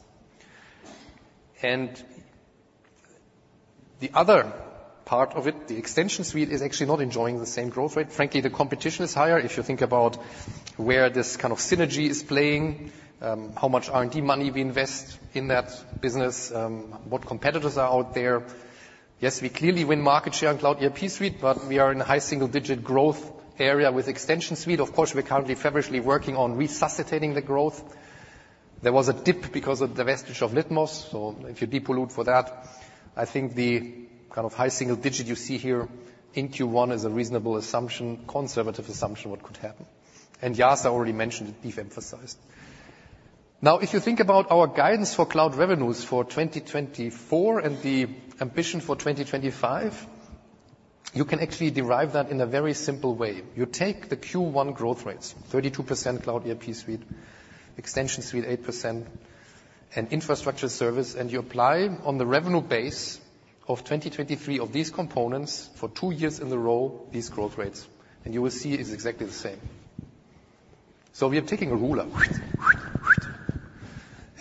The other part of it, the Extension Suite, is actually not enjoying the same growth rate. Frankly, the competition is higher. If you think about where this kind of synergy is playing, how much R&D money we invest in that business, what competitors are out there. Yes, we clearly win market share in Cloud ERP Suite, but we are in a high single digit growth area with Extension Suite. Of course, we're currently feverishly working on resuscitating the growth. There was a dip because of the divestiture of Litmos, so if you depollute for that, I think the kind of high single digit you see here in Q1 is a reasonable assumption, conservative assumption what could happen. And as I already mentioned it, briefly emphasized. Now, if you think about our guidance for cloud revenues for 2024 and the ambition for 2025, you can actually derive that in a very simple way. You take the Q1 growth rates, 32% Cloud ERP Suite, Extension Suite 8% and infrastructure service, and you apply on the revenue base of 2023 of these components for two years in a row, these growth rates, and you will see it's exactly the same. So we are taking a ruler,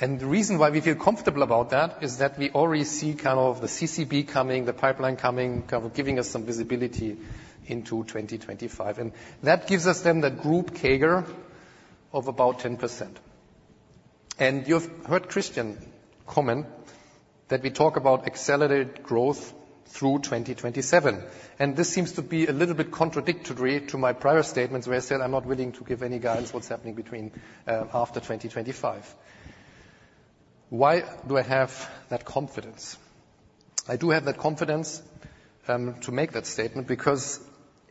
and the reason why we feel comfortable about that is that we already see kind of the CCB coming, the pipeline coming, kind of giving us some visibility into 2025, and that gives us then the group CAGR of about 10%. And you've heard Christian comment that we talk about accelerated growth through 2027, and this seems to be a little bit contradictory to my prior statements, where I said, "I'm not willing to give any guidance what's happening between, after 2025." Why do I have that confidence? I do have that confidence to make that statement, because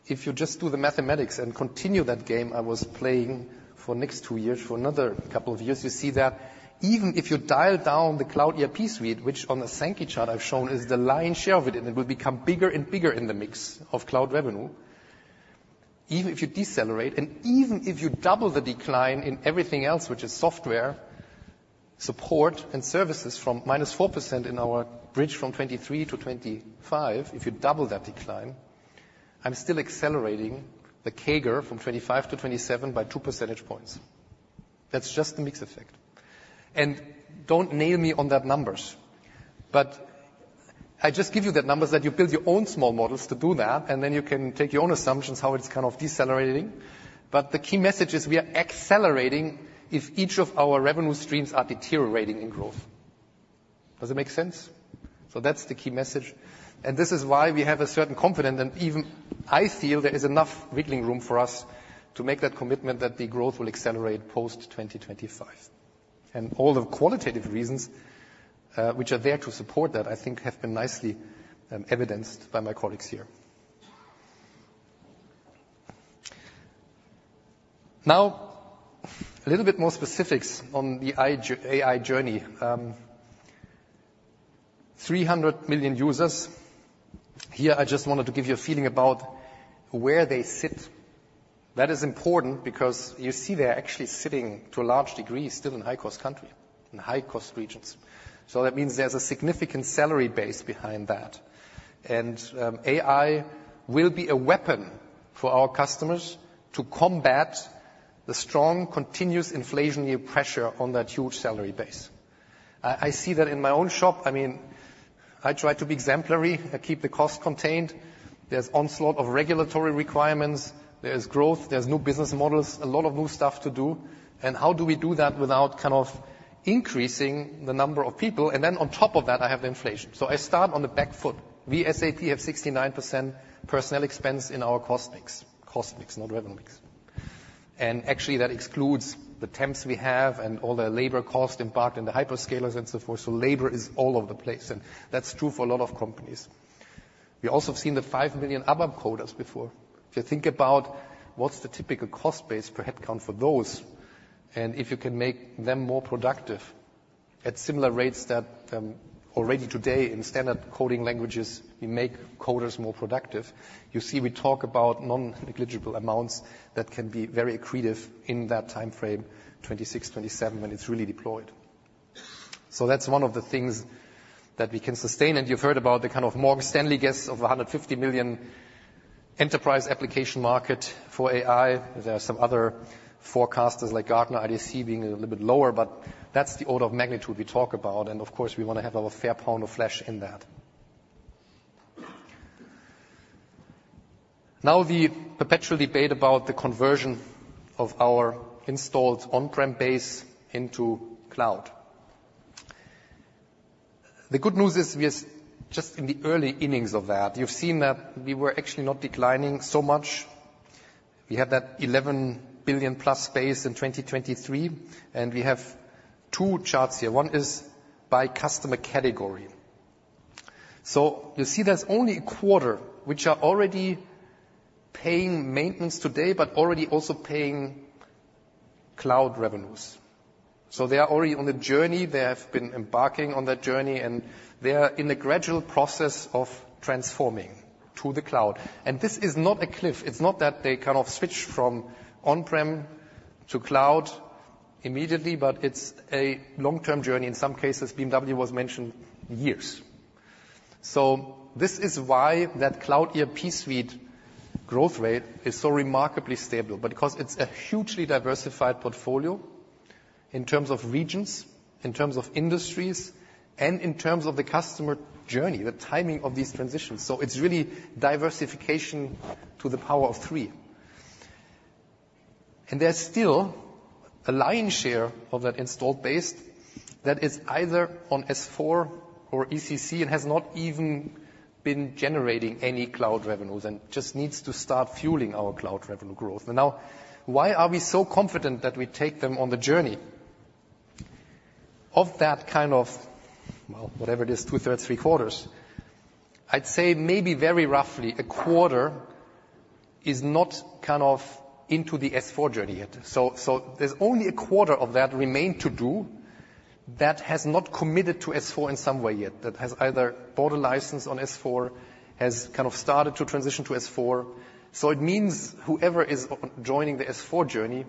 if you just do the mathematics and continue that game I was playing for next two years, for another couple of years, you see that even if you dial down the Cloud ERP Suite, which on the Sankey chart I've shown, is the lion's share of it, and it will become bigger and bigger in the mix of cloud revenue. Even if you decelerate, and even if you double the decline in everything else, which is software, support, and services, from -4% in our bridge from 2023 to 2025, if you double that decline, I'm still accelerating the CAGR from 2025 to 2027 by 2 percentage points. That's just the mix effect. Don't nail me on that numbers, but I just give you the numbers that you build your own small models to do that, and then you can take your own assumptions, how it's kind of decelerating. But the key message is we are accelerating if each of our revenue streams are deteriorating in growth. Does it make sense? So that's the key message, and this is why we have a certain confidence, and even I feel there is enough wiggling room for us to make that commitment that the growth will accelerate post-2025. And all the qualitative reasons, which are there to support that, I think have been nicely evidenced by my colleagues here. Now, a little bit more specifics on the AI journey. 300 million users. Here, I just wanted to give you a feeling about where they sit. That is important because you see they're actually sitting, to a large degree, still in high-cost country, in high-cost regions. So that means there's a significant salary base behind that, and AI will be a weapon for our customers to combat the strong, continuous inflationary pressure on that huge salary base. I, I see that in my own shop. I mean, I try to be exemplary. I keep the cost contained. There's onslaught of regulatory requirements, there's growth, there's new business models, a lot of new stuff to do, and how do we do that without kind of increasing the number of people? And then on top of that, I have the inflation, so I start on the back foot. We, SAP, have 69% personnel expense in our cost mix. Cost mix, not revenue mix. Actually, that excludes the temps we have and all the labor cost embarked in the hyperscalers and so forth. So labor is all over the place, and that's true for a lot of companies. We also have seen the 5 million ABAP coders before. If you think about what's the typical cost base per headcount for those, and if you can make them more productive at similar rates that already today in standard coding languages, we make coders more productive, you see, we talk about non-negligible amounts that can be very accretive in that time frame, 2026, 2027, when it's really deployed. So that's one of the things that we can sustain. You've heard about the kind of Morgan Stanley guess of a 150 million enterprise application market for AI. There are some other forecasters, like Gartner, IDC, being a little bit lower, but that's the order of magnitude we talk about, and of course, we want to have our fair pound of flesh in that. Now, the perpetual debate about the conversion of our installed on-prem base into cloud. The good news is we are just in the early innings of that. You've seen that we were actually not declining so much. We had that 11 billion-plus base in 2023, and we have two charts here. One is by customer category. So you see there's only a quarter, which are already paying maintenance today, but already also paying cloud revenues. So they are already on the journey, they have been embarking on that journey, and they are in a gradual process of transforming to the cloud. This is not a cliff. It's not that they kind of switch from on-prem to cloud immediately, but it's a long-term journey. In some cases, BMW was mentioned, years. So this is why that Cloud ERP Suite growth rate is so remarkably stable, because it's a hugely diversified portfolio in terms of regions, in terms of industries, and in terms of the customer journey, the timing of these transitions, so it's really diversification to the power of three. And there's still a lion's share of that installed base that is either on S/4 or ECC, and has not even been generating any cloud revenues and just needs to start fueling our cloud revenue growth. And now, why are we so confident that we take them on the journey? Of that kind of, well, whatever it is, two-thirds, three-quarters, I'd say maybe very roughly a quarter is not kind of into the S/4 journey yet. So there's only a quarter of that remain to do that has not committed to S/4 in some way yet, that has either bought a license on S/4, has kind of started to transition to S/4. So it means whoever is joining the S/4 journey,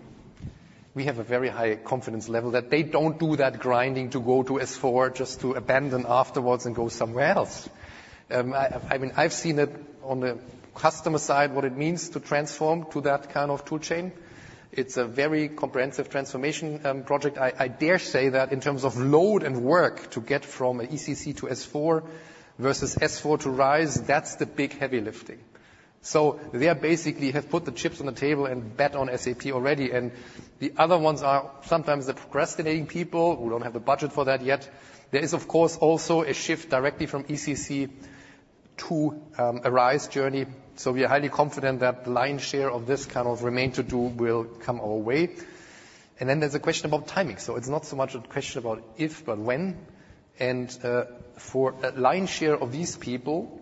we have a very high confidence level that they don't do that grinding to go to S/4 just to abandon afterwards and go somewhere else. I mean, I've seen it on the customer side, what it means to transform to that kind of tool chain. It's a very comprehensive transformation project. I dare say that in terms of load and work, to get from ECC to S/4 versus S/4 to RISE, that's the big heavy lifting. So they basically have put the chips on the table and bet on SAP already, and the other ones are sometimes the procrastinating people who don't have the budget for that yet. There is, of course, also a shift directly from ECC to a RISE journey. So we are highly confident that the lion's share of this kind of remain to do will come our way. And then there's a question about timing. So it's not so much a question about if, but when. And for a lion's share of these people,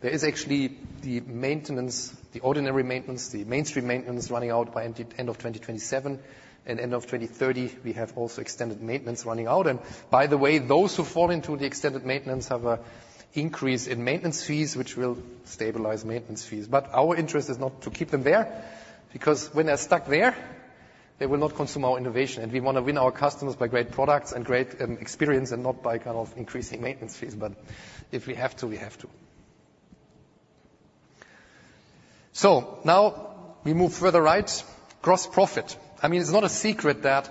there is actually the maintenance, the ordinary maintenance, the mainstream maintenance, running out by end, end of 2027. And end of 2030, we have also extended maintenance running out. And by the way, those who fall into the extended maintenance have an increase in maintenance fees, which will stabilize maintenance fees. But our interest is not to keep them there, because when they're stuck there, they will not consume our innovation. We want to win our customers by great products and great experience, and not by kind of increasing maintenance fees. But if we have to, we have to. Now we move further right. Gross profit. I mean, it's not a secret that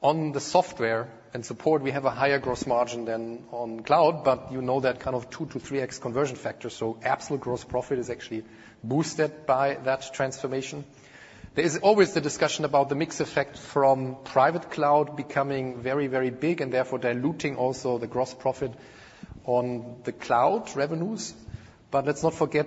on the software and support, we have a higher gross margin than on cloud, but you know that kind of 2-3x conversion factor, so absolute gross profit is actually boosted by that transformation. There is always the discussion about the mix effect from private cloud becoming very, very big, and therefore diluting also the gross profit on the cloud revenues. Let's not forget,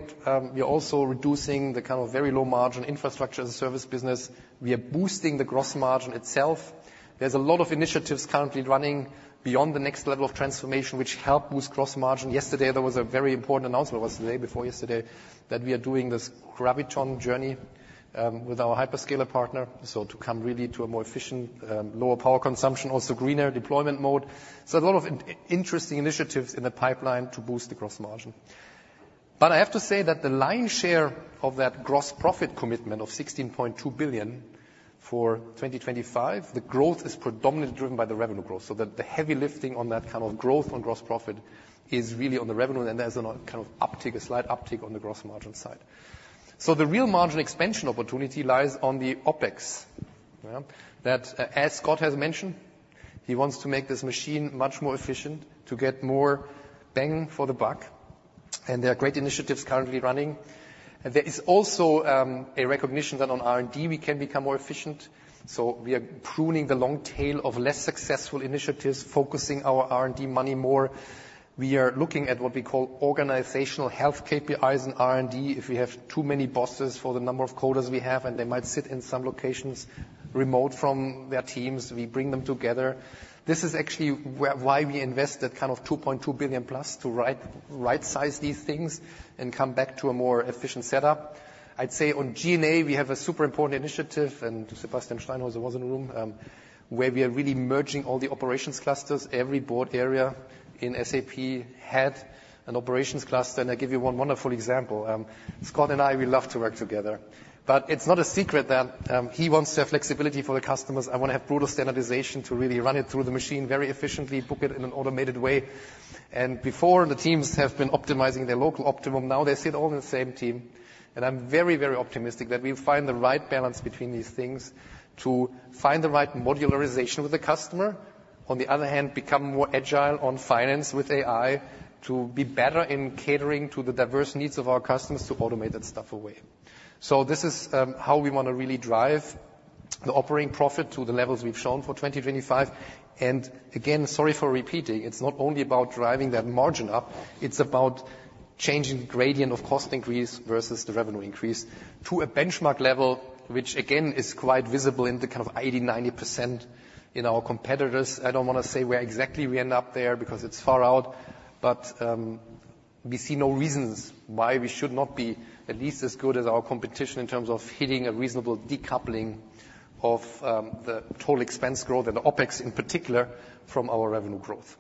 we are also reducing the kind of very low margin infrastructure as a service business. We are boosting the gross margin itself. There's a lot of initiatives currently running beyond the next level of transformation, which help boost gross margin. Yesterday, there was a very important announcement, or was it the day before yesterday? That we are doing this Graviton journey with our hyperscaler partner, so to come really to a more efficient, lower power consumption, also greener deployment mode. So a lot of interesting initiatives in the pipeline to boost the gross margin. But I have to say that the lion's share of that gross profit commitment of 16.2 billion for 2025, the growth is predominantly driven by the revenue growth. So the heavy lifting on that kind of growth on gross profit is really on the revenue, and there's a kind of uptick, a slight uptick on the gross margin side. So the real margin expansion opportunity lies on the OpEx, yeah. That, as Scott has mentioned, he wants to make this machine much more efficient to get more bang for the buck, and there are great initiatives currently running. There is also a recognition that on R&D we can become more efficient, so we are pruning the long tail of less successful initiatives, focusing our R&D money more. We are looking at what we call organizational health KPIs in R&D. If we have too many bosses for the number of coders we have, and they might sit in some locations remote from their teams, we bring them together. This is actually why we invested kind of 2.2 billion plus to right, right-size these things and come back to a more efficient setup. I'd say on G&A, we have a super important initiative, and Sebastian Steinhaeuser was in the room, where we are really merging all the operations clusters. Every board area in SAP had an operations cluster, and I give you one wonderful example. Scott and I, we love to work together, but it's not a secret that, he wants to have flexibility for the customers. I want to have brutal standardization to really run it through the machine very efficiently, book it in an automated way. And before, the teams have been optimizing their local optimum. Now, they sit all in the same team, and I'm very, very optimistic that we'll find the right balance between these things to find the right modularization with the customer. On the other hand, become more agile on finance with AI, to be better in catering to the diverse needs of our customers to automate that stuff away. So this is how we want to really drive the operating profit to the levels we've shown for 2025. And again, sorry for repeating, it's not only about driving that margin up, it's about changing the gradient of cost increase versus the revenue increase to a benchmark level, which, again, is quite visible in the kind of 80%-90% in our competitors. I don't want to say where exactly we end up there because it's far out, but we see no reasons why we should not be at least as good as our competition in terms of hitting a reasonable decoupling of the total expense growth and the OpEx, in particular, from our revenue growth.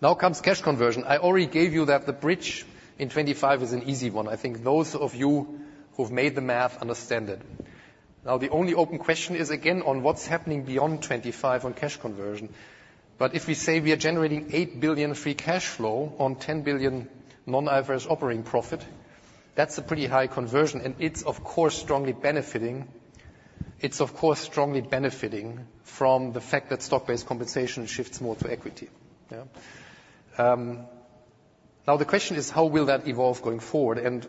Now comes cash conversion. I already gave you that the bridge in 2025 is an easy one. I think those of you who've made the math understand it. Now, the only open question is, again, on what's happening beyond 2025 on cash conversion. But if we say we are generating 8 billion free cash flow on 10 billion non-IFRS operating profit, that's a pretty high conversion, and it's, of course, strongly benefiting. It's, of course, strongly benefiting from the fact that stock-based compensation shifts more to equity, yeah? Now the question is: How will that evolve going forward? And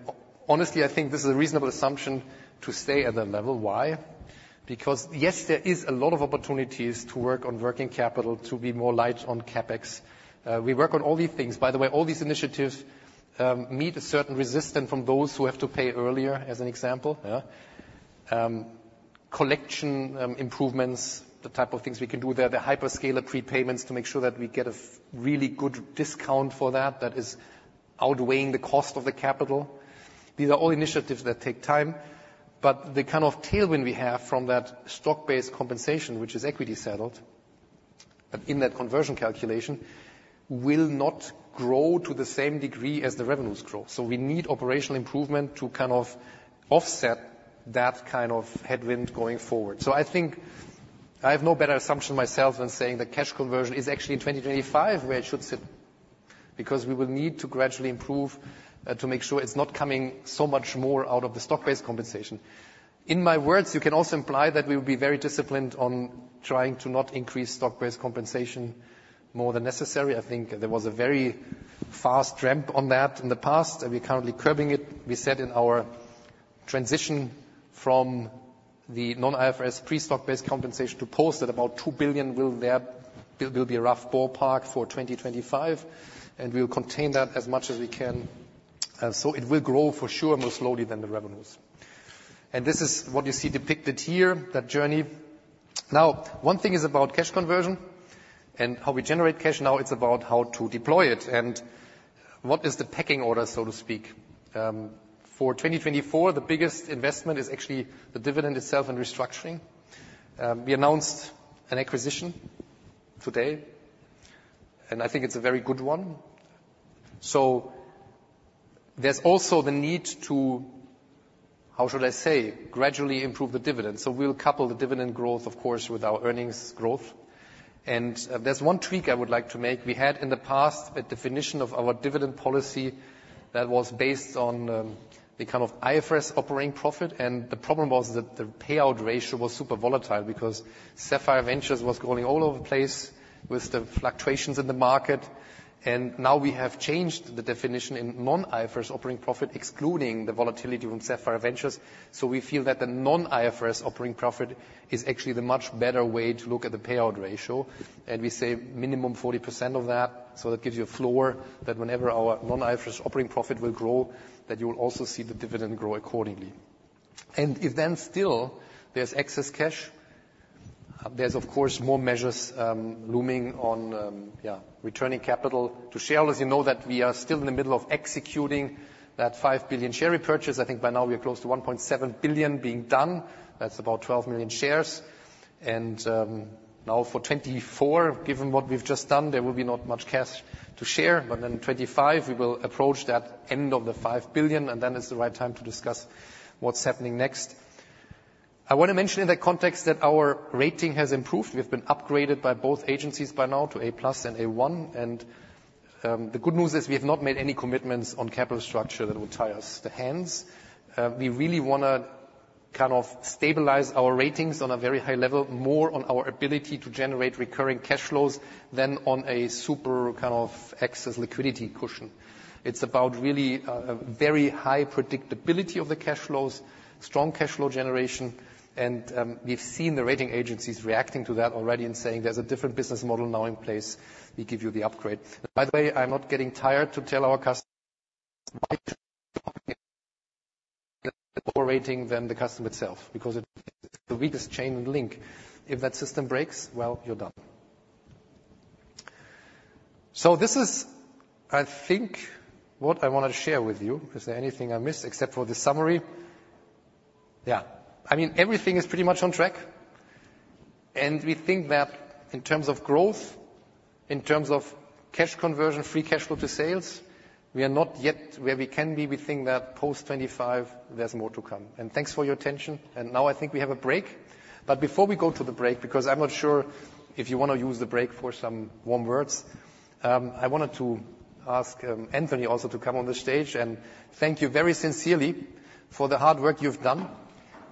honestly, I think this is a reasonable assumption to stay at that level. Why? Because, yes, there is a lot of opportunities to work on working capital to be more light on CapEx. We work on all these things. By the way, all these initiatives, meet a certain resistance from those who have to pay earlier, as an example, yeah. Collection, improvements, the type of things we can do there, the hyperscaler prepayments to make sure that we get a f- really good discount for that, that is outweighing the cost of the capital. These are all initiatives that take time, but the kind of tailwind we have from that stock-based compensation, which is equity settled, but in that conversion calculation, will not grow to the same degree as the revenues grow. So we need operational improvement to kind of offset that kind of headwind going forward. So I think I have no better assumption myself than saying that cash conversion is actually in 2025, where it should sit, because we will need to gradually improve to make sure it's not coming so much more out of the stock-based compensation. In my words, you can also imply that we will be very disciplined on trying to not increase stock-based compensation more than necessary. I think there was a very fast ramp on that in the past, and we're currently curbing it. We said in our transition from the non-IFRS pre-stock-based compensation to post at about 2 billion will be a rough ballpark for 2025, and we will contain that as much as we can. And so it will grow for sure, more slowly than the revenues. And this is what you see depicted here, that journey. Now, one thing is about cash conversion and how we generate cash. Now, it's about how to deploy it, and what is the pecking order, so to speak? For 2024, the biggest investment is actually the dividend itself and restructuring. We announced an acquisition today, and I think it's a very good one. There's also the need to, how should I say, gradually improve the dividend. We'll couple the dividend growth, of course, with our earnings growth. There's one tweak I would like to make. We had, in the past, a definition of our dividend policy that was based on the kind of IFRS operating profit, and the problem was that the payout ratio was super volatile because Sapphire Ventures was going all over the place with the fluctuations in the market. Now we have changed the definition in non-IFRS operating profit, excluding the volatility from Sapphire Ventures. So we feel that the non-IFRS operating profit is actually the much better way to look at the payout ratio, and we save minimum 40% of that. So that gives you a floor that whenever our non-IFRS operating profit will grow, that you will also see the dividend grow accordingly. And if then still there's excess cash, there's of course, more measures, looming on, returning capital to shareholders. You know that we are still in the middle of executing that 5 billion share repurchase. I think by now we are close to 1.7 billion being done. That's about 12 million shares. Now for 2024, given what we've just done, there will be not much cash to share, but in 2025 we will approach that end of the 5 billion, and then it's the right time to discuss what's happening next. I want to mention in that context that our rating has improved. We have been upgraded by both agencies by now to A+ and A1, and the good news is we have not made any commitments on capital structure that will tie our hands. We really wanna kind of stabilize our ratings on a very high level, more on our ability to generate recurring cash flows than on a super kind of excess liquidity cushion. It's about really, a very high predictability of the cash flows, strong cash flow generation, and, we've seen the rating agencies reacting to that already and saying, "There's a different business model now in place. We give you the upgrade." By the way, I'm not getting tired to tell our customers- operating than the customer itself, because it's the weakest chain link. If that system breaks, well, you're done. So this is, I think, what I wanted to share with you. Is there anything I missed except for the summary? Yeah. I mean, everything is pretty much on track, and we think that in terms of growth, in terms of cash conversion, free cash flow to sales, we are not yet where we can be. We think that post 2025, there's more to come. And thanks for your attention. And now I think we have a break, but before we go to the break, because I'm not sure if you want to use the break for some warm words, I wanted to ask, Anthony also to come on the stage and thank you very sincerely for the hard work you've done,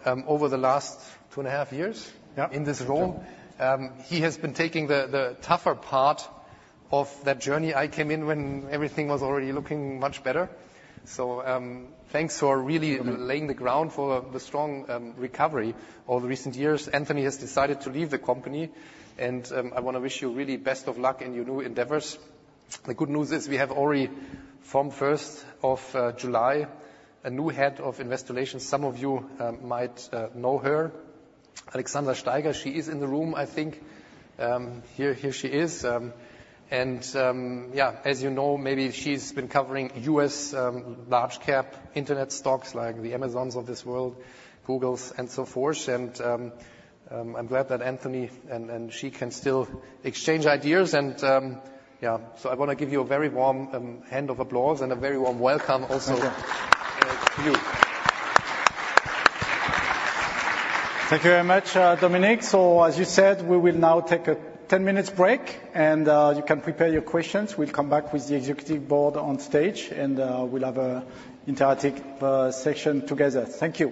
over the last 2.5 years- Yeah. In this role. He has been taking the tougher part of that journey. I came in when everything was already looking much better. So, thanks for really laying the ground for the strong recovery over recent years. Anthony has decided to leave the company, and I want to wish you really best of luck in your new endeavors. The good news is we have already, from first of July, a new head of Investor Relations. Some of you might know her, Alexandra Steiger. She is in the room, I think. Here, here she is. And yeah, as you know, maybe she's been covering U.S. large cap internet stocks, like the Amazons of this world, Googles, and so forth. And I'm glad that Anthony and she can still exchange ideas. Yeah, so I want to give you a very warm hand of applause and a very warm welcome also- Thank you. -to you. Thank you very much, Dominik. As you said, we will now take a 10-minute break, and you can prepare your questions. We'll come back with the executive board on stage, and we'll have an interactive session together. Thank you.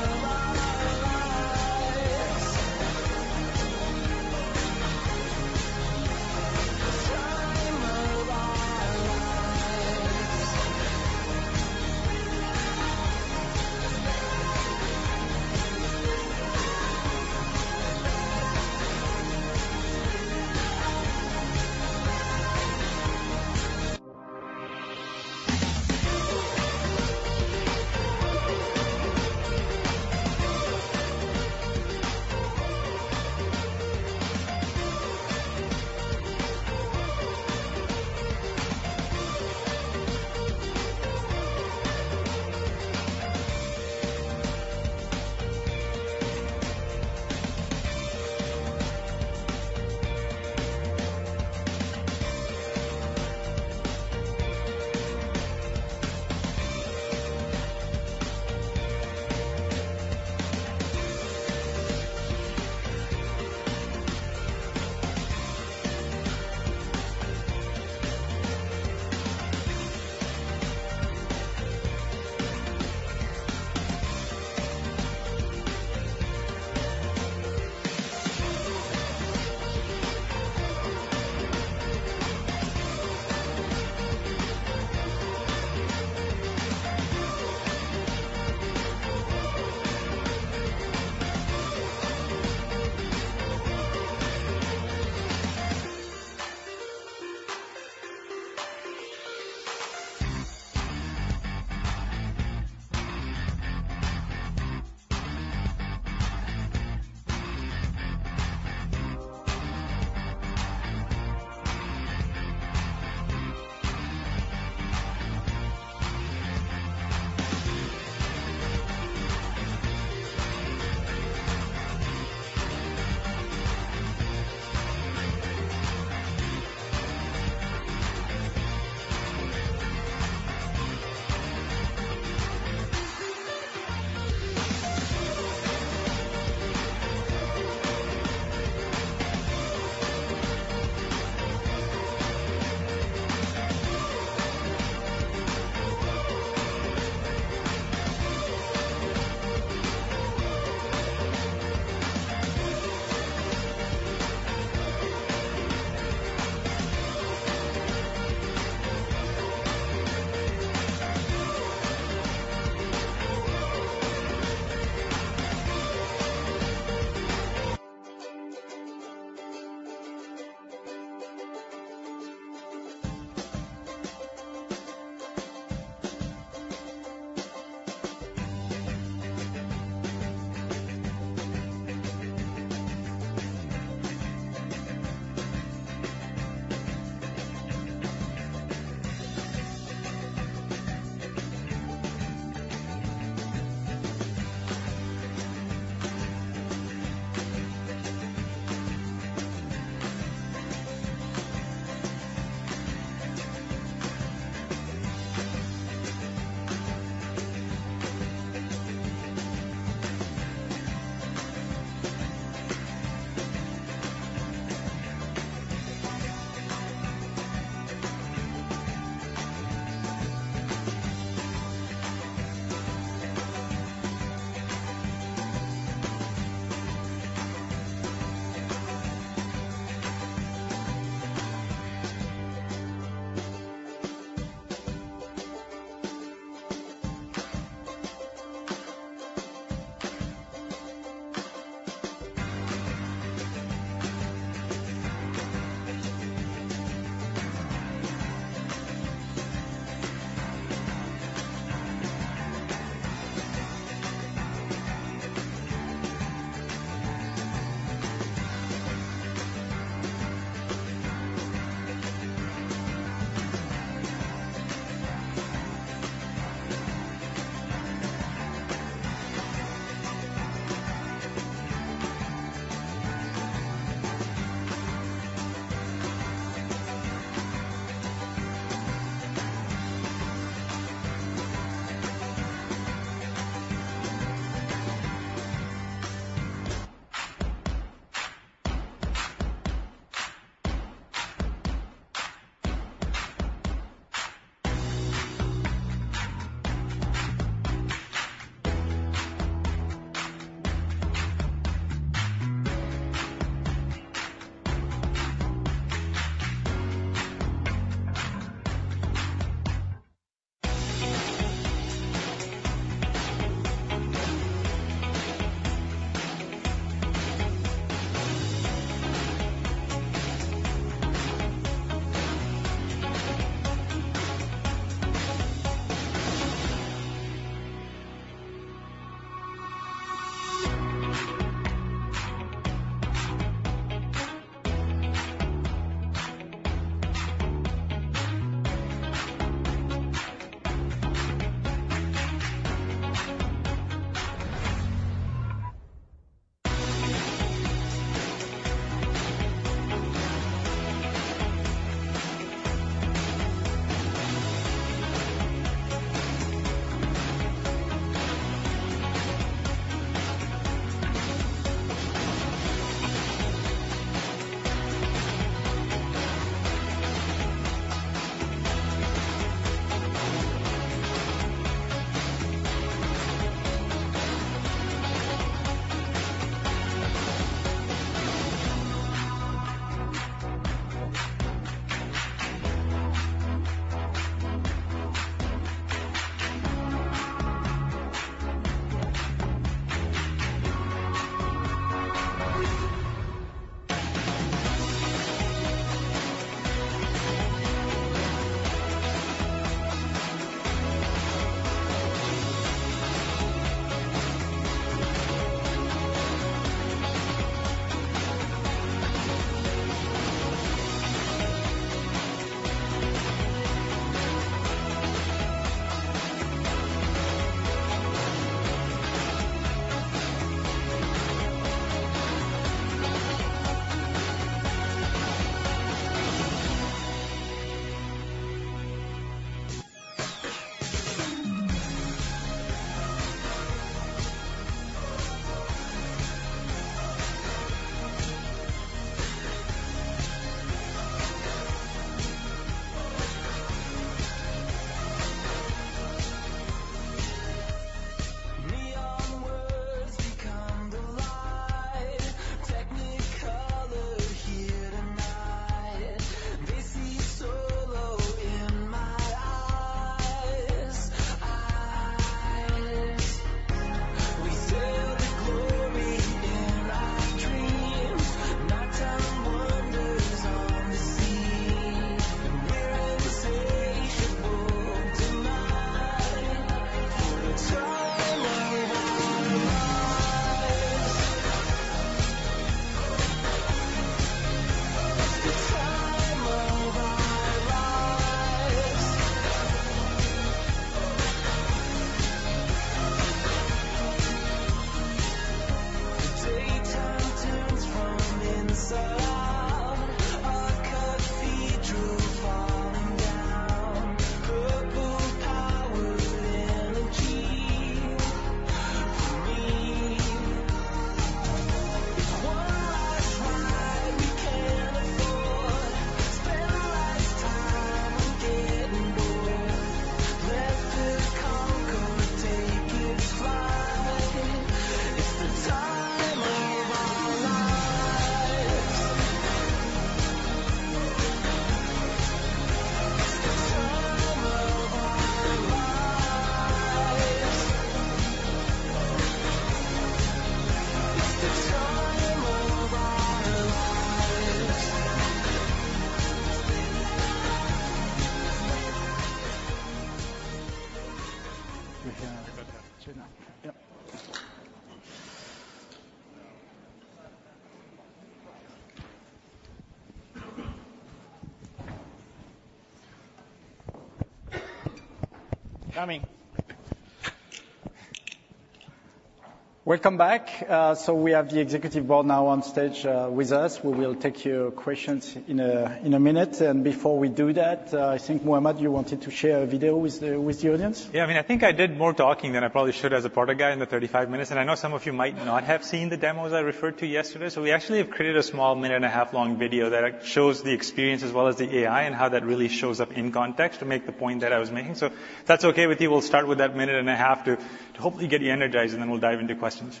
Welcome back. So we have the executive board now on stage with us. We will take your questions in a minute. Before we do that, I think, Muhammad, you wanted to share a video with the audience? Yeah. I mean, I think I did more talking than I probably should as a product guy in the 35 minutes, and I know some of you might not have seen the demos I referred to yesterday. So we actually have created a small 1.5-minute-long video that shows the experience as well as the AI, and how that really shows up in context to make the point that I was making. So if that's okay with you, we'll start with that 1.5 minutes to, to hopefully get you energized, and then we'll dive into questions.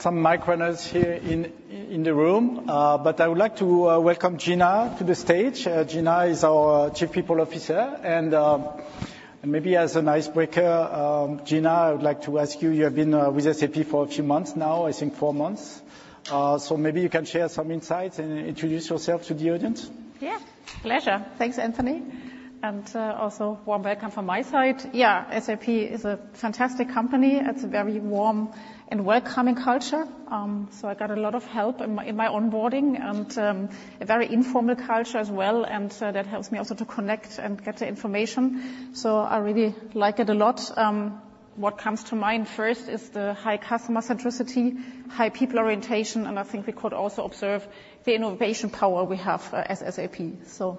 All right. So we have some mic runners here in the room, but I would like to welcome Gina to the stage. Gina is our Chief People Officer, and maybe as an icebreaker, Gina, I would like to ask you, you have been with SAP for a few months now, I think four months. So maybe you can share some insights and introduce yourself to the audience. Yeah. Pleasure. Thanks, Anthony, and also warm welcome from my side. Yeah, SAP is a fantastic company. It's a very warm and welcoming culture, so I got a lot of help in my, in my onboarding and, a very informal culture as well, and so that helps me also to connect and get the information, so I really like it a lot. What comes to mind first is the high customer centricity, high people orientation, and I think we could also observe the innovation power we have as SAP. So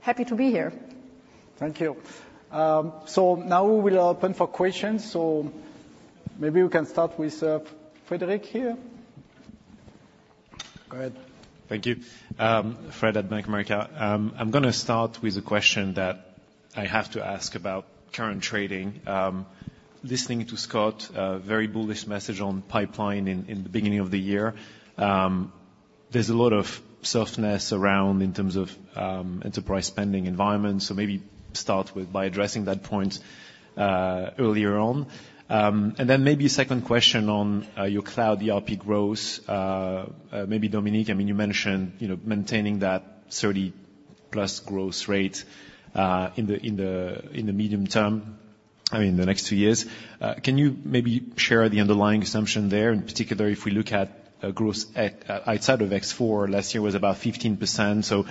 happy to be here. Thank you. So now we will open for questions. So maybe we can start with Frederic here. Go ahead. Thank you. Fred at Bank of America. I'm gonna start with a question that I have to ask about current trading. Listening to Scott, a very bullish message on pipeline in the beginning of the year. There's a lot of softness around in terms of enterprise spending environment, so maybe start with by addressing that point earlier on. And then maybe a second question on your cloud ERP growth. Maybe Dominik, I mean, you mentioned, you know, maintaining that 30%+ growth rate in the medium term, I mean, in the next two years. Can you maybe share the underlying assumption there? In particular, if we look at growth outside of S/4, last year was about 15%. So,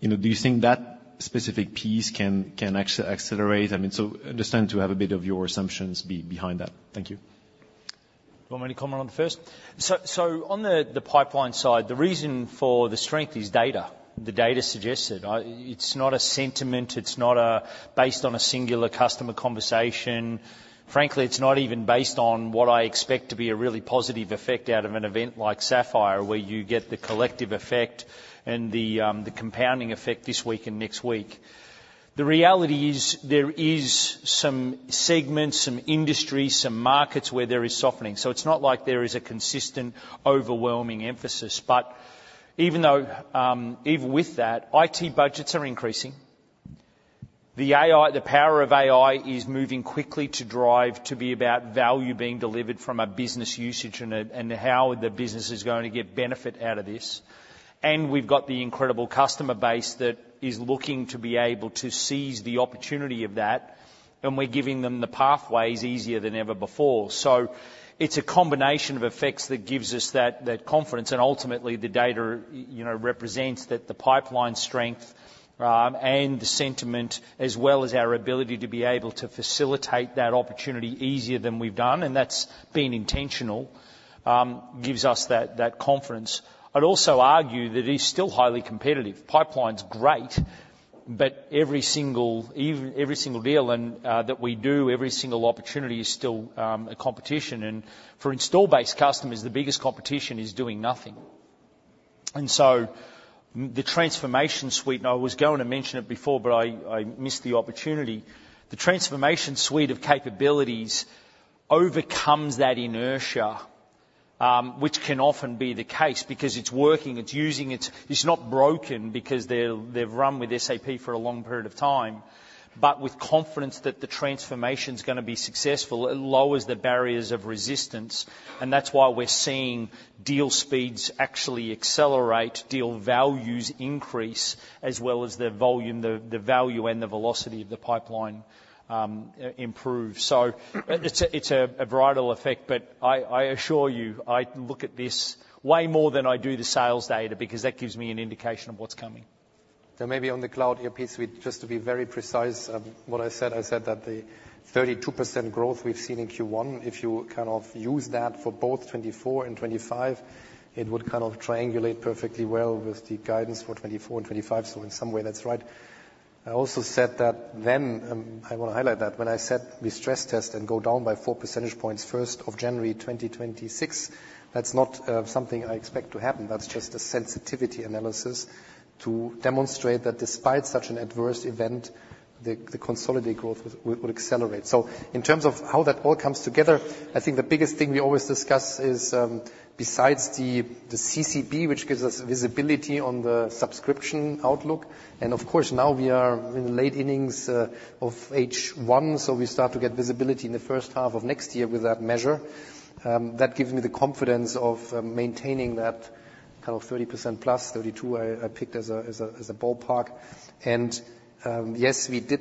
you know, do you think that specific piece can accelerate? I mean, so understand to have a bit of your assumptions behind that. Thank you. Do you want me to comment on the first? So on the pipeline side, the reason for the strength is data. The data suggests it. It's not a sentiment, it's not based on a singular customer conversation. Frankly, it's not even based on what I expect to be a really positive effect out of an event like Sapphire, where you get the collective effect and the compounding effect this week and next week. The reality is, there is some segments, some industries, some markets where there is softening. So it's not like there is a consistent, overwhelming emphasis. But even though, even with that, IT budgets are increasing. The power of AI is moving quickly to drive, to be about value being delivered from a business usage and and how the business is going to get benefit out of this. And we've got the incredible customer base that is looking to be able to seize the opportunity of that, and we're giving them the pathways easier than ever before. So it's a combination of effects that gives us that, that confidence, and ultimately the data, you know, represents that the pipeline strength, and the sentiment, as well as our ability to be able to facilitate that opportunity easier than we've done, and that's been intentional, gives us that, that confidence. I'd also argue that it is still highly competitive. Pipeline's great, but every single deal and that we do, every single opportunity is still a competition. And for install-based customers, the biggest competition is doing nothing.... And so the transformation suite, and I was going to mention it before, but I missed the opportunity. The transformation suite of capabilities overcomes that inertia, which can often be the case because it's working, it's using it. It's not broken because they've run with SAP for a long period of time. But with confidence that the transformation is gonna be successful, it lowers the barriers of resistance, and that's why we're seeing deal speeds actually accelerate, deal values increase, as well as the volume, the value, and the velocity of the pipeline, improve. So it's a ripple effect, but I assure you, I look at this way more than I do the sales data, because that gives me an indication of what's coming. So maybe on the Cloud ERP Suite, just to be very precise, what I said, I said that the 32% growth we've seen in Q1, if you kind of use that for both 2024 and 2025, it would kind of triangulate perfectly well with the guidance for 2024 and 2025. So in some way, that's right. I also said that then, I want to highlight that, when I set the stress test and go down by 4 percentage points, January 1, 2026, that's not something I expect to happen. That's just a sensitivity analysis to demonstrate that despite such an adverse event, the consolidated growth would accelerate. So in terms of how that all comes together, I think the biggest thing we always discuss is, besides the, the CCB, which gives us visibility on the subscription outlook, and of course, now we are in the late innings, of H1, so we start to get visibility in the first half of next year with that measure. That gives me the confidence of, maintaining that kind of 30% plus, 32, I, I picked as a, as a, as a ballpark. And, yes, we did,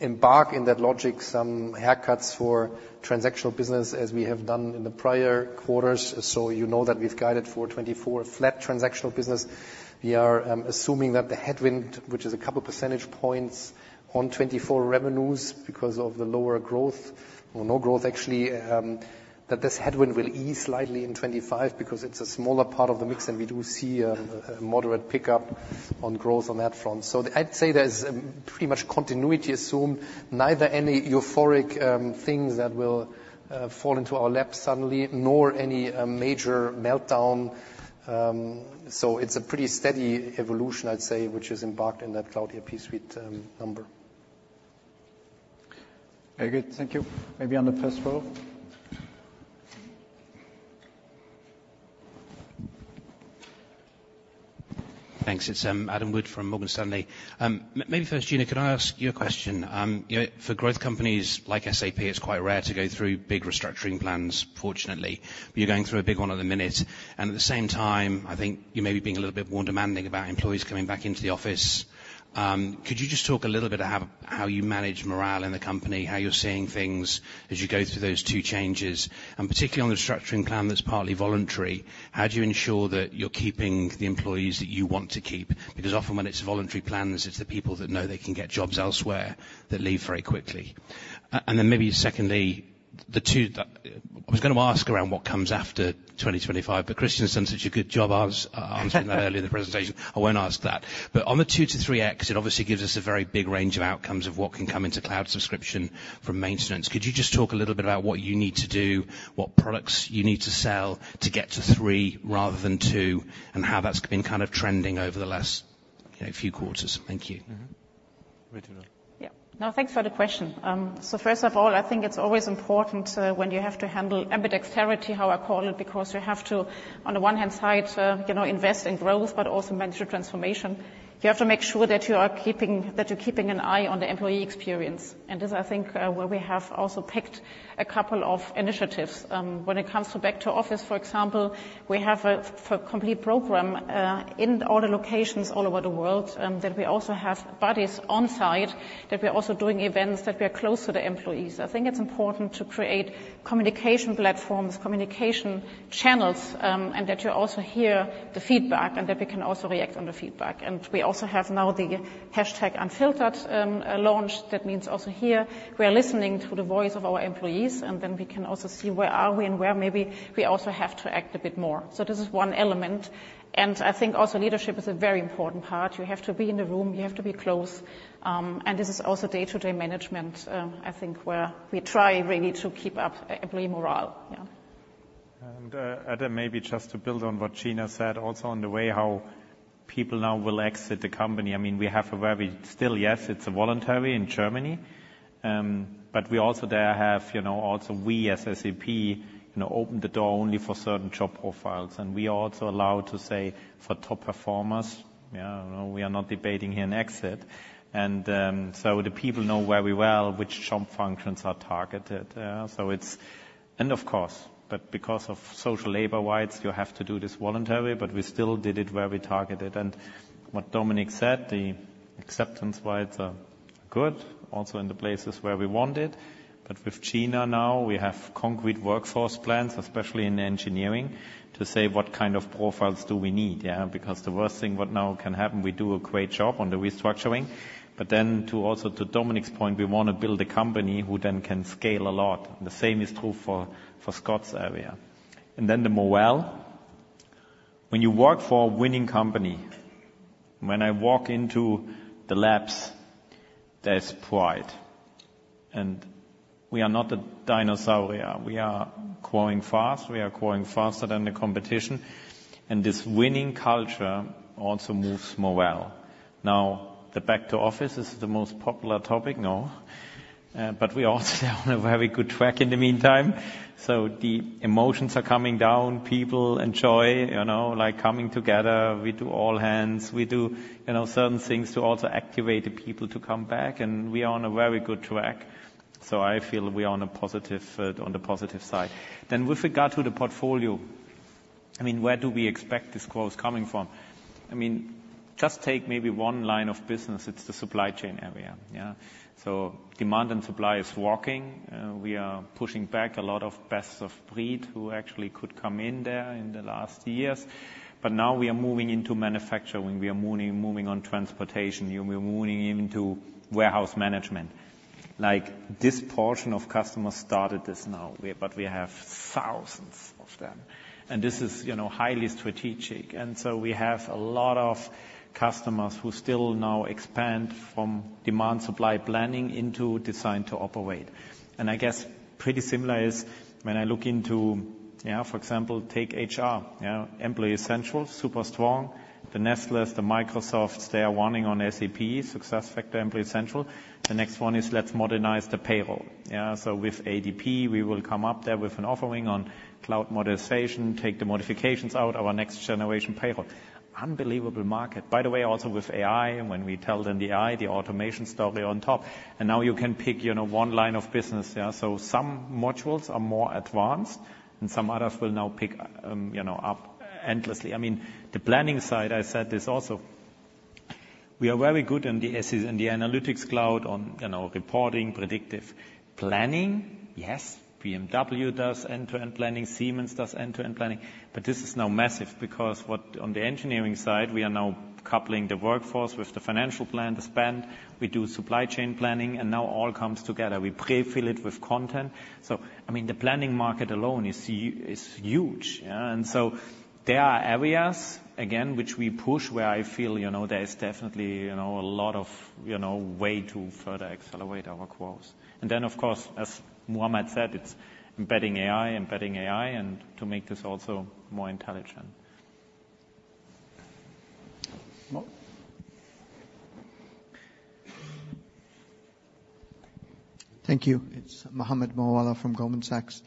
embark in that logic, some haircuts for transactional business as we have done in the prior quarters. So you know that we've guided for 24 flat transactional business. We are assuming that the headwind, which is a couple percentage points on 2024 revenues because of the lower growth or no growth, actually, that this headwind will ease slightly in 2025 because it's a smaller part of the mix, and we do see a moderate pickup on growth on that front. So I'd say there's pretty much continuity assumed. Neither any euphoric things that will fall into our lap suddenly, nor any major meltdown. So it's a pretty steady evolution, I'd say, which is embedded in that Cloud ERP Suite number. Very good, thank you. Maybe on the first row. Thanks. It's Adam Wood from Morgan Stanley. Maybe first, Gina, could I ask you a question? You know, for growth companies like SAP, it's quite rare to go through big restructuring plans, fortunately, but you're going through a big one at the minute, and at the same time, I think you may be being a little bit more demanding about employees coming back into the office. Could you just talk a little bit of how, how you manage morale in the company, how you're seeing things as you go through those two changes? And particularly on the structuring plan that's partly voluntary, how do you ensure that you're keeping the employees that you want to keep? Because often when it's voluntary plans, it's the people that know they can get jobs elsewhere that leave very quickly. And then maybe secondly, the two. I was gonna ask around what comes after 2025, but Christian's done such a good job answering that earlier in the presentation, I won't ask that. But on the 2x-3x, it obviously gives us a very big range of outcomes of what can come into cloud subscription from maintenance. Could you just talk a little bit about what you need to do, what products you need to sell to get to three rather than two, and how that's been kind of trending over the last, you know, few quarters? Thank you. Mm-hmm. Gina? Yeah. No, thanks for the question. So first of all, I think it's always important, when you have to handle ambidexterity, how I call it, because you have to, on the one hand side, you know, invest in growth, but also manage the transformation. You have to make sure that you are keeping- that you're keeping an eye on the employee experience. And this, I think, where we have also picked a couple of initiatives. When it comes to back to office, for example, we have a complete program, in all the locations all over the world, that we also have buddies on site, that we're also doing events, that we are close to the employees. I think it's important to create communication platforms, communication channels, and that you also hear the feedback, and that we can also react on the feedback. And we also have now the hashtag Unfiltered launched. That means also here we are listening to the voice of our employees, and then we can also see where are we and where maybe we also have to act a bit more. So this is one element, and I think also leadership is a very important part. You have to be in the room, you have to be close, and this is also day-to-day management, I think, where we try really to keep up employee morale. Yeah. Adam, maybe just to build on what Gina said, also on the way how people now will exit the company. I mean, we have a very... Still, yes, it's voluntary in Germany, but we also there have, you know, also we as SAP, you know, opened the door only for certain job profiles, and we are also allowed to say for top performers, yeah, we are not debating here an exit. So the people know very well which job functions are targeted, so it's- Of course, but because of social labor-wise, you have to do this voluntarily, but we still did it where we targeted. What Dominik said, the acceptance rates are good, also in the places where we want it. But with Gina now, we have concrete workforce plans, especially in engineering, to say what kind of profiles do we need, yeah? Because the worst thing what now can happen, we do a great job on the restructuring, but then to also to Dominik's point, we want to build a company who then can scale a lot. And the same is true for, for Scott's area. And then the morale, when you work for a winning company, when I walk into the labs, there's pride. And we are not a dinosaur. We are, we are growing fast, we are growing faster than the competition, and this winning culture also moves more well. Now, the back to office is the most popular topic now, but we are also on a very good track in the meantime. So the emotions are coming down. People enjoy, you know, like, coming together. We do all hands. We do, you know, certain things to also activate the people to come back, and we are on a very good track. So I feel we are on a positive, on the positive side. Then with regard to the portfolio, I mean, where do we expect this growth coming from? I mean, just take maybe one line of business. It's the supply chain area, yeah? So demand and supply is working. We are pushing back a lot of best-of-breed, who actually could come in there in the last years. But now we are moving into manufacturing, we are moving, moving on transportation, and we're moving into warehouse management. Like, this portion of customers started this now, but we have thousands of them. And this is, you know, highly strategic. So we have a lot of customers who still now expand from demand supply planning into design to operate. And I guess pretty similar is when I look into, yeah, for example, take HR, yeah, Employee Central, super strong. The Nestlés, the Microsofts, they are running on SAP SuccessFactors Employee Central. The next one is let's modernize the payroll, yeah? So with ADP, we will come up there with an offering on cloud modernization, take the modifications out, our next generation payroll. Unbelievable market. By the way, also with AI, when we tell them the AI, the automation story on top, and now you can pick, you know, one line of business, yeah? So some modules are more advanced, and some others will now pick, you know, up endlessly. I mean, the planning side, I said this also, we are very good in the SAP Analytics Cloud on, you know, reporting, predictive planning. Yes, BMW does end-to-end planning, Siemens does end-to-end planning, but this is now massive because on the engineering side, we are now coupling the workforce with the financial plan, the spend. We do supply chain planning, and now all comes together. We pre-fill it with content. So, I mean, the planning market alone is huge, yeah? And so there are areas, again, which we push, where I feel, you know, there is definitely, you know, a lot of, you know, way to further accelerate our growth. And then, of course, as Muhammad said, it's embedding AI, embedding AI, and to make this also more intelligent. Mo? Thank you. It's Mohammed Moawalla from Goldman Sachs.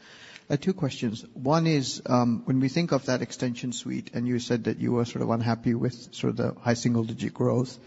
I have two questions. One is, when we think of that Extension Suite, and you said that you were sort of unhappy with sort of the high single-digit growth,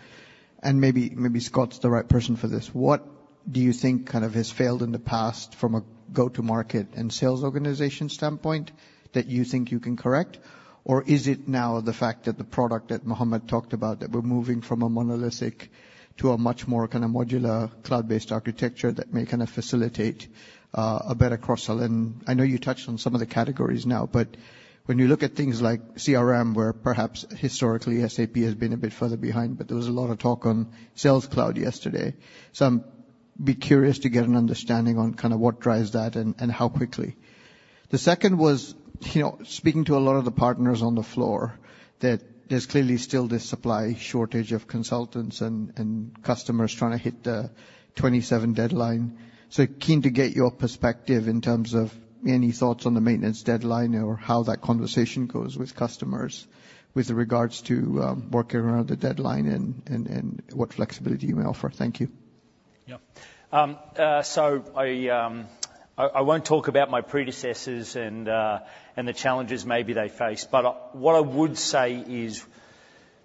and maybe, maybe Scott's the right person for this. What do you think kind of has failed in the past from a go-to market and sales organization standpoint that you think you can correct? Or is it now the fact that the product that Muhammad talked about, that we're moving from a monolithic to a much more kind of modular, cloud-based architecture that may kind of facilitate, a better cross-sell? And I know you touched on some of the categories now, but when you look at things like CRM, where perhaps historically, SAP has been a bit further behind, but there was a lot of talk on Sales Cloud yesterday. So I'm be curious to get an understanding on kind of what drives that and, and how quickly. The second was, you know, speaking to a lot of the partners on the floor, that there's clearly still this supply shortage of consultants and, and customers trying to hit the 2027 deadline. So keen to get your perspective in terms of any thoughts on the maintenance deadline or how that conversation goes with customers with regards to, working around the deadline and, and, and what flexibility you may offer. Thank you. Yeah. So I won't talk about my predecessors and, and the challenges maybe they faced, but what I would say is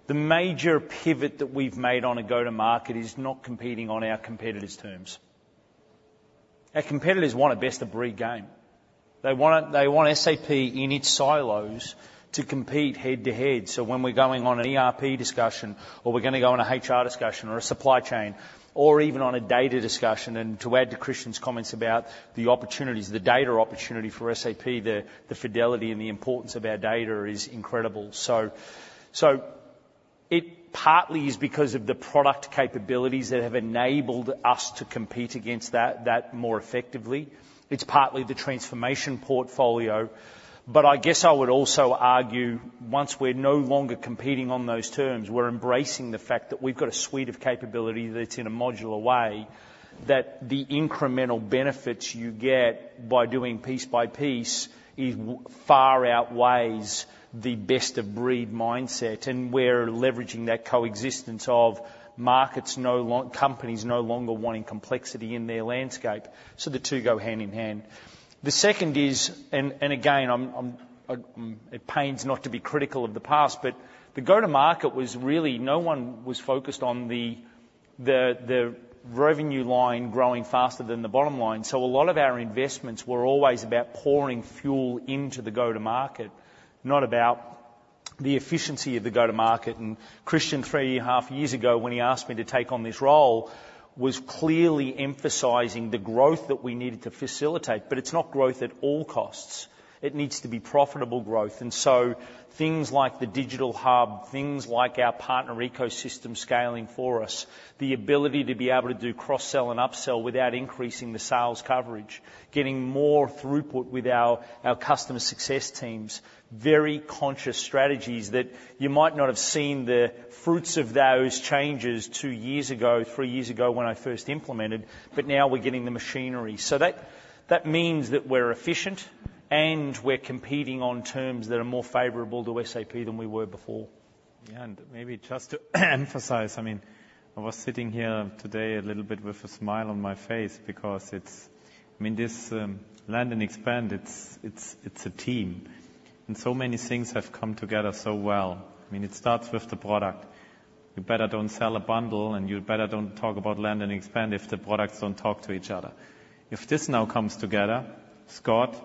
the major pivot that we've made on a go-to-market is not competing on our competitors' terms. Our competitors want a best-of-breed game. They want SAP in its silos to compete head-to-head. So when we're going on an ERP discussion or we're gonna go on an HR discussion or a supply chain or even on a data discussion, and to add to Christian's comments about the opportunities, the data opportunity for SAP, the fidelity and the importance of our data is incredible. So it partly is because of the product capabilities that have enabled us to compete against that more effectively. It's partly the transformation portfolio. But I guess I would also argue, once we're no longer competing on those terms, we're embracing the fact that we've got a suite of capability that's in a modular way, that the incremental benefits you get by doing piece by piece, it far outweighs the best-of-breed mindset, and we're leveraging that coexistence of markets, companies no longer wanting complexity in their landscape, so the two go hand in hand. The second is, and again, I'm at pains not to be critical of the past, but the go-to market was really, no one was focused on the revenue line growing faster than the bottom line. So a lot of our investments were always about pouring fuel into the go-to market, not about the efficiency of the go-to market. And Christian, 3.5 years ago, when he asked me to take on this role, was clearly emphasizing the growth that we needed to facilitate. But it's not growth at all costs. It needs to be profitable growth. And so things like the Digital Hub, things like our partner ecosystem scaling for us, the ability to be able to do cross-sell and upsell without increasing the sales coverage, getting more throughput with our customer success teams, very conscious strategies that you might not have seen the fruits of those changes 2 years ago, 3 years ago when I first implemented, but now we're getting the machinery. So that means that we're efficient and we're competing on terms that are more favorable to SAP than we were before. Yeah, and maybe just to emphasize, I mean, I was sitting here today a little bit with a smile on my face because it's, I mean, this land and expand, it's, it's, it's a team, and so many things have come together so well. I mean, it starts with the product. You better don't sell a bundle, and you better don't talk about land and expand if the products don't talk to each other. If this now comes together, Scott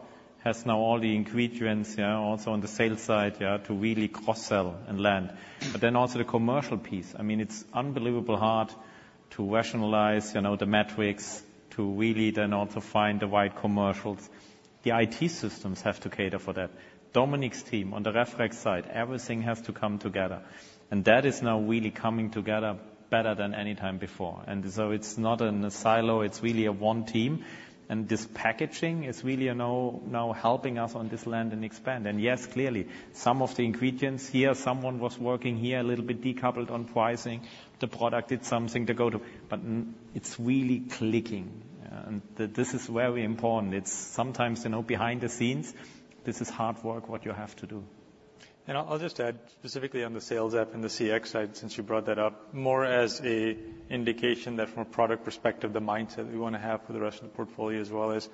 has now all the ingredients, yeah, also on the sales side, yeah, to really cross-sell and land. But then also the commercial piece. I mean, it's unbelievable hard to rationalize, you know, the metrics, to really then also find the right commercials. The IT systems have to cater for that. Dominik's team on the RISE side, everything has to come together, and that is now really coming together better than any time before. And so it's not in a silo, it's really a one team, and this packaging is really, you know, now helping us on this land and expand. And yes, clearly, some of the ingredients here, someone was working here, a little bit decoupled on pricing. The product did something to go to, but it's really clicking, and this is very important. It's sometimes, you know, behind the scenes, this is hard work, what you have to do. I'll just add specifically on the sales app and the CX side, since you brought that up, more as an indication that from a product perspective, the mindset we wanna have for the rest of the portfolio as well as...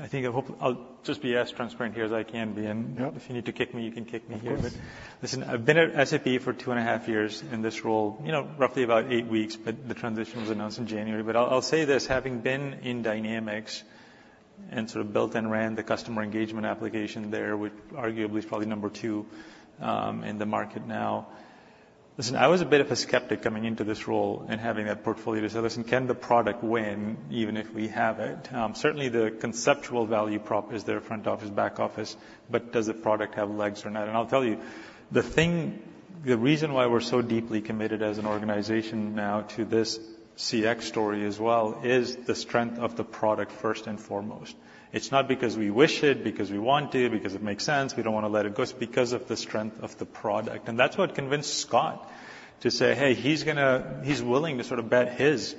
I think, I hope, I'll just be as transparent here as I can be, and Yep. If you need to kick me, you can kick me here. Of course. Listen, I've been at SAP for two-and-a-half years in this role, you know, roughly about 8 weeks, but the transition was announced in January. But I'll, I'll say this, having been in Dynamics and sort of built and ran the customer engagement application there, which arguably is probably number two in the market now. Listen, I was a bit of a skeptic coming into this role and having that portfolio to say, "Listen, can the product win even if we have it?" Certainly, the conceptual value prop is there, front office, back office, but does the product have legs or not? And I'll tell you, the thing, the reason why we're so deeply committed as an organization now to this CX story as well, is the strength of the product, first and foremost. It's not because we wish it, because we want to, because it makes sense, we don't wanna let it go. It's because of the strength of the product. And that's what convinced Scott to say, hey, he's gonna—he's willing to sort of bet his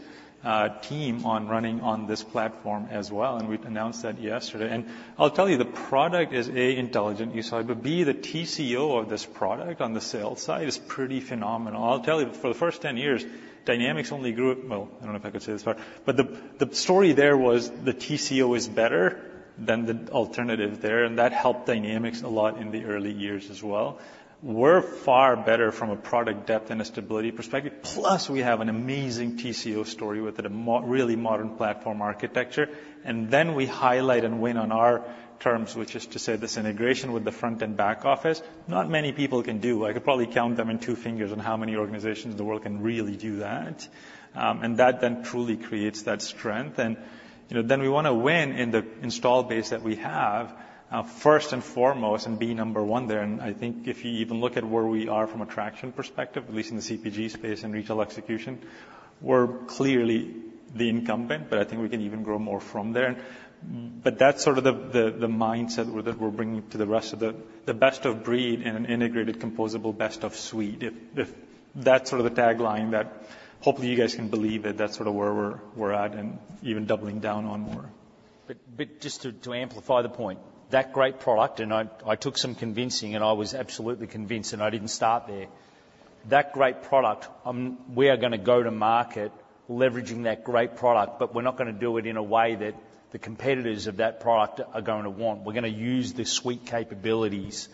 team on running on this platform as well, and we've announced that yesterday. And I'll tell you, the product is, A, intelligent, you saw it, but, B, the TCO of this product on the sales side is pretty phenomenal. I'll tell you, for the first 10 years, Dynamics only grew. Well, I don't know if I can say this far, but the, the story there was the TCO is better than the alternative there, and that helped Dynamics a lot in the early years as well. We're far better from a product depth and a stability perspective, plus we have an amazing TCO story with it, a really modern platform architecture. Then we highlight and win on our terms, which is to say, this integration with the front and back office, not many people can do. I could probably count them in two fingers on how many organizations in the world can really do that. And that then truly creates that strength. You know, then we wanna win in the install base that we have, first and foremost, and be number one there. I think if you even look at where we are from a traction perspective, at least in the CPG space and retail execution, we're clearly the incumbent, but I think we can even grow more from there. But that's sort of the mindset that we're bringing to the rest of the best of breed in an integrated, composable best-of-suite. If that's sort of the tagline that hopefully you guys can believe that that's sort of where we're at and even doubling down on more. But just to amplify the point, that great product, and I took some convincing, and I was absolutely convinced, and I didn't start there. That great product, we are gonna go to market leveraging that great product, but we're not gonna do it in a way that the competitors of that product are going to want. We're gonna use the suite capabilities,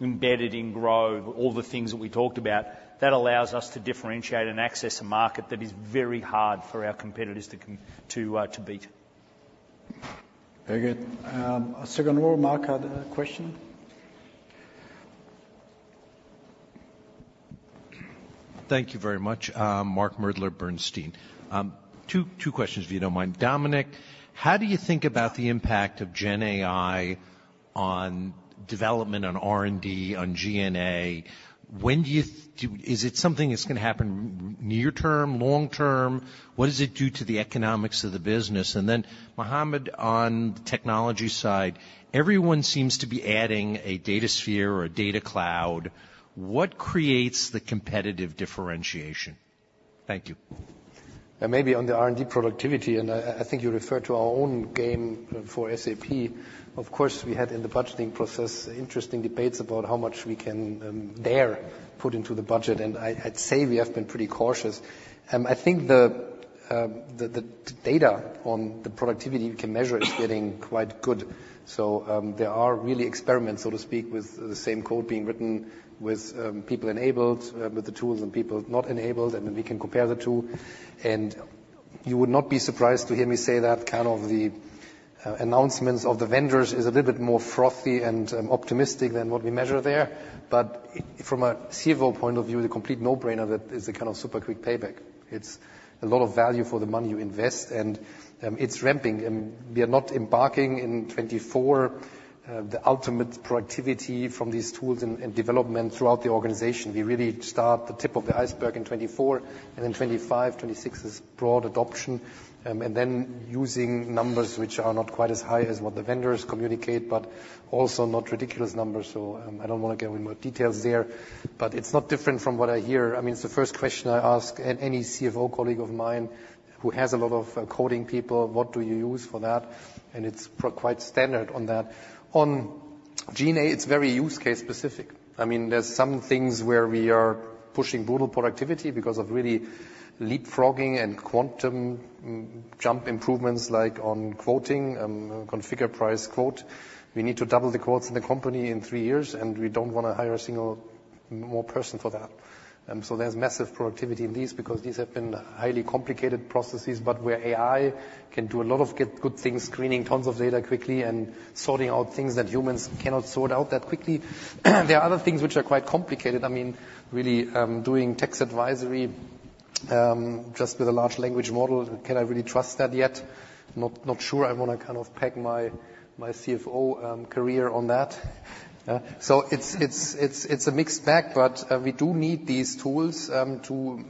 embedded in GROW, all the things that we talked about, that allows us to differentiate and access a market that is very hard for our competitors to beat. Very good. Second row, Mark had a question. Thank you very much. Mark Moerdler, Bernstein. Two questions, if you don't mind. Dominik, how do you think about the impact of GenAI on development, on R&D, on G&A? When do you... is it something that's gonna happen near term, long term? What does it do to the economics of the business? And then, Muhammad, on the technology side, everyone seems to be adding a Datasphere or a data cloud. What creates the competitive differentiation? Thank you. And maybe on the R&D productivity, I think you referred to our own GenAI for SAP. Of course, we had in the budgeting process interesting debates about how much we can dare put into the budget, and I'd say we have been pretty cautious. I think the data on the productivity we can measure is getting quite good. So, there are really experiments, so to speak, with the same code being written, with people enabled with the tools and people not enabled, and then we can compare the two. And you would not be surprised to hear me say that kind of the announcements of the vendors is a little bit more frothy and optimistic than what we measure there. But from a CFO point of view, the complete no-brainer, that is the kind of super quick payback. It's a lot of value for the money you invest, and it's ramping, and we are not embarking in 2024, the ultimate productivity from these tools and development throughout the organization. We really start the tip of the iceberg in 2024, and then 2025, 2026 is broad adoption, and then using numbers which are not quite as high as what the vendors communicate, but also not ridiculous numbers, so I don't wanna give away more details there, but it's not different from what I hear. I mean, it's the first question I ask at any CFO colleague of mine who has a lot of coding people, "What do you use for that?" And it's quite standard on that. On-... GenAI, it's very use case specific. I mean, there's some things where we are pushing brutal productivity because of really leapfrogging and quantum jump improvements, like on quoting, configure price quote. We need to double the quotes in the company in three years, and we don't want to hire a single more person for that. So there's massive productivity in these because these have been highly complicated processes. But where AI can do a lot of get good things, screening tons of data quickly and sorting out things that humans cannot sort out that quickly. There are other things which are quite complicated. I mean, really, doing tax advisory, just with a large language model. Can I really trust that yet? Not sure I want to kind of peg my, my CFO, career on that. So it's a mixed bag, but we do need these tools to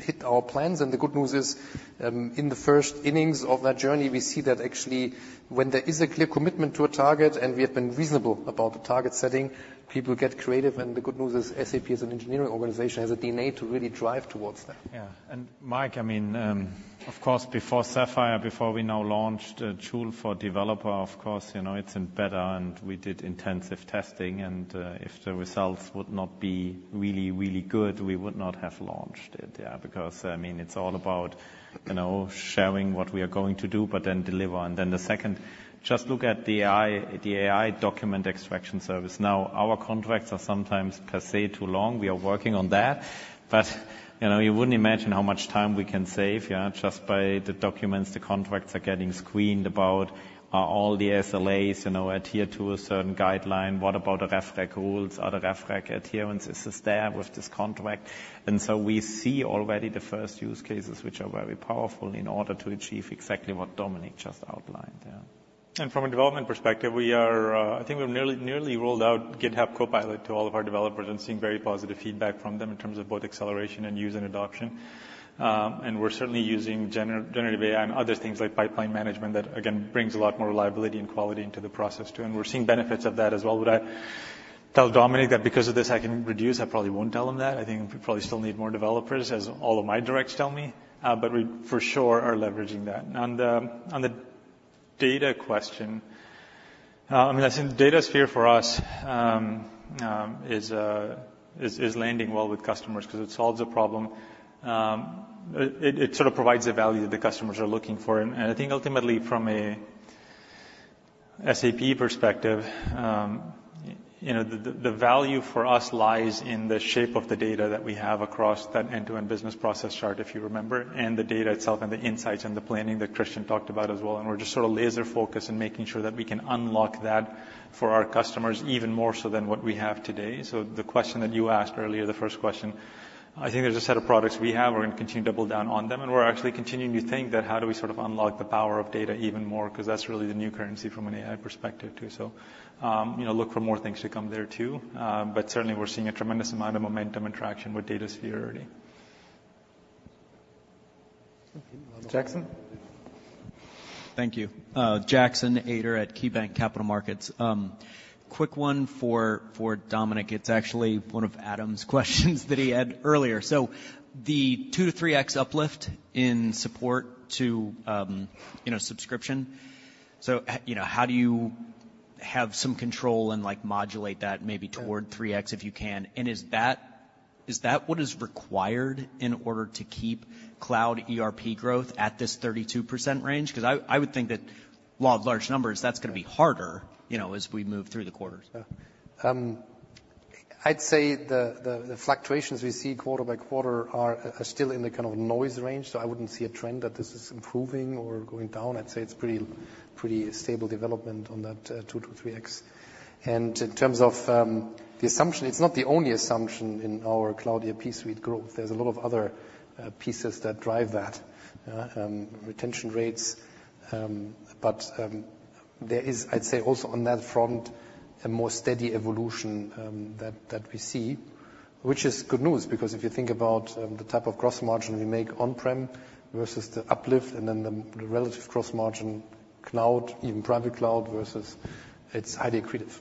hit our plans. And the good news is, in the first innings of that journey, we see that actually, when there is a clear commitment to a target, and we have been reasonable about the target setting, people get creative. And the good news is, SAP as an engineering organization, has a DNA to really drive towards that. Yeah. And Mike, I mean, of course, before Sapphire, before we now launched a tool for developer, of course, you know, it's embedded, and we did intensive testing, and if the results would not be really, really good, we would not have launched it. Yeah, because, I mean, it's all about, you know, sharing what we are going to do, but then deliver. And then the second, just look at the AI, the AI document extraction service. Now, our contracts are sometimes per se too long. We are working on that. But, you know, you wouldn't imagine how much time we can save, yeah, just by the documents. The contracts are getting screened about are all the SLAs, you know, adhere to a certain guideline. What about the rev rec rules? Are the rev rec adherence, is this there with this contract? And so we see already the first use cases, which are very powerful in order to achieve exactly what Dominik just outlined, yeah. From a development perspective, we are, I think we've nearly rolled out GitHub Copilot to all of our developers and seen very positive feedback from them in terms of both acceleration and user adoption. We're certainly using generative AI and other things like pipeline management that, again, brings a lot more reliability and quality into the process, too. We're seeing benefits of that as well. Would I tell Dominik that because of this I can reduce? I probably won't tell him that. I think we probably still need more developers, as all of my directs tell me, but we for sure are leveraging that. On the data question, I mean, I think Datasphere, for us, is landing well with customers because it solves a problem. It sort of provides the value that the customers are looking for. And I think ultimately from a SAP perspective, you know, the value for us lies in the shape of the data that we have across that end-to-end business process chart, if you remember, and the data itself and the insights and the planning that Christian talked about as well. We're just sort of laser focused on making sure that we can unlock that for our customers, even more so than what we have today. So the question that you asked earlier, the first question, I think there's a set of products we have. We're going to continue to double down on them, and we're actually continuing to think that how do we sort of unlock the power of data even more? Because that's really the new currency from an AI perspective, too. So, you know, look for more things to come there, too. But certainly we're seeing a tremendous amount of momentum and traction with Datasphere already. Jackson? Thank you. Jackson Ader at KeyBanc Capital Markets. Quick one for, for Dominik. It's actually one of Adam's questions that he had earlier. So the 2-3x uplift in support to, you know, subscription. So, you know, how do you have some control and, like, modulate that maybe toward 3x, if you can? And is that, is that what is required in order to keep cloud ERP growth at this 32% range? Because I, I would think that, law of large numbers, that's going to be harder, you know, as we move through the quarters. Yeah. I'd say the fluctuations we see quarter by quarter are still in the kind of noise range, so I wouldn't see a trend that this is improving or going down. I'd say it's pretty stable development on that 2-3x. And in terms of the assumption, it's not the only assumption in our Cloud ERP Suite growth. There's a lot of other pieces that drive that. Retention rates, but there is, I'd say, also on that front, a more steady evolution that we see, which is good news, because if you think about the type of gross margin we make on-prem versus the uplift and then the relative gross margin cloud, even private cloud versus. It's highly accretive.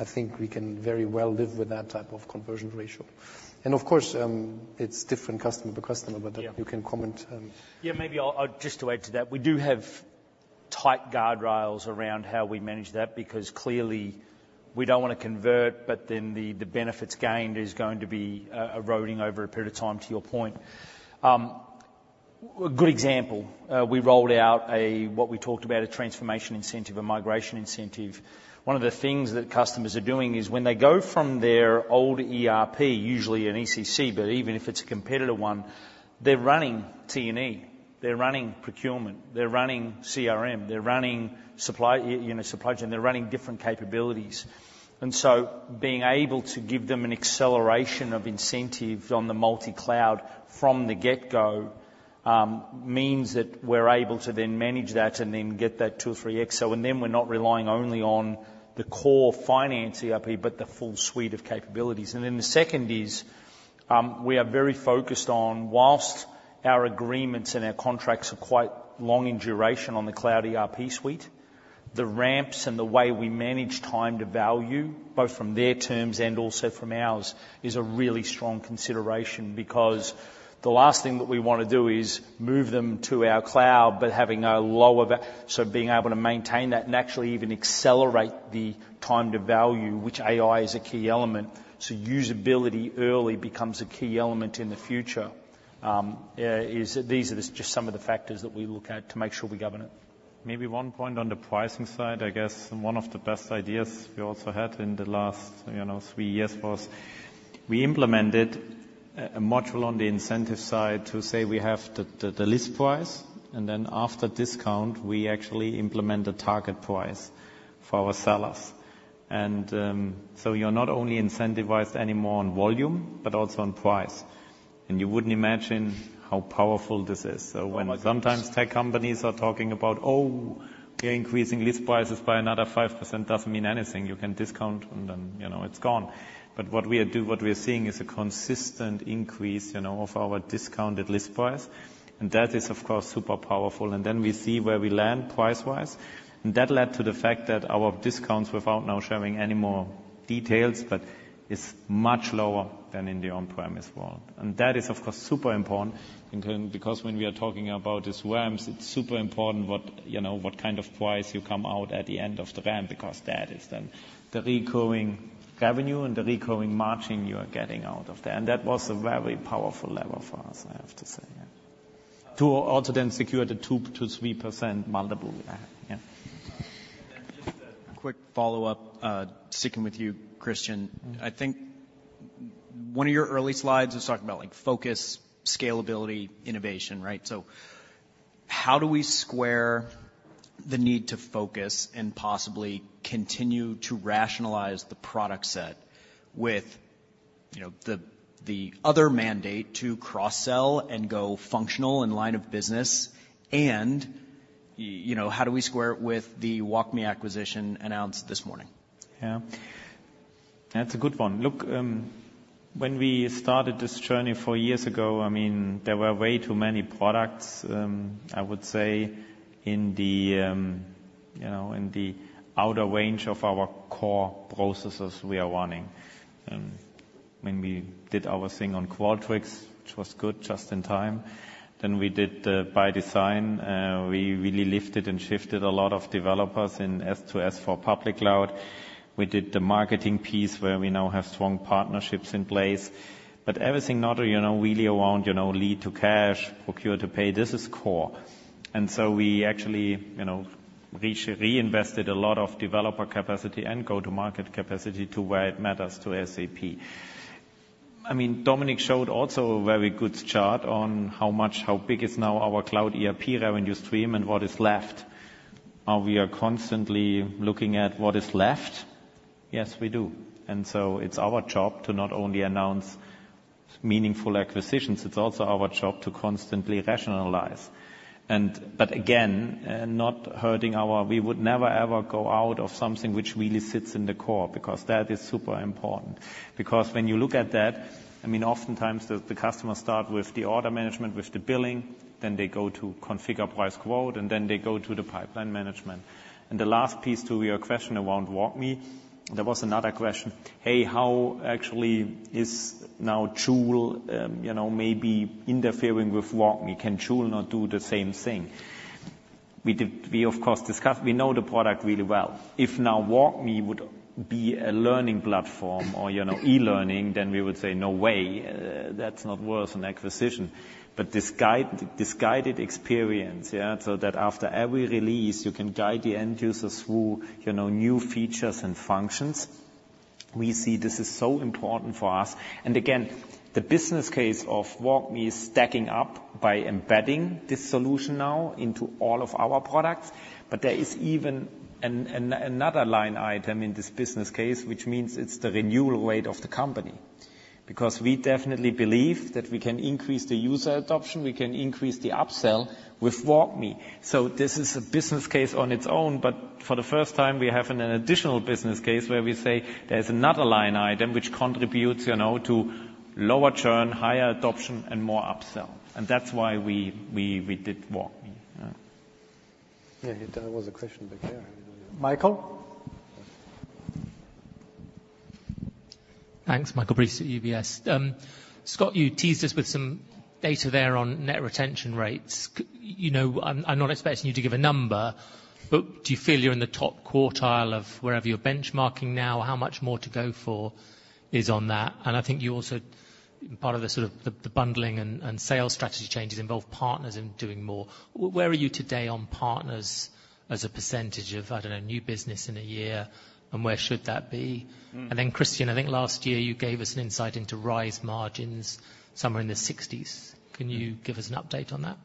I think we can very well live with that type of conversion ratio. Of course, it's different customer to customer- Yeah - but you can comment. Yeah, maybe I'll just add to that. We do have tight guardrails around how we manage that, because clearly we don't want to convert, but then the benefits gained is going to be eroding over a period of time, to your point. A good example, we rolled out a, what we talked about, a transformation incentive, a migration incentive. One of the things that customers are doing is when they go from their old ERP, usually an ECC, but even if it's a competitor one, they're running T&E, they're running procurement, they're running CRM, they're running supply, you know, supply chain. They're running different capabilities. And so being able to give them an acceleration of incentives on the multi-cloud from the get-go means that we're able to then manage that and then get that 2 or 3x. So and then we're not relying only on the core finance ERP, but the full suite of capabilities. And then the second is, we are very focused on, while our agreements and our contracts are quite long in duration on the Cloud ERP Suite, the ramps and the way we manage time to value, both from their terms and also from ours, is a really strong consideration, because the last thing that we want to do is move them to our cloud, but having a lower value, so being able to maintain that and actually even accelerate the time to value, which AI is a key element. So usability early becomes a key element in the future. These are just some of the factors that we look at to make sure we govern it. Maybe one point on the pricing side, I guess, and one of the best ideas we also had in the last, you know, three years was, we implemented a module on the incentive side to say we have the list price, and then after discount, we actually implement the target price for our sellers. And so you're not only incentivized anymore on volume, but also on price. And you wouldn't imagine how powerful this is. So when sometimes tech companies are talking about, "Oh, we are increasing list prices by another 5%," doesn't mean anything. You can discount, and then, you know, it's gone. But what we are seeing is a consistent increase, you know, of our discounted list price, and that is, of course, super powerful. Then we see where we land price-wise, and that led to the fact that our discounts, without now sharing any more details, but is much lower than in the on-premise world. That is, of course, super important, including, because when we are talking about these ramps, it's super important what, you know, what kind of price you come out at the end of the ramp, because that is then the recurring revenue and the recurring margin you are getting out of that. That was a very powerful lever for us, I have to say, yeah. To also then secure the 2%-3% uplift. Yeah. And then just a quick follow-up, sticking with you, Christian. I think one of your early slides was talking about, like, focus, scalability, innovation, right? So how do we square the need to focus and possibly continue to rationalize the product set with, you know, the other mandate to cross-sell and go functional in line of business? And you know, how do we square it with the WalkMe acquisition announced this morning? Yeah. That's a good one. Look, when we started this journey four years ago, I mean, there were way too many products, I would say, in the, you know, in the outer range of our core processes we are running. When we did our thing on Qualtrics, which was good, just in time, then we did the ByDesign. We really lifted and shifted a lot of developers in S/4 for public cloud. We did the marketing piece where we now have strong partnerships in place. But everything, other, you know, really around, you know, lead to cash, procure to pay, this is core. And so we actually, you know, reinvested a lot of developer capacity and go-to-market capacity to where it matters to SAP. I mean, Dominik showed also a very good chart on how much, how big is now our cloud ERP revenue stream and what is left. Are we constantly looking at what is left? Yes, we do. And so it's our job to not only announce meaningful acquisitions, it's also our job to constantly rationalize. But again, not hurting our... We would never, ever go out of something which really sits in the core, because that is super important. Because when you look at that, I mean, oftentimes the customers start with the order management, with the billing, then they go to configure price quote, and then they go to the pipeline management. And the last piece to your question around WalkMe, there was another question: Hey, how actually is now Joule, you know, maybe interfering with WalkMe? Can Joule not do the same thing? We did, we, of course, discussed. We know the product really well. If now WalkMe would be a learning platform or, you know, e-learning, then we would say, "No way, that's not worth an acquisition." But this guide, this guided experience, yeah, so that after every release, you can guide the end users through, you know, new features and functions. We see this is so important for us. And again, the business case of WalkMe is stacking up by embedding this solution now into all of our products. But there is even another line item in this business case, which means it's the renewal rate of the company. Because we definitely believe that we can increase the user adoption, we can increase the upsell with WalkMe. So this is a business case on its own, but for the first time, we have an additional business case where we say there's another line item which contributes, you know, to lower churn, higher adoption, and more upsell. And that's why we did WalkMe. Yeah, there was a question back there. Michael? Thanks. Michael Briest at UBS. Scott, you teased us with some data there on net retention rates. You know, I'm not expecting you to give a number, but do you feel you're in the top quartile of wherever you're benchmarking now? How much more to go for is on that? And I think you also, part of the, sort of, the bundling and sales strategy changes involve partners in doing more. Where are you today on partners as a percentage of, I don't know, new business in a year, and where should that be? Mm. And then, Christian, I think last year you gave us an insight into RISE margins somewhere in the sixties. Can you give us an update on that?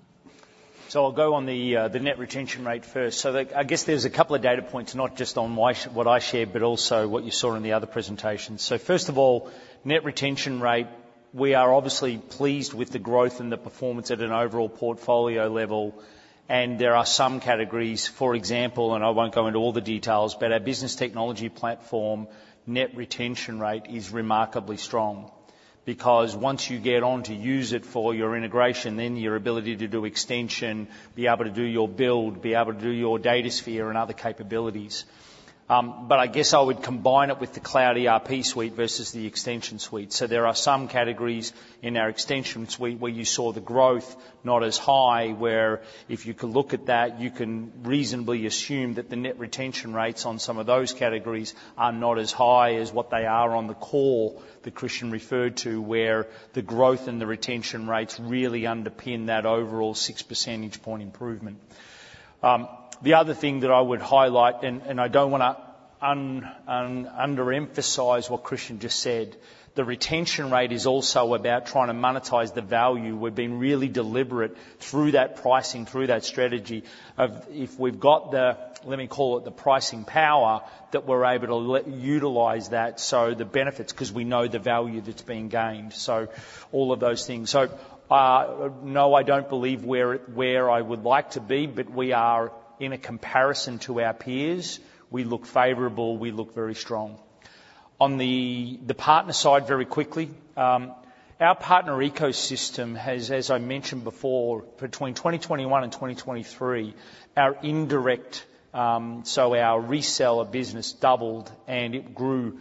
So I'll go on the net retention rate first. I guess there's a couple of data points, not just on why what I shared, but also what you saw in the other presentations. First of all, net retention rate, we are obviously pleased with the growth and the performance at an overall portfolio level, and there are some categories, for example, and I won't go into all the details, but our Business Technology Platform net retention rate is remarkably strong because once you get on to use it for your integration, then your ability to do extension, be able to do your build, be able to do your Datasphere and other capabilities. But I guess I would combine it with the Cloud ERP Suite versus the Extension Suite. So there are some categories in our Extension Suite where you saw the growth not as high, where if you could look at that, you can reasonably assume that the net retention rates on some of those categories are not as high as what they are on the core that Christian referred to, where the growth and the retention rates really underpin that overall six percentage point improvement. The other thing that I would highlight, and I don't want to underemphasize what Christian just said, the retention rate is also about trying to monetize the value. We've been really deliberate through that pricing, through that strategy, of if we've got the, let me call it, the pricing power, that we're able to let utilize that so the benefits, 'cause we know the value that's being gained. So all of those things. So, no, I don't believe we're where I would like to be, but we are, in a comparison to our peers, we look favorable, we look very strong. On the partner side, very quickly, our partner ecosystem has, as I mentioned before, between 2021 and 2023, our indirect, so our reseller business doubled, and it grew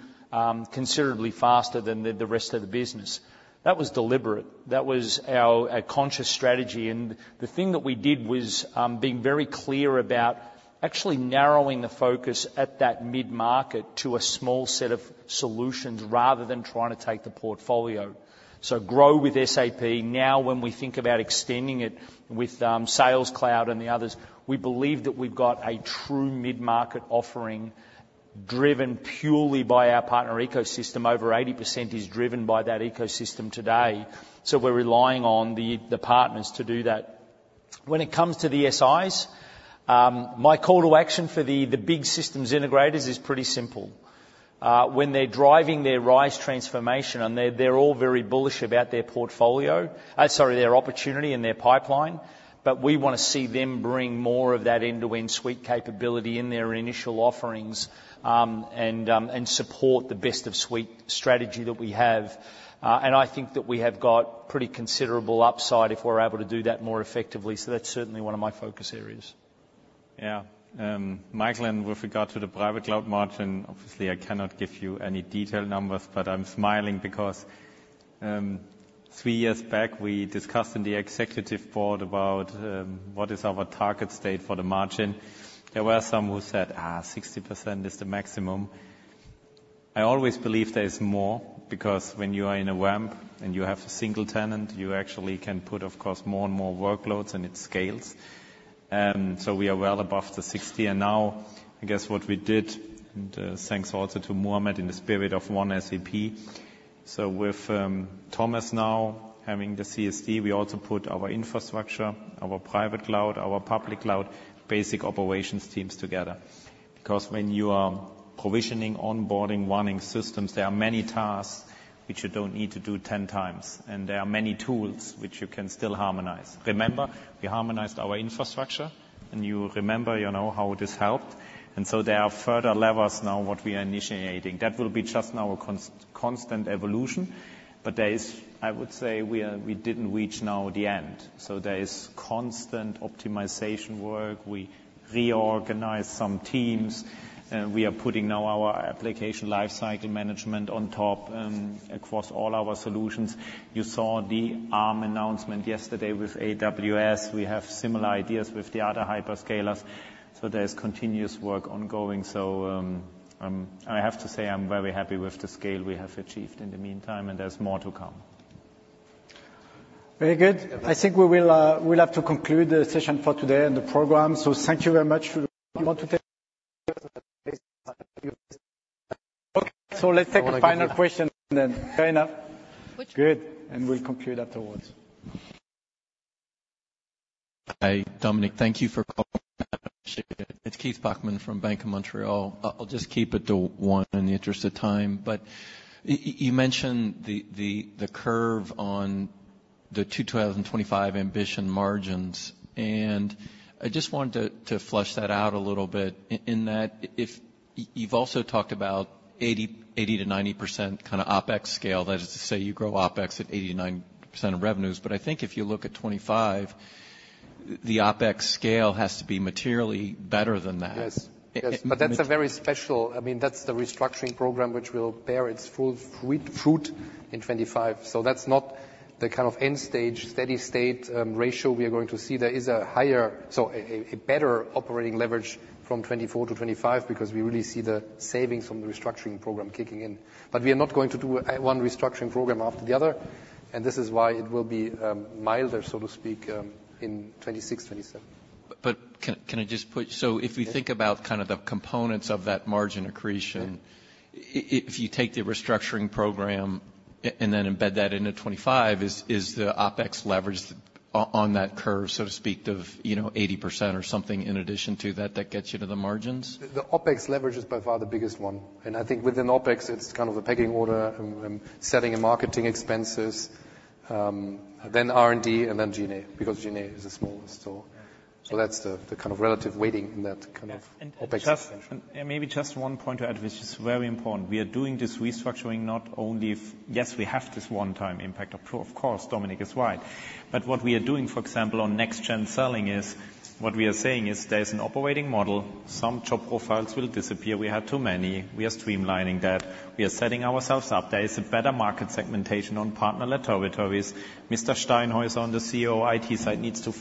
considerably faster than the rest of the business. That was deliberate. That was our a conscious strategy. And the thing that we did was being very clear about actually narrowing the focus at that mid-market to a small set of solutions, rather than trying to take the portfolio. So GROW with SAP. Now, when we think about extending it with Sales Cloud and the others, we believe that we've got a true mid-market offering, driven purely by our partner ecosystem. Over 80% is driven by that ecosystem today, so we're relying on the partners to do that. When it comes to the SIs, my call to action for the big systems integrators is pretty simple. When they're driving their RISE transformation, and they're all very bullish about their portfolio, sorry, their opportunity and their pipeline, but we wanna see them bring more of that end-to-end suite capability in their initial offerings, and support the best-of-suite strategy that we have. And I think that we have got pretty considerable upside if we're able to do that more effectively, so that's certainly one of my focus areas. Yeah. Michael, and with regard to the private cloud margin, obviously, I cannot give you any detailed numbers, but I'm smiling because, three years back, we discussed in the executive board about, what is our target state for the margin. There were some who said, "Ah, 60% is the maximum." I always believe there is more, because when you are in a ramp and you have a single tenant, you actually can put, of course, more and more workloads, and it scales. So we are well above the 60%. And now, I guess, what we did, and, thanks also to Muhammad, in the spirit of one SAP. So with, Thomas now having the CSD, we also put our infrastructure, our private cloud, our public cloud, basic operations teams together. Because when you are provisioning, onboarding, running systems, there are many tasks which you don't need to do 10 times, and there are many tools which you can still harmonize. Remember, we harmonized our infrastructure, and you remember, you know, how this helped, and so there are further levels now what we are initiating. That will be just our constant evolution. But there is... I would say we are, we didn't reach now the end, so there is constant optimization work. We reorganized some teams, and we are putting now our application lifecycle management on top, across all our solutions. You saw the ALM announcement yesterday with AWS. We have similar ideas with the other hyperscalers, so there is continuous work ongoing. So, I have to say, I'm very happy with the scale we have achieved in the meantime, and there's more to come. Very good. I think we will, we'll have to conclude the session for today and the program. So thank you very much. You want to take? Okay, so let's take a final question, and then fair enough. Good, and we'll conclude afterwards. Hi, Dominik. Thank you for taking my questions. It's Keith Bachman from Bank of Montreal. I'll just keep it to one in the interest of time. But you mentioned the curve on the 2025 ambition margins, and I just wanted to flesh that out a little bit in that, if you've also talked about 80%-90% kind of OpEx scale. That is to say, you grow OpEx at 80%-90% of revenues. But I think if you look at 2025, the OpEx scale has to be materially better than that. Yes. Yes, but that's a very special... I mean, that's the restructuring program which will bear its full fruit in 2025. So that's not the kind of end stage, steady state ratio we are going to see. There is a higher, so a better operating leverage from 2024 to 2025 because we really see the savings from the restructuring program kicking in. But we are not going to do one restructuring program after the other, and this is why it will be milder, so to speak, in 2026, 2027. But can I just put. So if we think about kind of the components of that margin accretion- Sure. If you take the restructuring program and then embed that into 25, is the OpEx leverage on that curve, so to speak, the, you know, 80% or something in addition to that, that gets you to the margins? The OpEx leverage is by far the biggest one, and I think within OpEx, it's kind of the pecking order and selling and marketing expenses, then R&D and then G&A, because G&A is the smallest. So that's the kind of relative weighting in that kind of OpEx. Maybe just one point to add, which is very important. We are doing this restructuring not only if... Yes, we have this one-time impact, of course. Dominik is right. What we are doing, for example, on next-gen selling is, what we are saying is there is an operating model, some job profiles will disappear. We have too many. We are streamlining that. We are setting ourselves up. There is a better market segmentation on partner territories. Mr. Steinhaeuser on the COO IT side needs to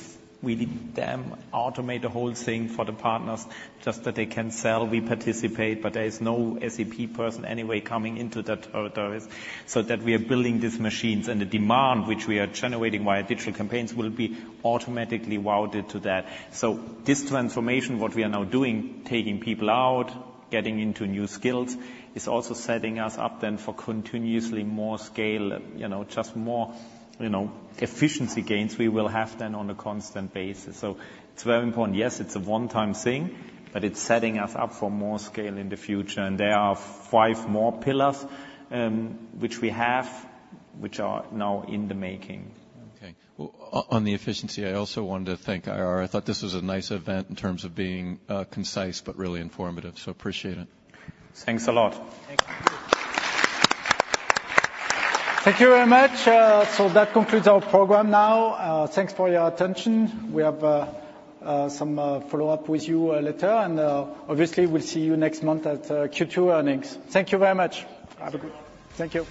really damn automate the whole thing for the partners, just that they can sell, we participate, but there is no SAP person anyway coming into that territories. So that we are building these machines, and the demand, which we are generating via digital campaigns, will be automatically routed to that. This transformation, what we are now doing, taking people out, getting into new skills, is also setting us up then for continuously more scale, you know, just more, you know, efficiency gains we will have then on a constant basis. It's very important. Yes, it's a one-time thing, but it's setting us up for more scale in the future, and there are five more pillars, which we have, which are now in the making. Okay. Well, on the efficiency, I also wanted to thank IR. I thought this was a nice event in terms of being concise but really informative, so appreciate it. Thanks a lot. Thank you very much. So that concludes our program now. Thanks for your attention. We have some follow-up with you later, and obviously, we'll see you next month at Q2 earnings. Thank you very much. Have a good one. Thank you.